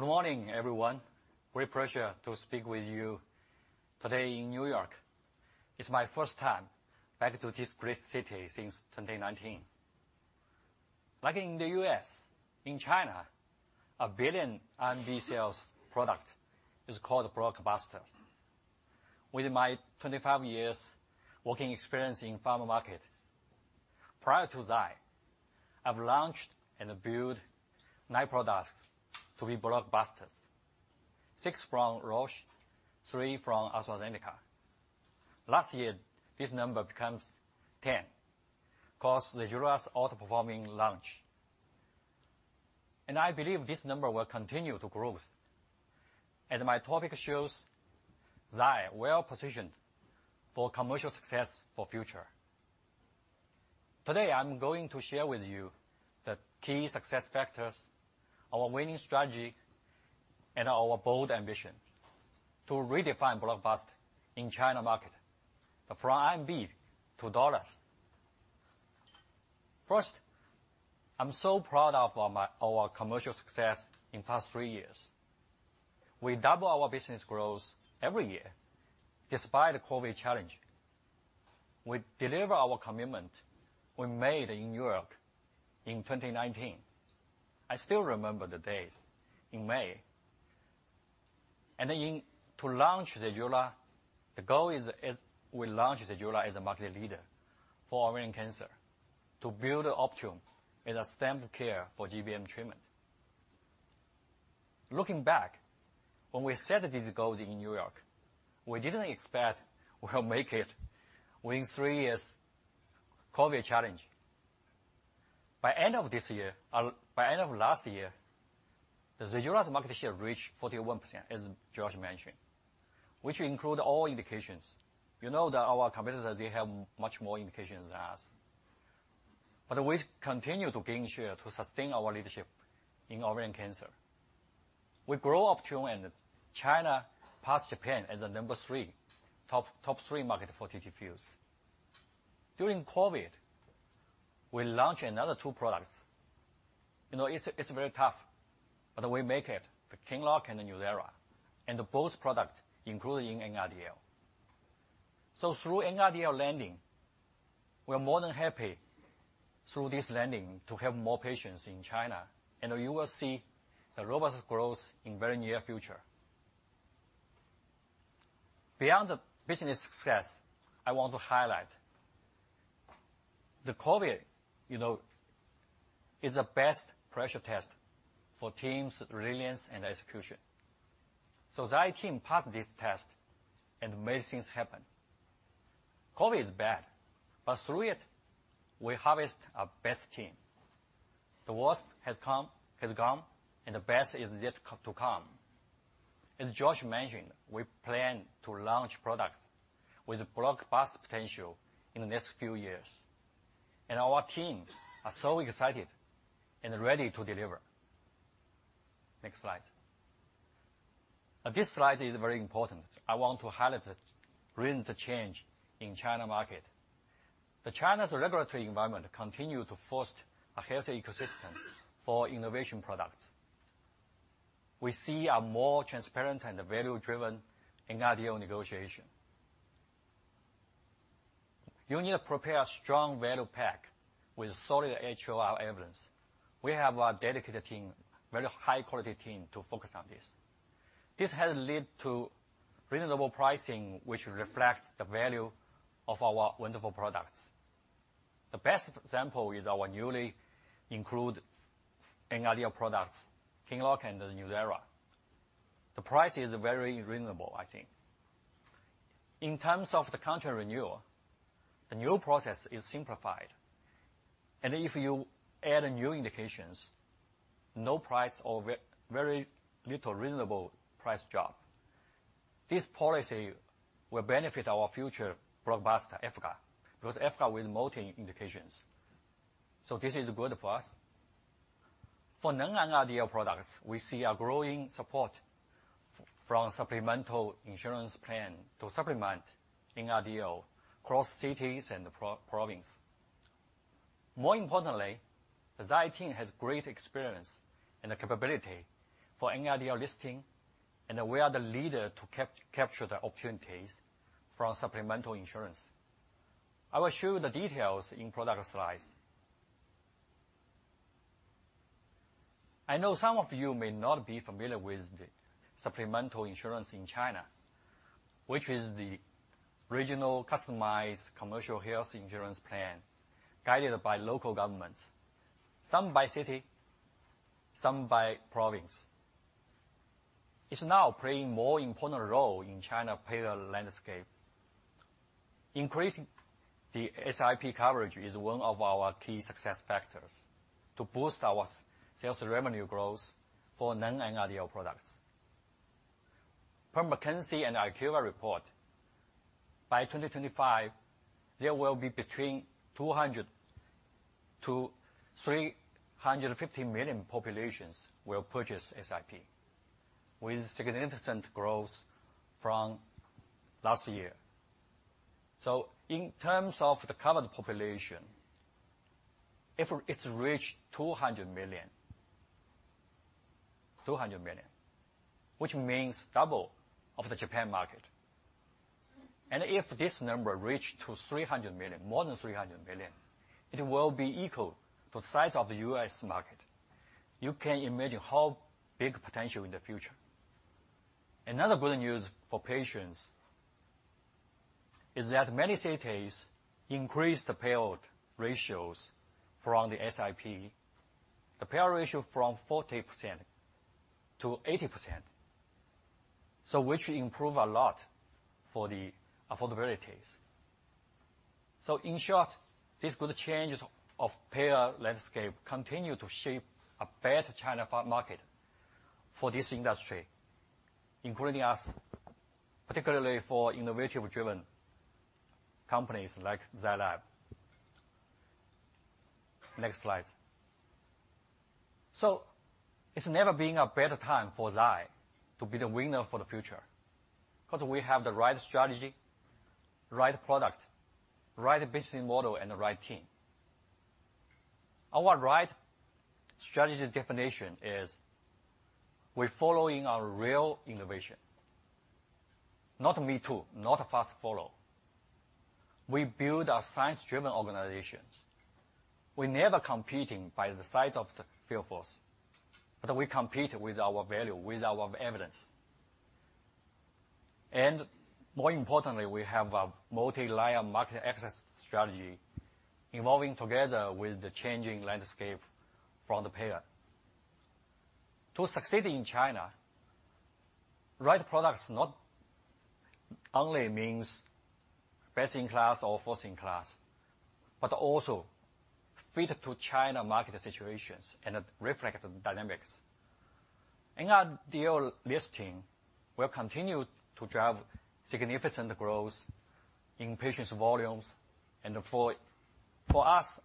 Good morning, everyone. Great pleasure to speak with you today in New York. It's my first time back to this great city since 2019. Like in the U.S., in China, a $1 billion R&D sales product is called a blockbuster. With my 25 years working experience in pharma market, prior to Zai, I've launched and built nine products to be blockbusters. Six from Roche, three from AstraZeneca. Last year, this number becomes 10 because the ZEJULA's outperforming launch. I believe this number will continue to growth. As my topic shows, Zai, well positioned for commercial success for future. Today, I'm going to share with you the key success factors, our winning strategy, and our bold ambition to redefine Blockbuster in China market. From CNY to USD. First, I'm so proud of our commercial success in past three years. We double our business growth every year despite the COVID challenge. We deliver our commitment we made in New York in 2019. I still remember the date, in May, to launch ZEJULA, the goal is, we launch ZEJULA as a market leader for ovarian cancer, to build OPTUNE as a standard care for GBM treatment. Looking back, when we set these goals in New York, we didn't expect we'll make it within three years, COVID challenge. By end of last year, ZEJULA market share reached 41%, as George mentioned, which include all indications. You know that our competitors, they have much more indications than us. We continue to gain share to sustain our leadership in ovarian cancer. We grow OPTUNE in China, passed Japan as a number three, top three market for TTFields. During COVID, we launch another two products. You know, it's very tough, but we make it, the QINLOCK and the NUZYRA, and both products, including NRDL. Through NRDL landing, we're more than happy through this landing to help more patients in China, and you will see a robust growth in very near future. Beyond the business success, I want to highlight, the COVID, you know, is a best pressure test for teams, resilience, and execution. Zai team passed this test, and many things happened. COVID is bad, but through it, we harvest our best team. The worst has come, has gone, and the best is yet to come. As George mentioned, we plan to launch products with blockbuster potential in the next few years, and our teams are so excited and ready to deliver. Next slide. This slide is very important. I want to highlight the rhythm of change in China market. The China's regulatory environment continue to foster a healthy ecosystem for innovation products. We see a more transparent and value-driven NRDL negotiation. You need to prepare a strong value pack with solid HOR evidence. We have a dedicated team, very high quality team, to focus on this. This has led to reasonable pricing, which reflects the value of our wonderful products. The best example is our newly included NRDL products, QINLOCK and ZEJULA. The price is very reasonable, I think. In terms of the contract renewal, the new process is simplified, and if you add new indications, no price or very little reasonable price drop. This policy will benefit our future blockbuster, VYVGART, because VYVGART with multi indications. This is good for us. For non-NRDL products, we see a growing support from supplemental insurance plan to supplement NRDL across cities and province. The Zai team has great experience and the capability for NRDL listing, and we are the leader to capture the opportunities from supplemental insurance. I will show you the details in product slides. I know some of you may not be familiar with the supplemental insurance in China, which is the regional customized commercial health insurance plan guided by local governments, some by city, some by province. It's now playing more important role in China payer landscape. Increasing the SIP coverage is one of our key success factors to boost our sales revenue growth for non-NRDL products. From McKinsey and IQVIA report, by 2025, there will be between 200 million-350 million populations will purchase SIP, with significant growth from last year. In terms of the covered population, if it's reached 200 million, which means double of the Japan market. If this number reached to more than 300 million, it will be equal to the size of the U.S. market. You can imagine how big potential in the future. Another good news for patients is that many cities increase the payout ratios from the SIP, the payout ratio from 40% to 80%, which improve a lot for the affordabilities. In short, these good changes of payer landscape continue to shape a better China market for this industry, including us, particularly for innovative-driven companies like Zai Lab. Next slide. It's never been a better time for Zai to be the winner for the future, because we have the right strategy, right product, right business model, and the right team. Our right strategy definition is we're following our real innovation. Not me too, not a fast follow. We build our science-driven organizations. We're never competing by the size of the field force, but we compete with our value, with our evidence. More importantly, we have a multi-layer market access strategy, evolving together with the changing landscape from the payer. To succeed in China, right product is not only means best-in-class or first-in-class, but also fit to China market stuations and reflect the dynamics. In our deal listing, we're continue to drive significant growth in patients volumes and for us,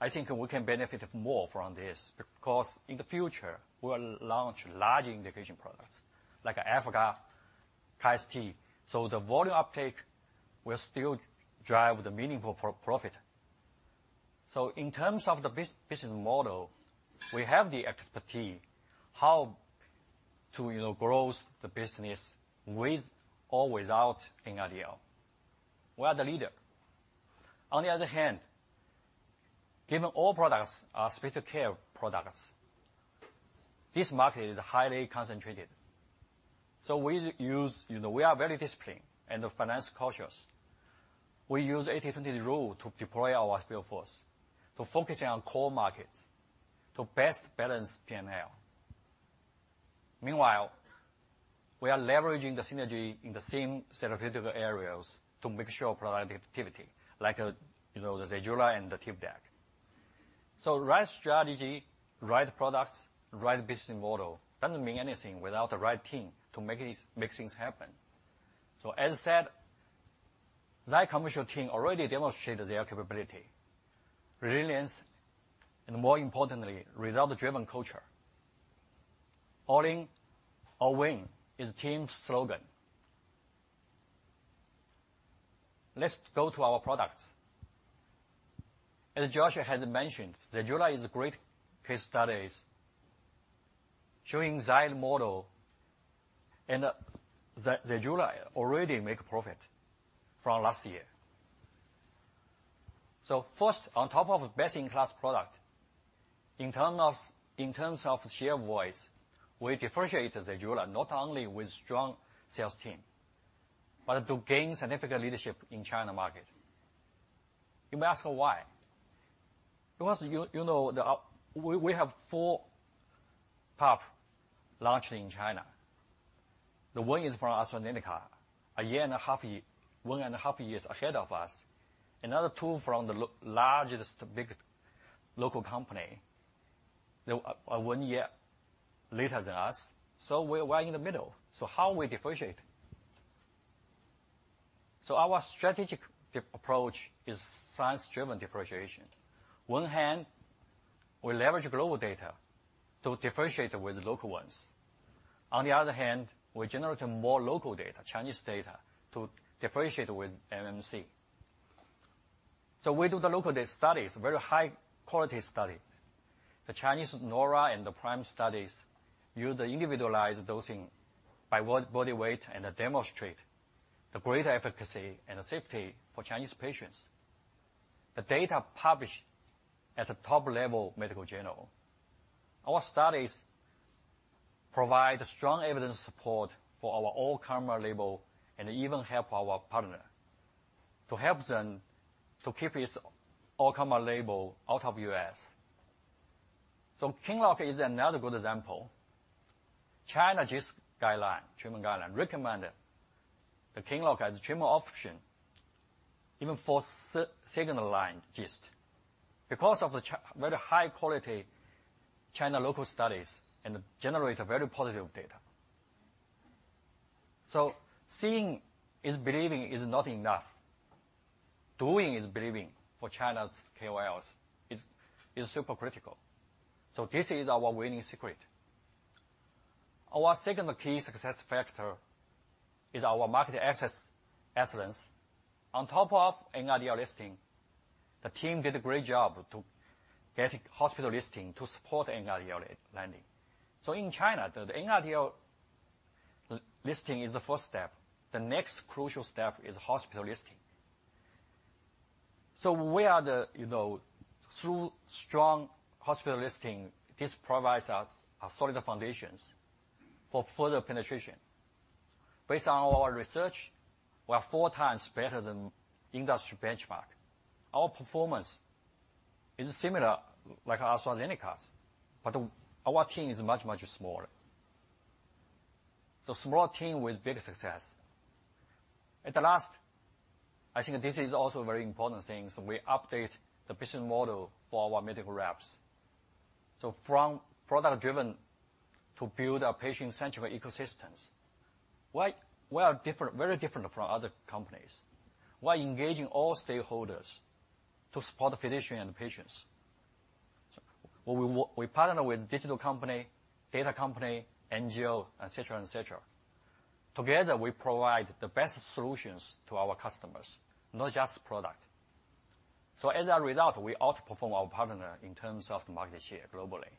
I think we can benefit more from this, because in the future, we'll launch larger indication products like Afatinib, Kisqali. The volume uptake will still drive the meaningful for profit. In terms of the business model, we have the expertise how to, you know, grow the business with or without NRDL. We are the leader. On the other hand, given all products are specialty care products, this market is highly concentrated. We use, you know, we are very disciplined and finance cautious. We use 80-20 rule to deploy our field force, to focusing on core markets, to best balance PNL. Meanwhile, we are leveraging the synergy in the same therapeutic areas to make sure product activity, like, you know, the ZEJULA and the Tibotec. Right strategy, right products, right business model doesn't mean anything without the right team to make things happen. As said, Zai commercial team already demonstrated their capability, resilience, and more importantly, result-driven culture. All in or win is team slogan. Let's go to our products. As Joshua has mentioned, ZEJULA is a great case studies showing Zai model, and Zai, ZEJULA already make profit from last year. First, on top of best-in-class product, in terms of share voice, we differentiate ZEJULA not only with strong sales team, but to gain significant leadership in China market. You may ask why? You know, we have four top launching in China. The one is from AstraZeneca, one and a half years ahead of us. Another two from the largest, big local company, one year later than us. We're right in the middle. How we differentiate? Our strategic approach is science-driven differentiation. One hand, we leverage global data to differentiate with local ones. On the other hand, we generate a more local data, Chinese data, to differentiate with MMC. We do the local data studies, very high quality study. The Chinese NORA and the PRIME studies use the individualized dosing by body weight, and demonstrate the greater efficacy and safety for Chinese patients. The data published at the top-level medical journal. Our studies provide strong evidence support for our all-comer label, and even help our partner, to help them keep its all-comer label out of U.S. KEYTRUDA is another good example. China GIST guideline, treatment guideline, recommended the KEYTRUDA as a treatment option, even for second-line GIST, because of the very high quality China local studies and generate a very positive data. Seeing is believing is not enough. Doing is believing for China's KOLs is super critical. This is our winning secret. Our second key success factor is our market access excellence. On top of NRDL listing, the team did a great job to get hospital listing to support NRDL landing. In China, the NRDL listing is the first step. The next crucial step is hospital listing. We are the, you know, through strong hospital listing, this provides us a solid foundations for further penetration. Based on our research, we are 4x better than industry benchmark. Our performance is similar, like AstraZeneca's, our team is much smaller. Small team with big success. At the last, I think this is also very important thing, we update the business model for our medical reps. From product-driven to build a patient-centric ecosystems. Why we are different, very different from other companies? Engaging all stakeholders to support the physician and the patients. We partner with digital company, data company, NGO, et cetera, et cetera. Together, we provide the best solutions to our customers, not just product. As a result, we outperform our partner in terms of market share globally.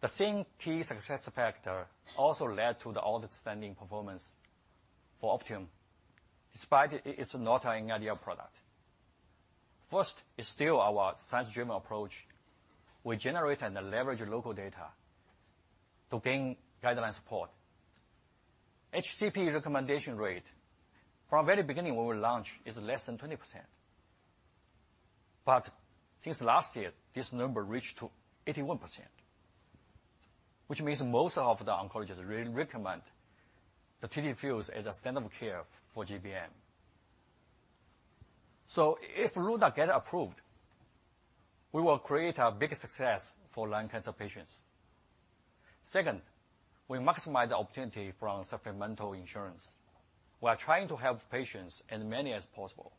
The same key success factor also led to the outstanding performance for OPTUNE, despite it's not an ideal product. First, is still our science-driven approach. We generate and leverage local data to gain guideline support. HCP recommendation rate from the very beginning, when we launch, is less than 20%. Since last year, this number reached to 81%, which means most of the oncologists re-recommend the TTFields as a standard of care for GBM. If Ruda get approved, we will create a big success for lung cancer patients. Second, we maximize the opportunity from supplemental insurance. We are trying to help patients as many as possible.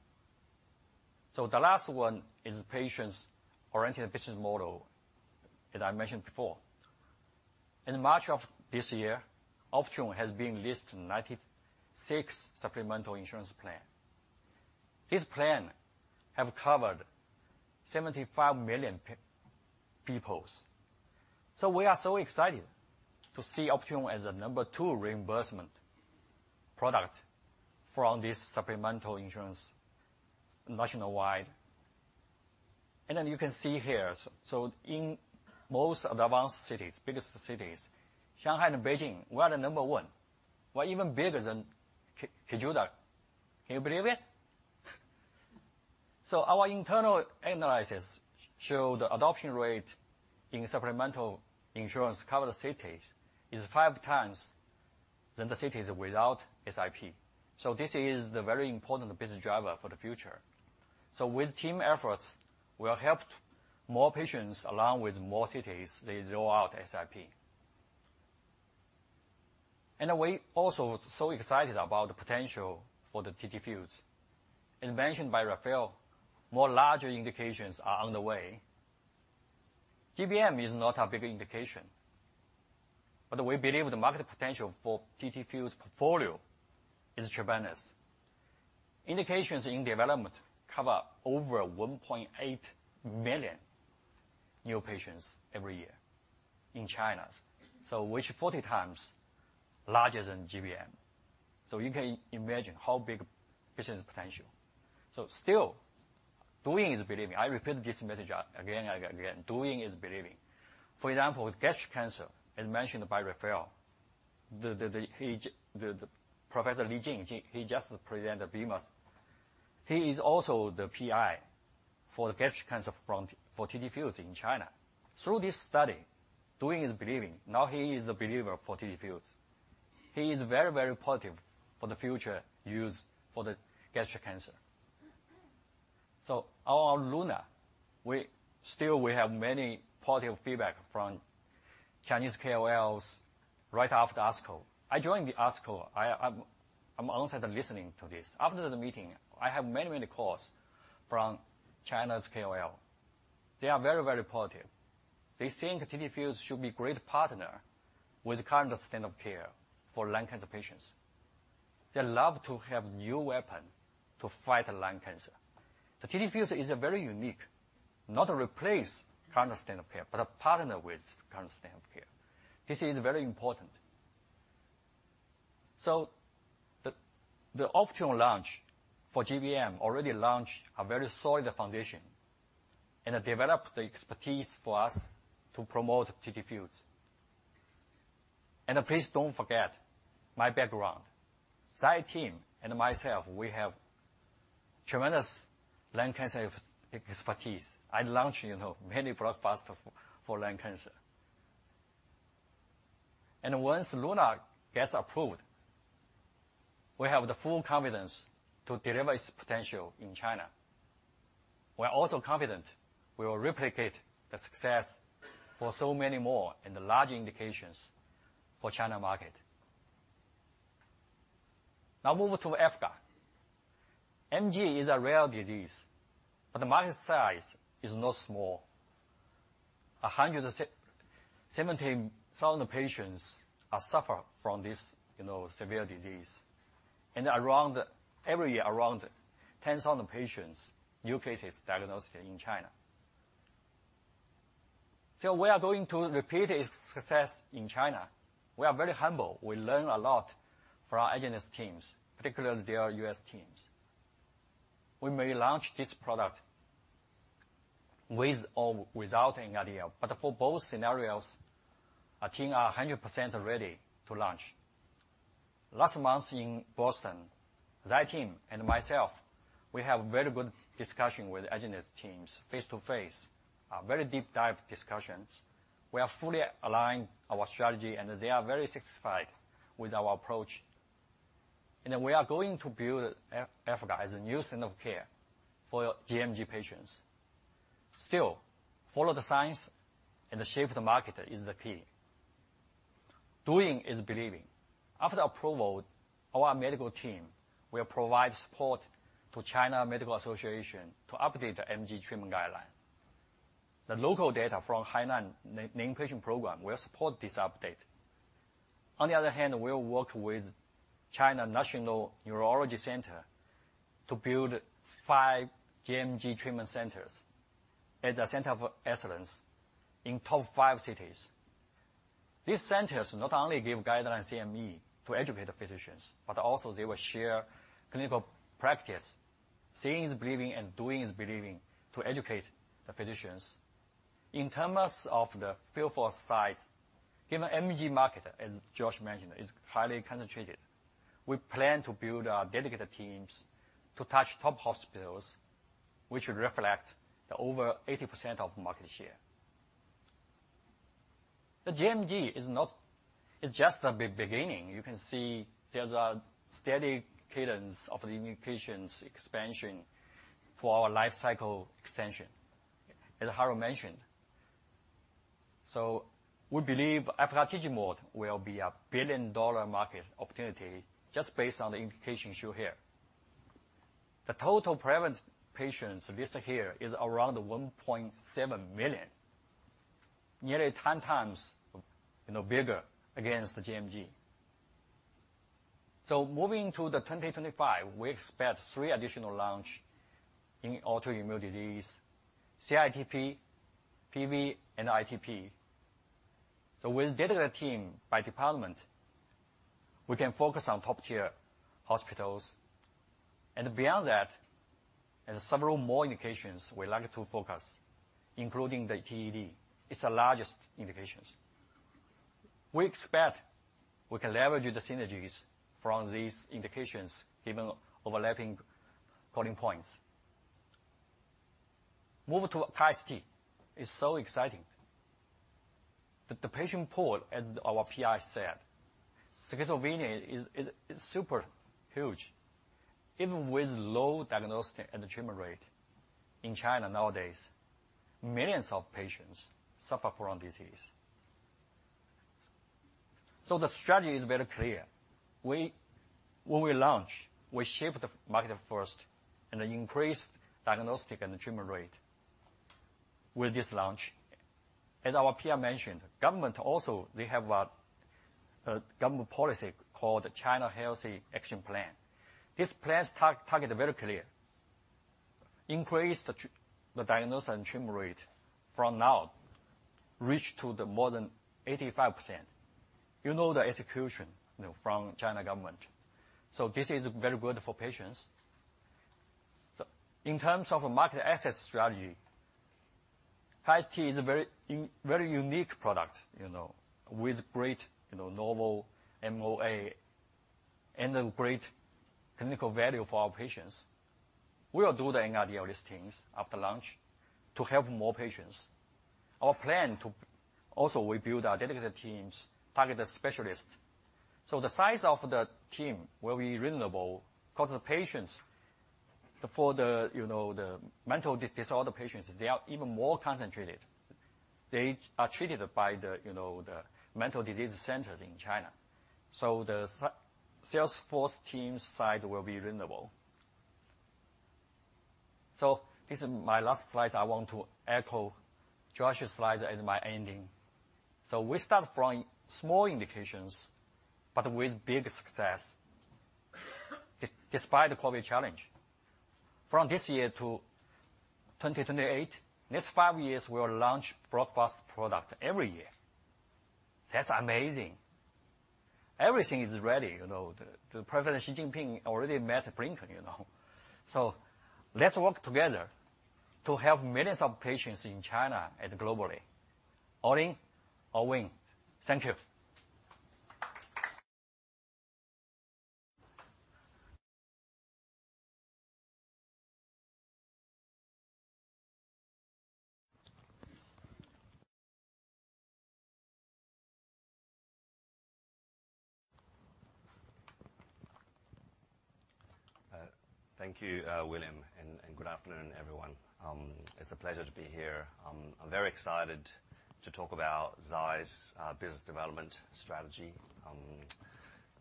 The last one is patients-oriented business model, as I mentioned before. In March of this year, OPTUNE has been listed in 96 supplemental insurance plan. This plan have covered $75 million peoples. We are so excited to see OPTUNE as the number two reimbursement product from this supplemental insurance nationwide. You can see here, in most of the advanced cities, biggest cities, Shanghai and Beijing, we are the number one. We're even bigger than KEYTRUDA. Can you believe it? Our internal analysis show the adoption rate in supplemental insurance covered cities is 5x than the cities without SIP. This is the very important business driver for the future. With team efforts, we are helped more patients, along with more cities, they roll out SIP. We also so excited about the potential for the TTFields. As mentioned by Rafael, more larger indications are on the way. GBM is not a big indication, but we believe the market potential for TTFields' portfolio is tremendous. Indications in development cover over 1.8 million new patients every year in China, so which 40x larger than GBM. You can imagine how big business potential. Still, doing is believing. I repeat this message again and again. Doing is believing. For example, with gastric cancer, as mentioned by Rafael, Professor Li Jin, he just presented at BIMAS. He is also the PI for the gastric cancer for TTFields in China. Through this study, doing is believing. Now he is a believer for TTFields. He is very positive for the future use for the gastric cancer. Our LUNAR, we still, we have many positive feedback from Chinese KOLs right after ASCO. I joined the ASCO. I'm also listening to this. After the meeting, I have many calls from China's KOL. They are very positive. They think TTFields should be great partner with current standard of care for lung cancer patients. They love to have new weapon to fight lung cancer. The TDFuze is a very unique, not a replace current standard of care, but a partner with current standard of care. This is very important. The optimal launch for GBM already launched a very solid foundation, and it developed the expertise for us to promote TDFuze. Please don't forget my background. Zai team and myself, we have tremendous lung cancer expertise. I launched, you know, many blockbuster for lung cancer. Once LUNAR gets approved, we have the full confidence to deliver its potential in China. We're also confident we will replicate the success for so many more in the large indications for China market. Move to AFGA. MG is a rare disease, but the market size is not small. 170,000 patients are suffer from this, you know, severe disease, and every year, around 10,000 patients, new cases diagnosed in China. We are going to repeat its success in China. We are very humble. We learn a lot from our argenx teams, particularly their U.S. teams. We may launch this product with or without an IDE, for both scenarios, our team are 100% ready to launch. Last month in Boston, Zai team and myself, we have very good discussion with argenx teams face-to-face, very deep dive discussions. We are fully aligned our strategy, they are very satisfied with our approach. We are going to build AFGA as a new standard of care for GMG patients. Still, follow the science and the shape of the market is the key. Doing is believing. After approval, our medical team will provide support to China Medical Association to update the MG treatment guideline. The local data from Hainan Named Patient Program will support this update. We will work with China National Clinical Research Center for Neurological Diseases to build five GMG treatment centers as a center of excellence in top five cities. These centers not only give guidelines, CME, to educate the physicians, but also they will share clinical practice. Seeing is believing, doing is believing to educate the physicians. In terms of the field force size, given MG market, as Josh mentioned, is highly concentrated, we plan to build our dedicated teams to touch top hospitals, which would reflect the over 80% of market share. The GMG is just the beginning. You can see there's a steady cadence of the indications expansion for our life cycle extension, as Harald mentioned. We believe AFGA strategic mode will be a billion-dollar market opportunity just based on the indications shown here. The total prevalent patients listed here is around $1.7 million, nearly 10 times, you know, bigger against the gMG. Moving to 2025, we expect three additional launch in autoimmune disease, CIDP, PV, and ITP. With dedicated team by department, we can focus on top-tier hospitals, and beyond that, there are several more indications we're likely to focus, including the TED. It's the largest indications. We expect we can leverage the synergies from these indications, given overlapping coding points. High-ST. It's so exciting. The patient pool, as our PI said, schizophrenia is super huge. Even with low diagnostic and treatment rate in China nowadays, millions of patients suffer from disease. The strategy is very clear. When we launch, we shape the market first and increase diagnostic and treatment rate with this launch. As our PI mentioned, government also, they have a government policy called Healthy China Action Plan. This plan's target is very clear: increase the diagnosis and treatment rate from now, reach to the more than 85%. You know, the execution, you know, from China government. This is very good for patients. In terms of a market access strategy, High-ST is a very unique product, you know, with great, you know, novel MOA and a great clinical value for our patients. We will do the IDE listings after launch to help more patients. Our plan to also we build our dedicated teams, target the specialists. The size of the team will be reasonable, 'cause the patients, for the, you know, the mental disorder patients, they are even more concentrated. They are treated by the, you know, the mental disease centers in China. The sales force team size will be reasonable. This is my last slide. I want to echo Josh's slides as my ending. We start from small indications, but with big success, despite the COVID challenge. From this year to 2028, next five years, we will launch broad-based product every year. That's amazing. Everything is ready, you know. The President Xi Jinping already met Lincoln, you know. Let's work together to help millions of patients in China and globally. All in or win. Thank you. Thank you, William, and good afternoon, everyone. It's a pleasure to be here. I'm very excited to talk about Zai's business development strategy.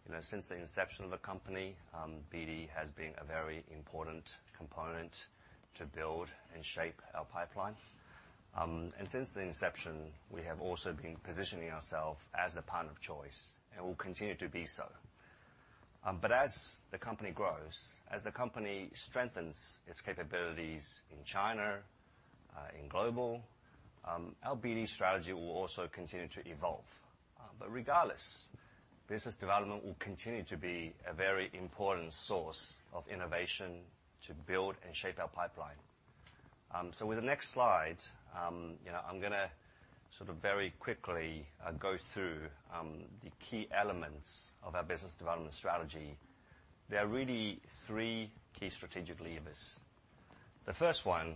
You know, since the inception of the company, BD has been a very important component to build and shape our pipeline. Since the inception, we have also been positioning ourselves as the partner of choice, and we'll continue to be so. As the company grows, as the company strengthens its capabilities in China, in global, our BD strategy will also continue to evolve. Regardless, business development will continue to be a very important source of innovation to build and shape our pipeline. With the next slide, you know, I'm gonna sort of very quickly go through the key elements of our business development strategy. There are really three key strategic levers. The first one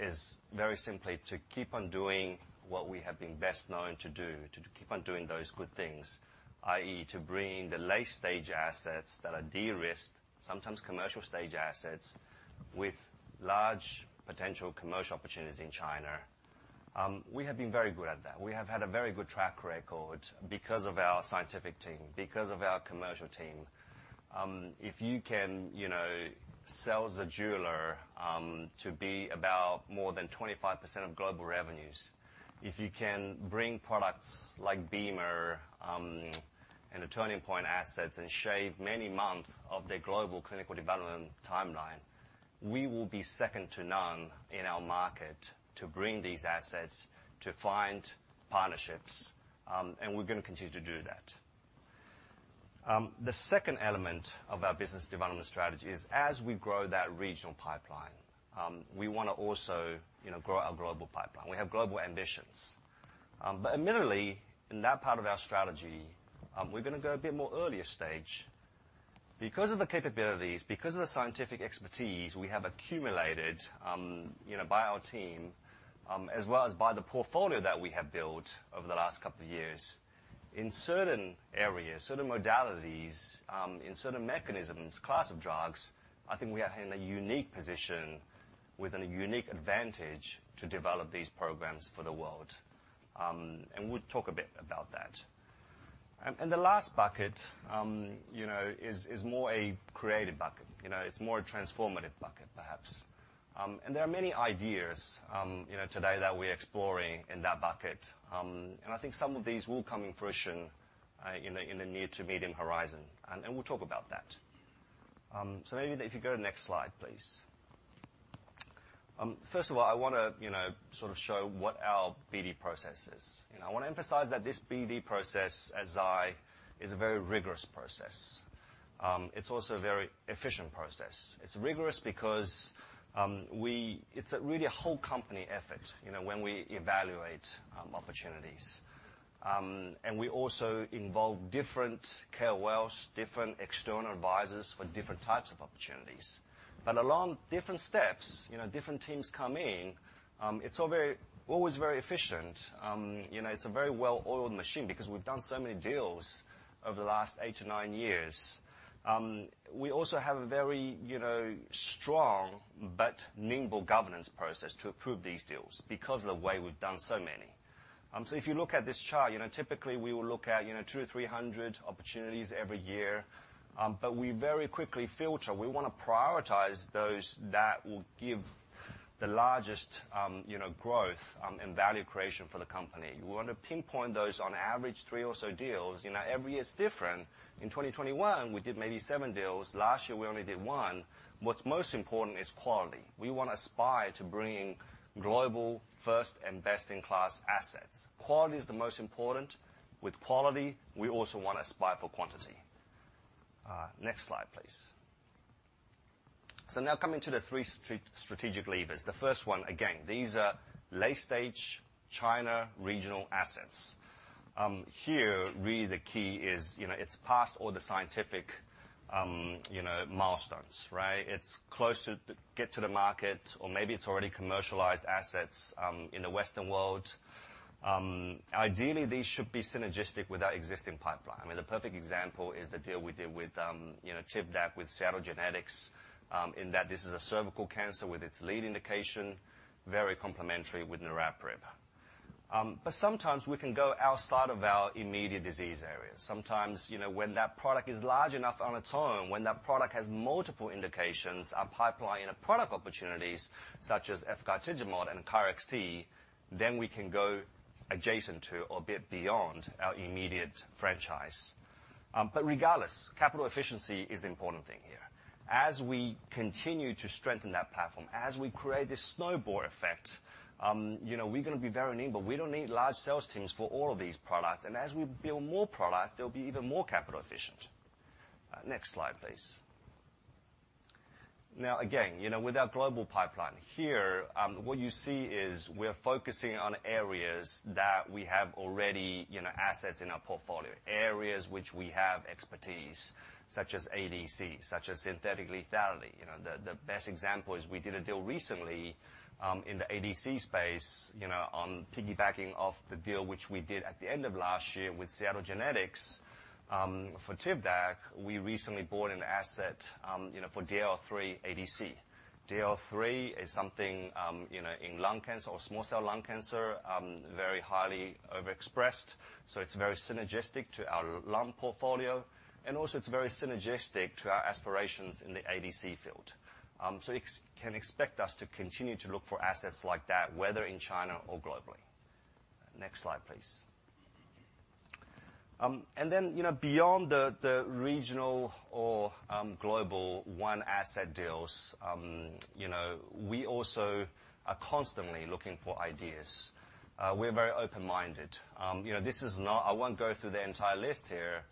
is very simply to keep on doing what we have been best known to do, to keep on doing those good things, i.e., to bring the late-stage assets that are de-risked, sometimes commercial-stage assets, with large potential commercial opportunities in China. We have been very good at that. We have had a very good track record because of our scientific team, because of our commercial team. If you can, you know, sell the ZEJULA, to be about more than 25% of global revenues, if you can bring products like bema, and the Turning Point Therapeutics assets, and shave many months of their global clinical development timeline, we will be second to none in our market to bring these assets to find partnerships, and we're gonna continue to do that. The second element of our business development strategy is as we wanna also, you know, grow our global pipeline. We have global ambitions. Admittedly, in that part of our strategy, we're gonna go a bit more earlier stage. Because of the capabilities, because of the scientific expertise we have accumulated, you know, by our team, as well as by the portfolio that we have built over the last couple of years, in certain areas, certain modalities, in certain mechanisms, class of drugs, I think we are in a unique position with a unique advantage to develop these programs for the world. We'll talk a bit about that. The last bucket, you know, is more a creative bucket. You know, it's more a transformative bucket, perhaps. There are many ideas, you know, today that we're exploring in that bucket. I think some of these will come in fruition, in a, in the near to medium horizon, and we'll talk about that. Maybe if you go to next slide, please. First of all, I wanna, you know, sort of show what our BD process is. I wanna emphasize that this BD process at Zai is a very rigorous process. It's also a very efficient process. It's rigorous because, it's really a whole company effort, you know, when we evaluate, opportunities. We also involve different KOL, different external advisors for different types of opportunities. Along different steps, you know, different teams come in, it's all very, always very efficient. You know, it's a very well-oiled machine because we've done so many deals over the last eight to nine years. We also have a very, you know, strong but nimble governance process to approve these deals because of the way we've done so many. If you look at this chart, you know, typically we will look at, you know, 200 or 300 opportunities every year. We very quickly filter. We wanna prioritize those that will give the largest, you know, growth, and value creation for the company. We want to pinpoint those on average three or so deals. You know, every year is different. In 2021, we did maybe seven deals. Last year, we only did one. What's most important is quality. We wanna aspire to bringing global first and best-in-class assets. Quality is the most important. With quality, we also wanna aspire for quantity. Next slide, please. Now coming to the three strategic levers. The first one, again, these are late-stage China regional assets. Here, really the key is, you know, it's past all the scientific milestones, right? It's close to get to the market, or maybe it's already commercialized assets in the Western world. Ideally, these should be synergistic with our existing pipeline. I mean, the perfect example is the deal we did with, you know, Tibotec with Seattle Genetics. In that this is a cervical cancer with its lead indication, very complementary with niraparib. Sometimes we can go outside of our immediate disease area. Sometimes, you know, when that product is large enough on its own, when that product has multiple indications, our pipeline and product opportunities, such as efgartigimod and KARXT, then we can go adjacent to, or a bit beyond our immediate franchise. Regardless, capital efficiency is the important thing here. As we continue to strengthen that platform, as we create this snowball effect, you know, we're gonna be very nimble. We don't need large sales teams for all of these products, and as we build more products, they'll be even more capital efficient. Next slide, please. Again, you know, with our global pipeline here, what you see is we're focusing on areas that we have already, you know, assets in our portfolio. Areas which we have expertise, such as ADC, such as synthetic lethality. You know, the best example is we did a deal recently, in the ADC space, you know, on piggybacking off the deal, which we did at the end of last year with Seagen. For Tivdak, we recently bought an asset, you know, for DLL3 ADC. DLL3 is something, you know, in lung cancer or small cell lung cancer, very highly overexpressed, so it's very synergistic to our lung portfolio, and also it's very synergistic to our aspirations in the ADC field. So you can expect us to continue to look for assets like that, whether in China or globally. Next slide, please. Beyond the regional or, global one asset deals, you know, we also are constantly looking for ideas. We're very open-minded. You know, this is not... I won't go through the entire list here,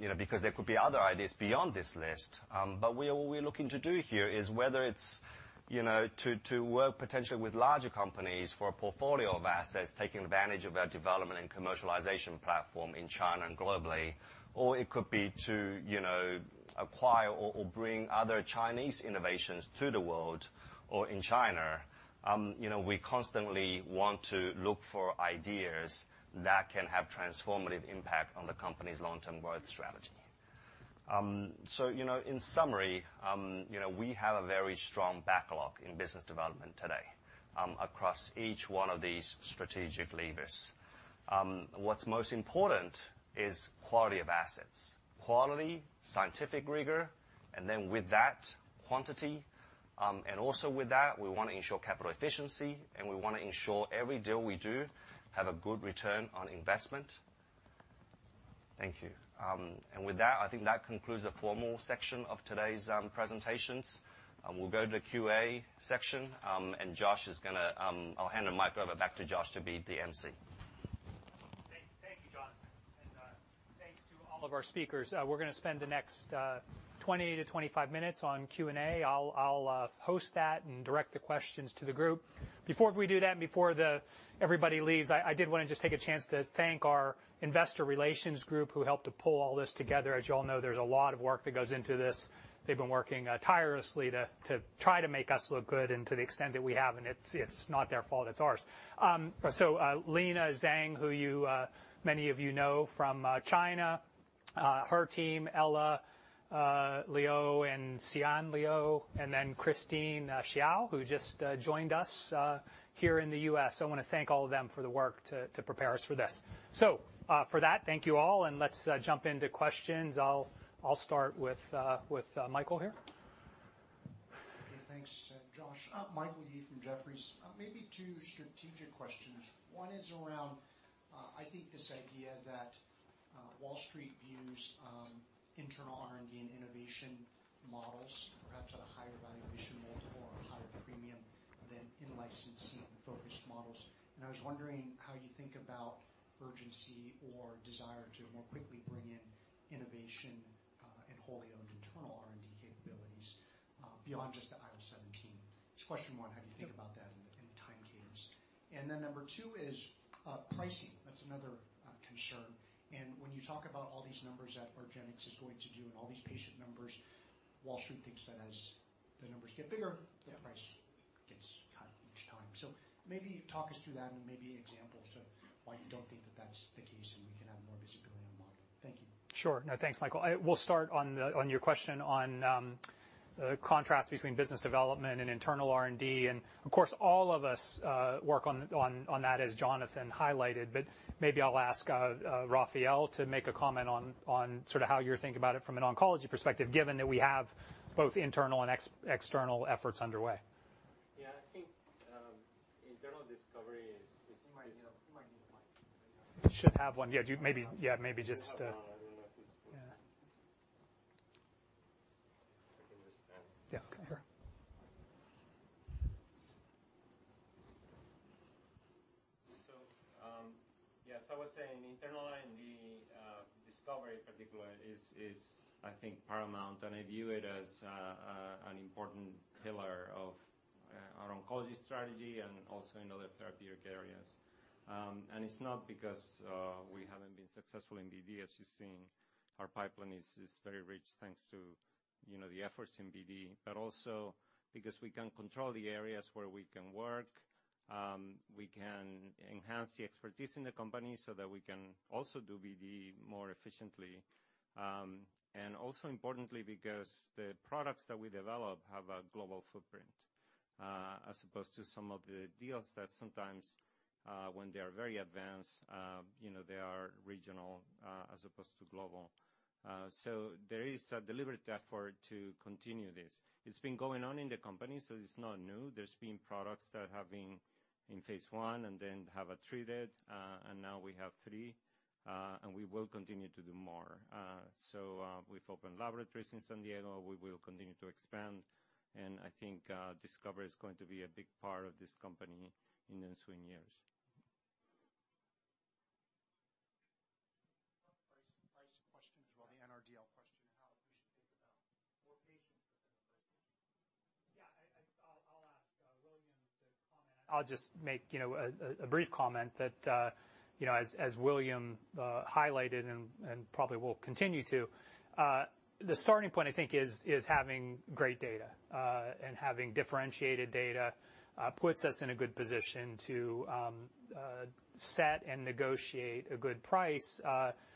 you know, because there could be other ideas beyond this list. What we're looking to do here is whether it's, you know, to work potentially with larger companies for a portfolio of assets, taking advantage of our development and commercialization platform in China and globally. Or it could be to, you know, acquire or bring other Chinese innovations to the world or in China. You know, we constantly want to look for ideas that can have transformative impact on the company's long-term growth strategy. You know, in summary, you know, we have a very strong backlog in business development today, across each one of these strategic levers. What's most important is quality of assets, quality, scientific rigor, and then with that, quantity. Also with that, we want to ensure capital efficiency, and we want to ensure every deal we do have a good return on investment. Thank you. With that, I think that concludes the formal section of today's presentations. We'll go to the QA section, I'll hand the mic over back to Josh to be the emcee. Thank you, thank you, John. Thanks to all of our speakers. We're gonna spend the next 20-25 minutes on Q&A. I'll host that and direct the questions to the group. Before we do that, and before everybody leaves, I did wanna just take a chance to thank our investor relations group, who helped to pull all this together. As you all know, there's a lot of work that goes into this. They've been working tirelessly to try to make us look good and to the extent that we have, and it's not their fault, it's ours. Lena Zhang, who you, many of you know from, China, her team, Ella, Leo, and Sian Leo, and then Christine Xiao, who just, joined us, here in the U.S. I wanna thank all of them for the work to prepare us for this. For that, thank you all, and let's jump into questions. I'll start with Michael here. Okay, thanks, Josh. Michael Yee from Jefferies. Maybe two strategic questions. One is around, I think this idea that Wall Street views internal R&D and innovation models, perhaps at a higher valuation, multiple or a higher premium than in-licensing focused models. I was wondering how you think about urgency or desire to more quickly bring in innovation and wholly owned internal R&D capabilities beyond just the IL-17. Just question one, how do you think about that in time caves? Then number two is pricing. That's another concern. When you talk about all these numbers that argenx is going to do and all these patient numbers, Wall Street thinks that as the numbers get bigger- Yeah... the price gets cut each time. Maybe talk us through that and maybe examples of why you don't think that that's the case, and we can have more visibility in the market. Thank you. Sure. No, thanks, Michael. We'll start on your question on contrast between business development and internal R&D, of course, all of us work on that, as Jonathan highlighted. Maybe I'll ask Rafael to make a comment on sort of how you think about it from an oncology perspective, given that we have both internal and external efforts underway. I think, internal discovery is. You might need a mic. Should have one. Yeah, do you maybe... Yeah, maybe just. I don't know. Yeah. I can just stand. Yeah. Okay, here. Yeah, so I was saying internal R&D, discovery in particular, is, I think. I view it as an important pillar of our oncology strategy and also in other therapeutic areas. It's not because we haven't been successful in BD, as you've seen. Our pipeline is very rich, thanks to, you know, the efforts in BD, but also because we can control the areas where we can work. We can enhance the expertise in the company so that we can also do BD more efficiently. Also importantly, because the products that we develop have a global footprint, as opposed to some of the deals that sometimes, when they are very advanced, you know, they are regional, as opposed to global. There is a deliberate effort to continue this. It's been going on in the company, so it's not new. There's been products that have been in phase I and then have a treated, and now we have three, and we will continue to do more. We've opened laboratories in San Diego. We will continue to expand, and I think, discovery is going to be a big part of this company in the ensuing years. Price questions about the NRDL question, how we should think about more patients? Yeah, I'll ask William to comment. I'll just make, you know, a brief comment that, you know, as William highlighted and probably will continue to. The starting point, I think, is having great data and having differentiated data puts us in a good position to set and negotiate a good price.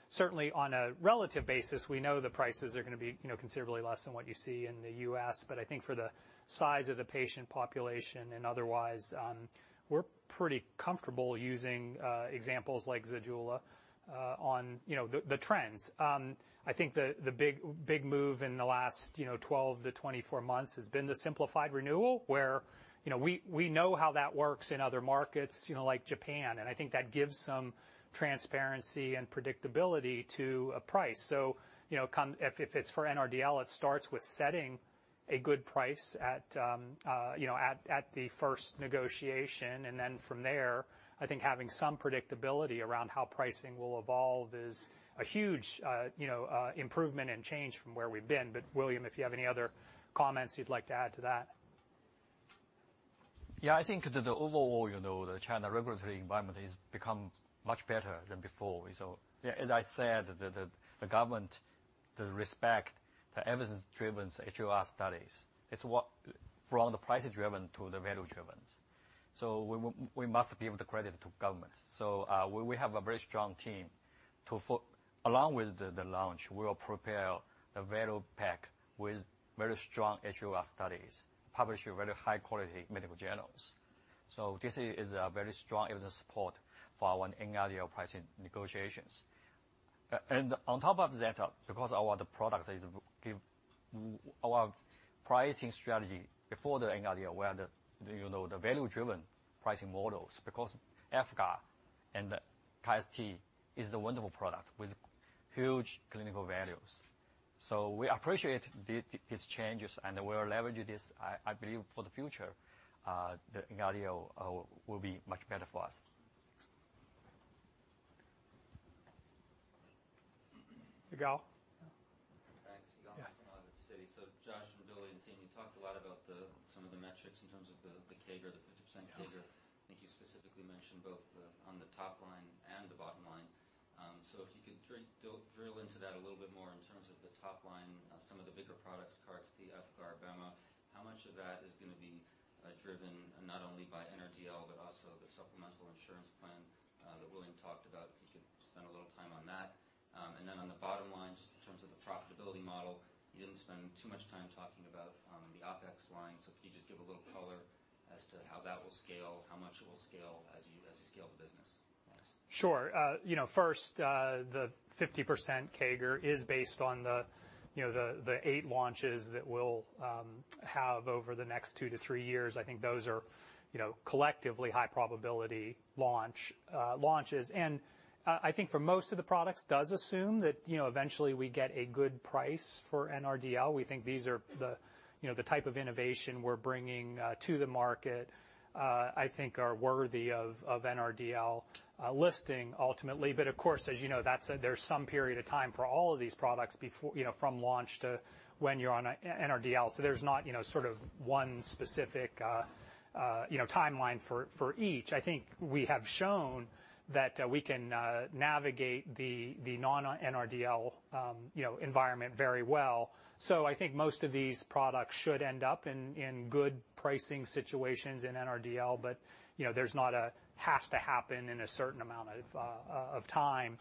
Certainly on a relative basis, we know the prices are gonna be, you know, considerably less than what you see in the U.S. I think for the size of the patient population and otherwise, we're pretty comfortable using examples like ZEJULA on, you know, the trends. I think the big, big move in the last, you know, 12-24 months has been the simplified renewal, where, you know, we know how that works in other markets, you know, like Japan, and I think that gives some transparency and predictability to a price. If it's for NRDL, it starts with setting a good price at, you know, at the first negotiation, and then from there, I think having some predictability around how pricing will evolve is a huge, you know, improvement and change from where we've been. William, if you have any other comments you'd like to add to that? Yeah, I think the overall, you know, the China regulatory environment has become much better than before. As I said, the government, they respect the evidence-driven HEOR studies. From the price-driven to the value-driven. We must give the credit to government. We have a very strong team along with the launch, we will prepare a very pack with very strong HEOR studies, publish very high-quality medical journals. This is a very strong evidence support for our NRDL pricing negotiations. On top of that, because our product is give our pricing strategy before the NRDL, where the, you know, the value-driven pricing models, because FGFR and the KYST is a wonderful product with huge clinical values. We appreciate these changes, and we are leveraging this. I believe, for the future, the NRDL will be much better for us. Yigal? Thanks, Yigal Amlan with Citi. Yeah. Josh, and William, and team, you talked a lot about some of the metrics in terms of the CAGR, the 50% CAGR. Yeah. I think you specifically mentioned both, on the top line and the bottom line. If you could drill into that a little bit more in terms of the top line, some of the bigger products, KARXT, efgartigimod, bema, how much of that is gonna be, driven not only by NRDL but also the supplemental insurance plan, that William talked about? If you could spend a little time on that. On the bottom line, just in terms of the profitability model, you didn't spend too much time talking about, the OpEx line. If you just give a little color as to how that will scale, how much it will scale as you scale the business. Sure. You know, first, the 50% CAGR is based on the, you know, the eight launches that we'll have over the next two to three years. I think those are, you know, collectively high probability launch launches. I think for most of the products, does assume that, you know, eventually we get a good price for NRDL. We think these are the, you know, the type of innovation we're bringing to the market, I think are worthy of NRDL listing ultimately. Of course, as you know, that's. There's some period of time for all of these products, you know, from launch to when you're on a NRDL. There's not, you know, sort of one specific, you know, timeline for each. I think we have shown that, we can navigate the non-NRDL, you know, environment very well. I think most of these products should end up in good pricing situations in NRDL, but, you know, there's not a has to happen in a certain amount of time.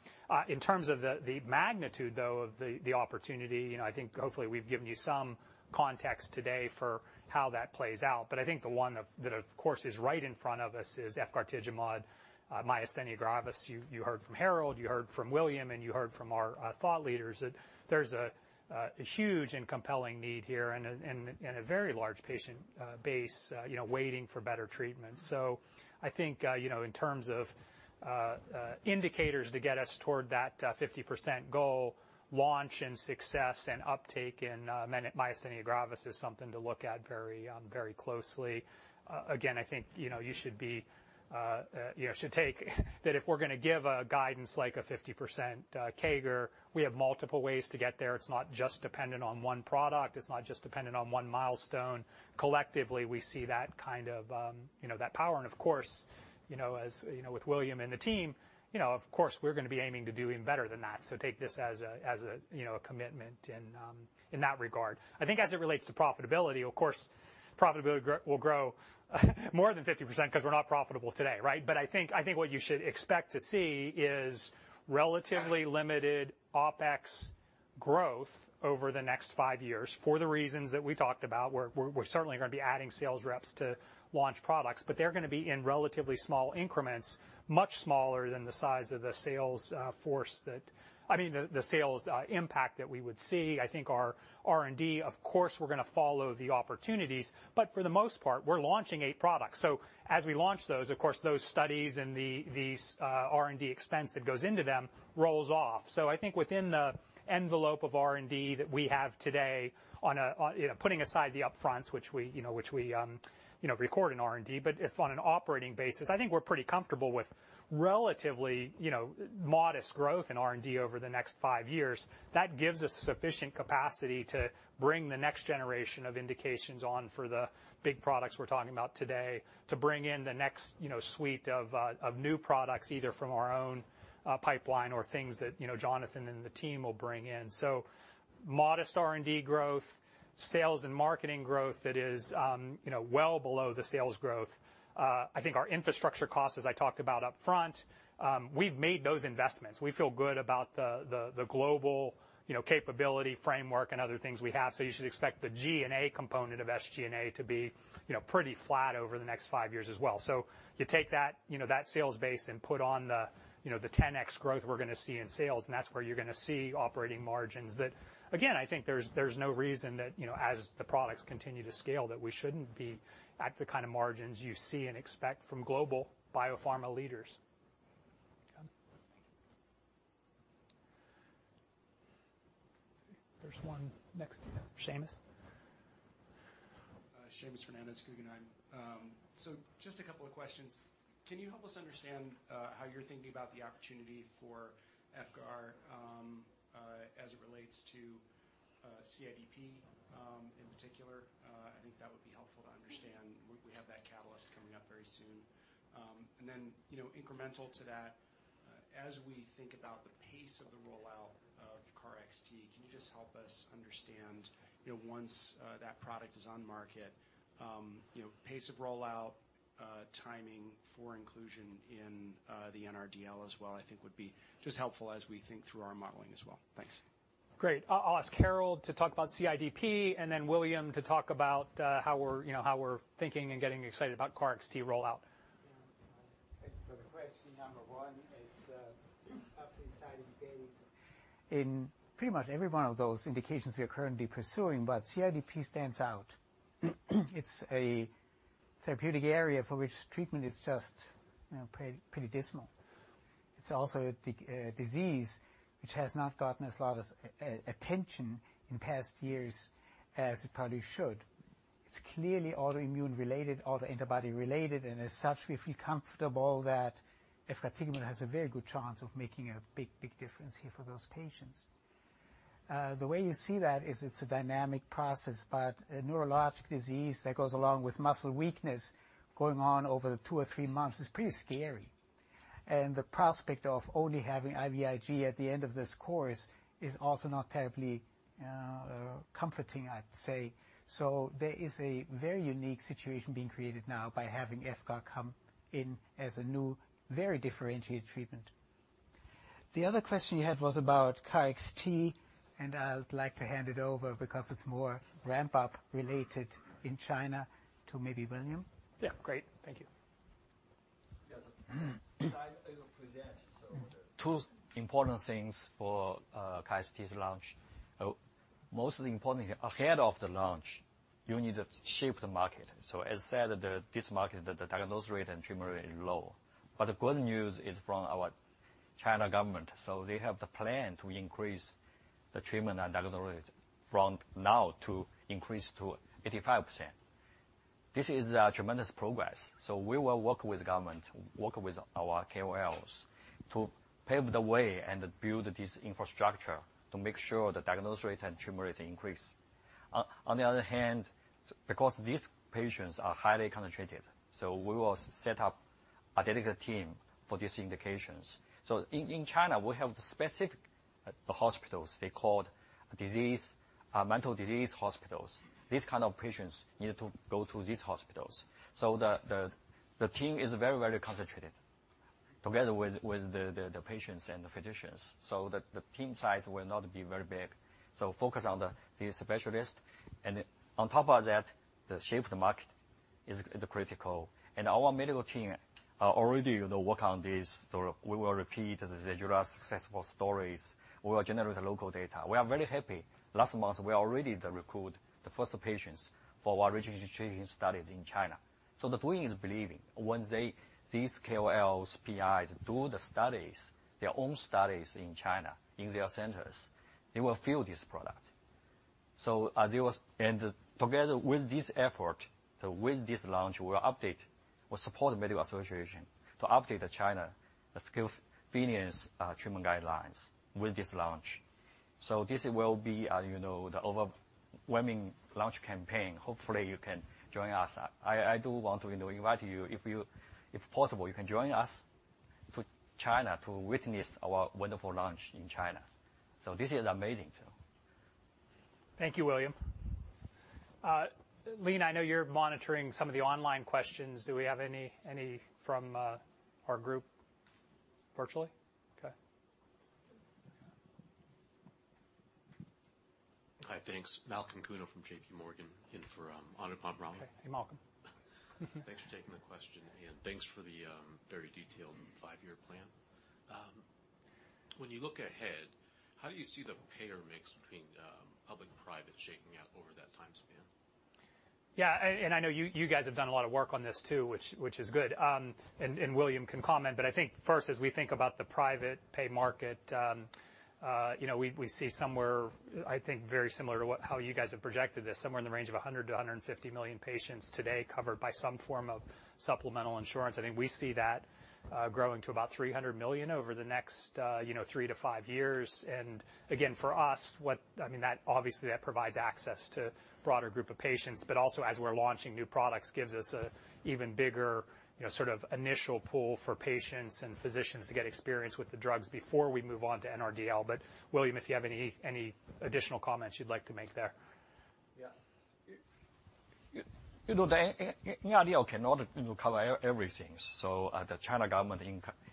In terms of the magnitude, though, of the opportunity, you know, I think hopefully, we've given you some context today for how that plays out. I think the one that, of course, is right in front of us is Efgartigimod, myasthenia gravis. You heard from Harald, you heard from William, and you heard from our thought leaders, that there's a huge and compelling need here and a very large patient base, you know, waiting for better treatment. I think, you know, in terms of indicators to get us toward that 50% goal, launch and success and uptake in myasthenia gravis is something to look at very closely. Again, I think, you know, you should take that if we're gonna give a guidance, like a 50% CAGR, we have multiple ways to get there. It's not just dependent on one product. It's not just dependent on one milestone. Collectively, we see that kind of, you know, that power. Of course, you know, as you know, with William and the team, you know, of course, we're gonna be aiming to do even better than that. Take this as a, as a, you know, a commitment in that regard. I think as it relates to profitability, of course, profitability will grow more than 50%, 'cause we're not profitable today, right? I think what you should expect to see is relatively limited OpEx growth over the next five years for the reasons that we talked about, where we're certainly gonna be adding sales reps to launch products. They're gonna be in relatively small increments, much smaller than the size of the sales force that. I mean, the sales impact that we would see. I think our R&D, of course, we're gonna follow the opportunities, but for the most part, we're launching eight products. As we launch those, of course, those studies and the R&D expense that goes into them rolls off. I think within the envelope of R&D that we have today on, you know, putting aside the upfronts, which we, you know, record in R&D, but if on an operating basis, I think we're pretty comfortable with relatively, you know, modest growth in R&D over the next five years. That gives us sufficient capacity to bring the next generation of indications on for the big products we're talking about today, to bring in the next, you know, suite of new products, either from our own pipeline or things that, you know, Jonathan and the team will bring in. Modest R&D growth, sales and marketing growth that is, you know, well below the sales growth. I think our infrastructure costs, as I talked about upfront, we've made those investments. We feel good about the global, you know, capability framework and other things we have. You should expect the G&A component of SG&A to be, you know, pretty flat over the next five years as well. You take that, you know, that sales base and put on the, you know, the 10x growth we're gonna see in sales, That's where you're gonna see operating margins that, again, I think there's no reason that, you know, as the products continue to scale, that we shouldn't be at the kind of margins you see and expect from global biopharma leaders. There's one next to Seamus. Seamus Fernandez, Guggenheim. Just a couple of questions. Can you help us understand how you're thinking about the opportunity for Fgar as it relates to CIDP in particular? I think that would be helpful to understand. We have that catalyst coming up very soon. And then, you know, incremental to that, as we think about the pace of the rollout of KARXT, can you just help us understand, you know, once that product is on market, you know, pace of rollout, timing for inclusion in the NRDL as well, I think would be just helpful as we think through our modeling as well. Thanks. Great. I'll ask Harald to talk about CIDP and then William to talk about how we're, you know, how we're thinking and getting excited about KARXT rollout. Thank you for the question. Number one, it's exciting days in pretty much every one of those indications we are currently pursuing, but CIDP stands out. It's a therapeutic area for which treatment is just, you know, pretty dismal. It's also a disease which has not gotten as lot of attention in past years as it probably should. It's clearly autoimmune related, autoantibody related, and as such, we feel comfortable that if efgartigimod has a very good chance of making a big, big difference here for those patients. The way you see that is it's a dynamic process, but a neurologic disease that goes along with muscle weakness going on over two or three months is pretty scary. The prospect of only having IVIG at the end of this course is also not terribly comforting, I'd say. There is a very unique situation being created now by having FGFR come in as a new, very differentiated treatment. The other question you had was about KARXT, and I would like to hand it over, because it's more ramp-up related in China, to maybe William? Yeah. Great, thank you. Yes. I will present two important things for KARXT launch. Most importantly, ahead of the launch, you need to shape the market. As said, this market, the diagnosis rate and treatment rate is low. The good news is from our China government, they have the plan to increase the treatment and diagnosis rate from now to increase to 85%. This is tremendous progress, we will work with government, work with our KOLs, to pave the way and build this infrastructure to make sure the diagnosis rate and treatment rate increase. On the other hand, because these patients are highly concentrated, we will set up a dedicated team for these indications. In China, we have the specific hospitals. They called mental disease hospitals. These kind of patients need to go to these hospitals, so the team is very concentrated together with the patients and the physicians, so the team size will not be very big. Focus on these specialists, and on top of that, the shape of the market is critical. Our medical team already work on this. We will repeat the ZEJULA successful stories. We will generate the local data. We are very happy. Last month, we already recruit the first patients for our registration studies in China. The belief is believing once these KOLs, PIs, do the studies, their own studies in China, in their centers, they will feel this product. As it was... Together with this effort, with this launch, we'll update, we'll support the medical association to update the China scarce disease, treatment guidelines with this launch. This will be a, you know, the overwhelming launch campaign. Hopefully, you can join us. I do want to invite you. If you, if possible, you can join us to China to witness our wonderful launch in China. This is amazing. Thank you, William. Lean, I know you're monitoring some of the online questions. Do we have any from our group virtually? Okay. Hi, thanks. Malcolm Kuno from JPMorgan, in for Anupam Rama. Hey, Malcolm. Thanks for taking the question, and thanks for the very detailed five-year plan. When you look ahead, how do you see the payer mix between public-private shaking out over that time span? Yeah, I know you guys have done a lot of work on this too, which is good. William can comment, but I think first, as we think about the private pay market, you know, we see somewhere, I think very similar to how you guys have projected this, somewhere in the range of 100 million-150 million patients today covered by some form of supplemental insurance. I think we see that growing to about 300 million over the next, you know, three to five years. Again, for us, I mean, that obviously, that provides access to broader group of patients, but also as we're launching new products, gives us a even bigger, you know, sort of initial pool for patients and physicians to get experience with the drugs before we move on to NRDL. William, if you have any additional comments you'd like to make there? Yeah. You know, the NRDL cannot cover everything. The China government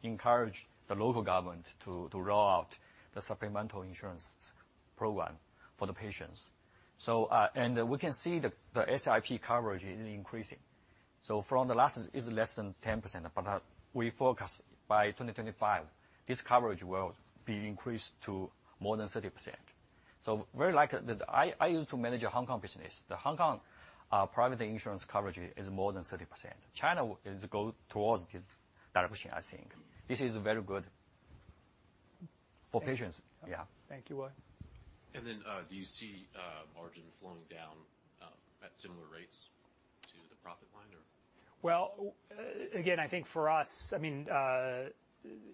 encourage the local government to roll out the supplemental insurance program for the patients. We can see the SIP coverage is increasing. From the last, is less than 10%, but we forecast by 2025, this coverage will be increased to more than 30%. Very likely that I used to manage a Hong Kong business. The Hong Kong private insurance coverage is more than 30%. China is going towards this direction, I think. This is very good for patients. Yeah. Thank you, William. Do you see margin flowing down at similar rates to the profit line or? Well, again, I think for us, I mean,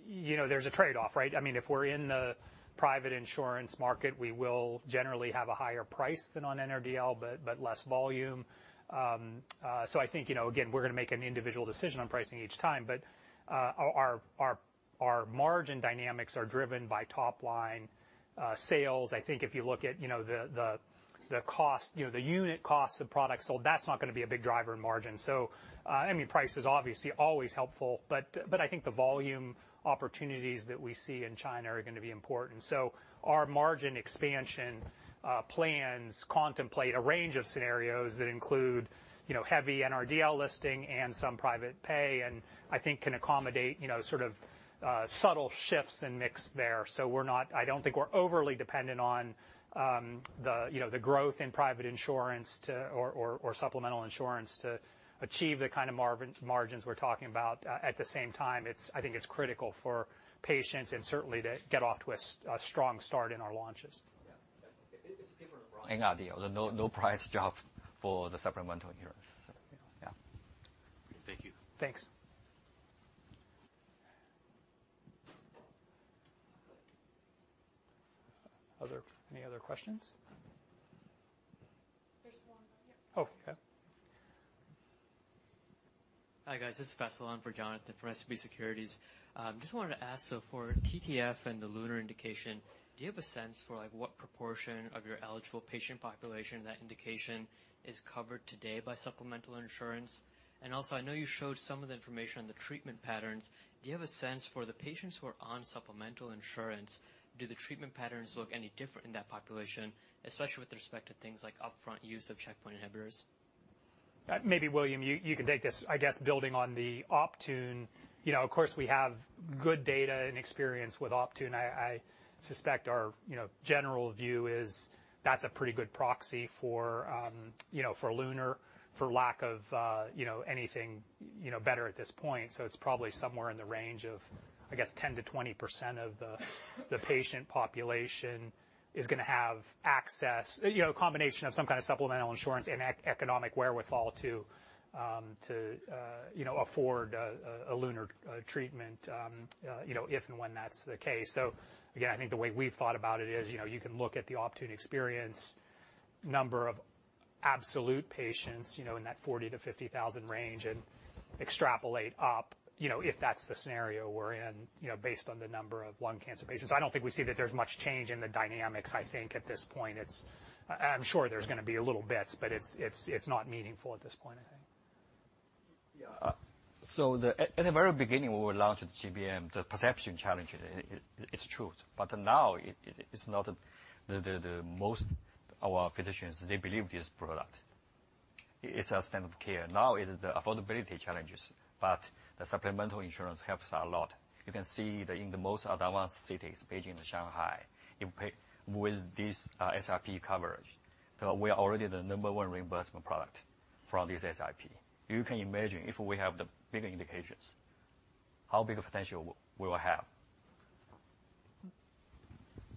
you know, there's a trade-off, right? I mean, if we're in the private insurance market, we will generally have a higher price than on NRDL, but less volume. I think, you know, again, we're going to make an individual decision on pricing each time, but our margin dynamics are driven by top line sales. I think if you look at, you know, the cost, you know, the unit cost of products sold, that's not going to be a big driver in margin. I mean, price is obviously always helpful, but I think the volume opportunities that we see in China are going to be important. Our margin expansion plans contemplate a range of scenarios that include, you know, heavy NRDL listing and some private pay, and I think can accommodate, you know, sort of subtle shifts in mix there. I don't think we're overly dependent on the, you know, the growth in private insurance to or, or supplemental insurance to achieve the kind of margins we're talking about. At the same time, I think it's critical for patients, and certainly to get off to a strong start in our launches. Yeah. It's different in NRDL, the low, low price job for the supplemental insurance. Yeah. Thank you. Thanks. Other... Any other questions? There's one here. Oh, okay. Hi, guys. This is Basil on for Jon from SVB Securities. Just wanted to ask, for TTF and the LUNAR indication, do you have a sense for like, what proportion of your eligible patient population that indication is covered today by supplemental insurance? I know you showed some of the information on the treatment patterns. Do you have a sense for the patients who are on supplemental insurance, do the treatment patterns look any different in that population, especially with respect to things like upfront use of checkpoint inhibitors? Maybe William, you can take this, I guess, building on the OPTUNE. You know, of course, we have good data and experience with OPTUNE. I suspect our, you know, general view is that's a pretty good proxy for, you know, for LUNAR, for lack of, you know, anything, you know, better at this point. It's probably somewhere in the range of, I guess, 10%-20% of the patient population is going to have access. You know, a combination of some kind of supplemental insurance and economic wherewithal to, you know, afford a LUNAR treatment, you know, if and when that's the case. Again, I think the way we've thought about it is, you know, you can look at the OPTUNE experience, number of absolute patients, you know, in that 40,000-50,000 range, and extrapolate up, you know, if that's the scenario we're in, you know, based on the number of non-small cell lung cancer patients. I don't think we see that there's much change in the dynamics, I think, at this point. I'm sure there's going to be a little bit, but it's not meaningful at this point, I think. At the very beginning, when we launched GBM, the perception challenge, it's true. Now, it's not the most our physicians, they believe this product. It's a standard of care. Now, it's the affordability challenges. The supplemental insurance helps a lot. You can see that in the most advanced cities, Beijing and Shanghai, impact with this SIP coverage. We are already the number one reimbursement product for this SIP. You can imagine if we have the bigger indications, how big a potential we will have.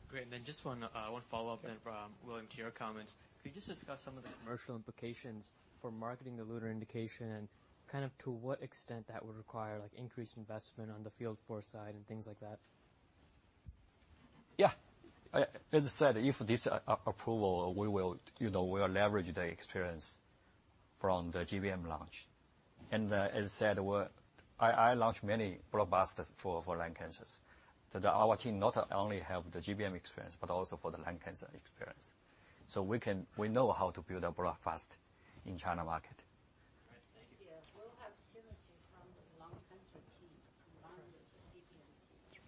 Great. Just one follow-up then from William, to your comments. Could you just discuss some of the commercial implications for marketing the LUNAR indication and kind of to what extent that would require, like, increased investment on the field force side and things like that? Yeah, as I said, if this approval, we will, you know, we will leverage the experience from the GBM launch. As I said, I launched many blockbuster for lung cancers. Our team not only have the GBM experience, but also for the lung cancer experience. We know how to build a blockbuster in China market.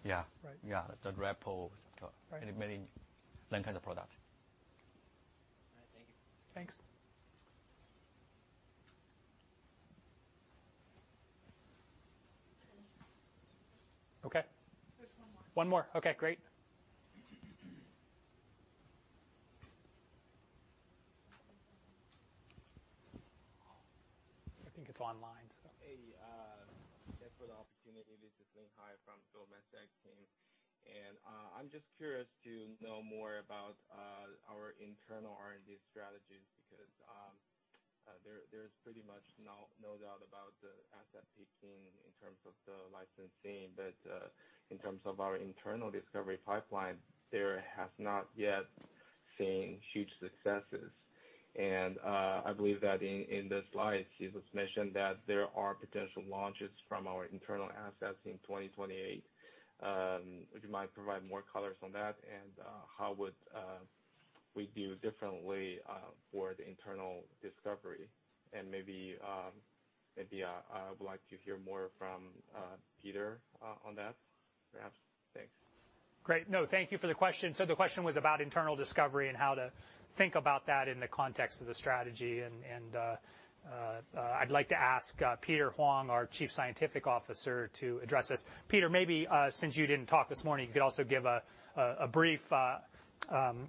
Thank you. We'll have synergy from the lung cancer team. Yeah. Right. Yeah, the repo. Right many lung cancer product. All right, thank you. Thanks. Okay. Just one more. One more. Okay, great. I think it's online, so. Hey, thanks for the opportunity. This is Linhai Zhao from Goldman Sachs team. I'm just curious to know more about our internal R&D strategies because there's pretty much no doubt about the asset peaking in terms of the licensing. In terms of our internal discovery pipeline, there has not yet seen huge successes. I believe that in the slides, it was mentioned that there are potential launches from our internal assets in 2028. Would you mind providing more colors on that, and how would we do differently for the internal discovery? Maybe I would like to hear more from Peter on that, perhaps. Thanks. Great. No, thank you for the question. The question was about internal discovery and how to think about that in the context of the strategy. I'd like to ask Peter Huang, our Chief Scientific Officer, to address this. Peter, maybe, since you didn't talk this morning, you could also give a brief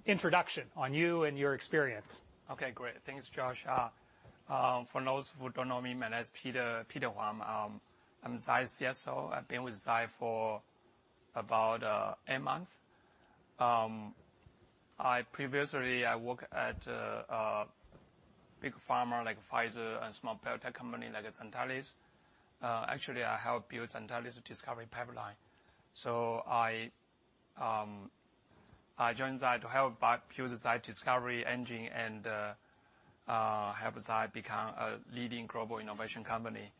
introduction on you and your experience. Okay, great. Thanks, Josh. For those who don't know me, my name is Peter Huang. I'm Zai Lab CSO. I've been with Zai Lab for about eight months. I previously I work at a big pharma like Pfizer and small biotech company like Zentalis. Actually, I helped build Zentalis discovery pipeline. I joined Zai Lab help build the Zai Lab discovery engine and help Zai Lab become a leading global innovation company.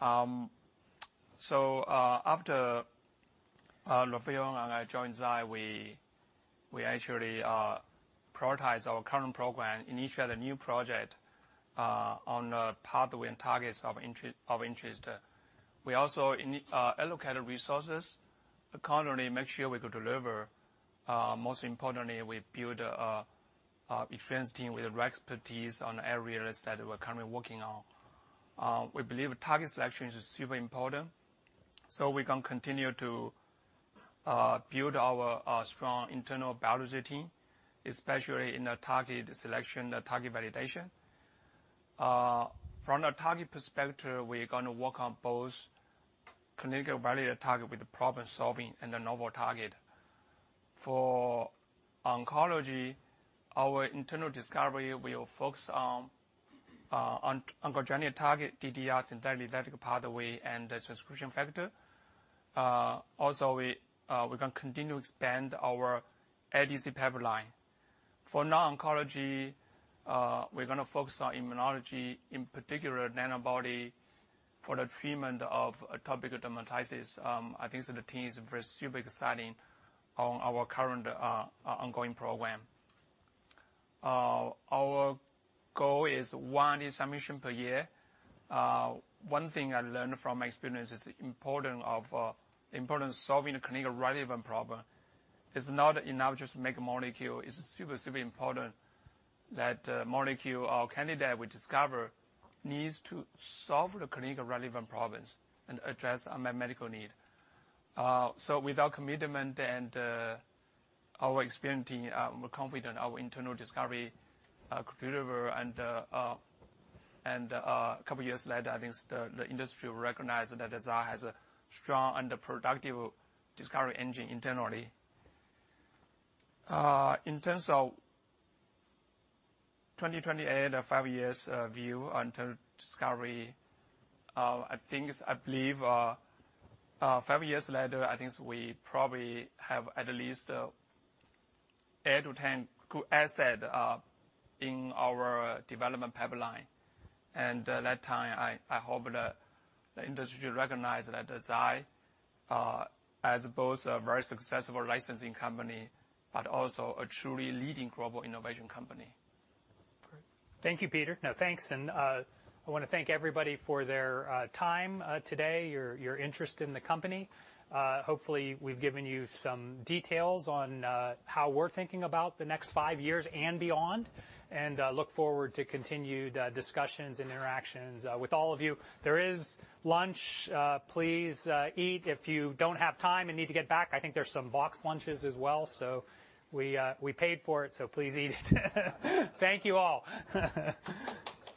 After Rafael and I joined Zai Lab, we actually prioritize our current program and initiate a new project on the pathway and targets of interest. We also allocated resources accordingly, make sure we could deliver, most importantly, we build a experienced team with expertise on areas that we're currently working on. We believe target selection is super important, so we can continue to build our strong internal biology team, especially in the target selection, the target validation. From a target perspective, we're gonna work on both clinical value target with the problem-solving and the novel target. For oncology, our internal discovery will focus on oncogenic target, DDR, entirely medical pathway, and the transcription factor. Also, we're gonna continue to expand our ADC pipeline. For non-oncology, we're gonna focus on immunology, in particular nanobody, for the treatment of atopic dermatitis. I think the team is super exciting on our current ongoing program. Our goal is one submission per year. One thing I learned from my experience is the importance of solving a clinically relevant problem. It's not enough just to make a molecule. It's super important that molecule or candidate we discover needs to solve the clinical relevant problems and address unmet medical need. With our commitment and our experience team, we're confident our internal discovery deliver. A couple years later, I think the industry will recognize that Zai Lab has a strong and productive discovery engine internally. In terms of 2028, a five years view on term discovery, I believe five years later, I think we probably have at least 8-10 good asset in our development pipeline. That time, I hope the industry recognize that Zai Lab as both a very successful licensing company, but also a truly leading global innovation company. Great. Thank you, Peter. No, thanks, and I want to thank everybody for their time today, your interest in the company. Hopefully, we've given you some details on how we're thinking about the next five years and beyond, and look forward to continued discussions and interactions with all of you. There is lunch, please eat. If you don't have time and need to get back, I think there's some boxed lunches as well. We paid for it, so please eat it. Thank you all.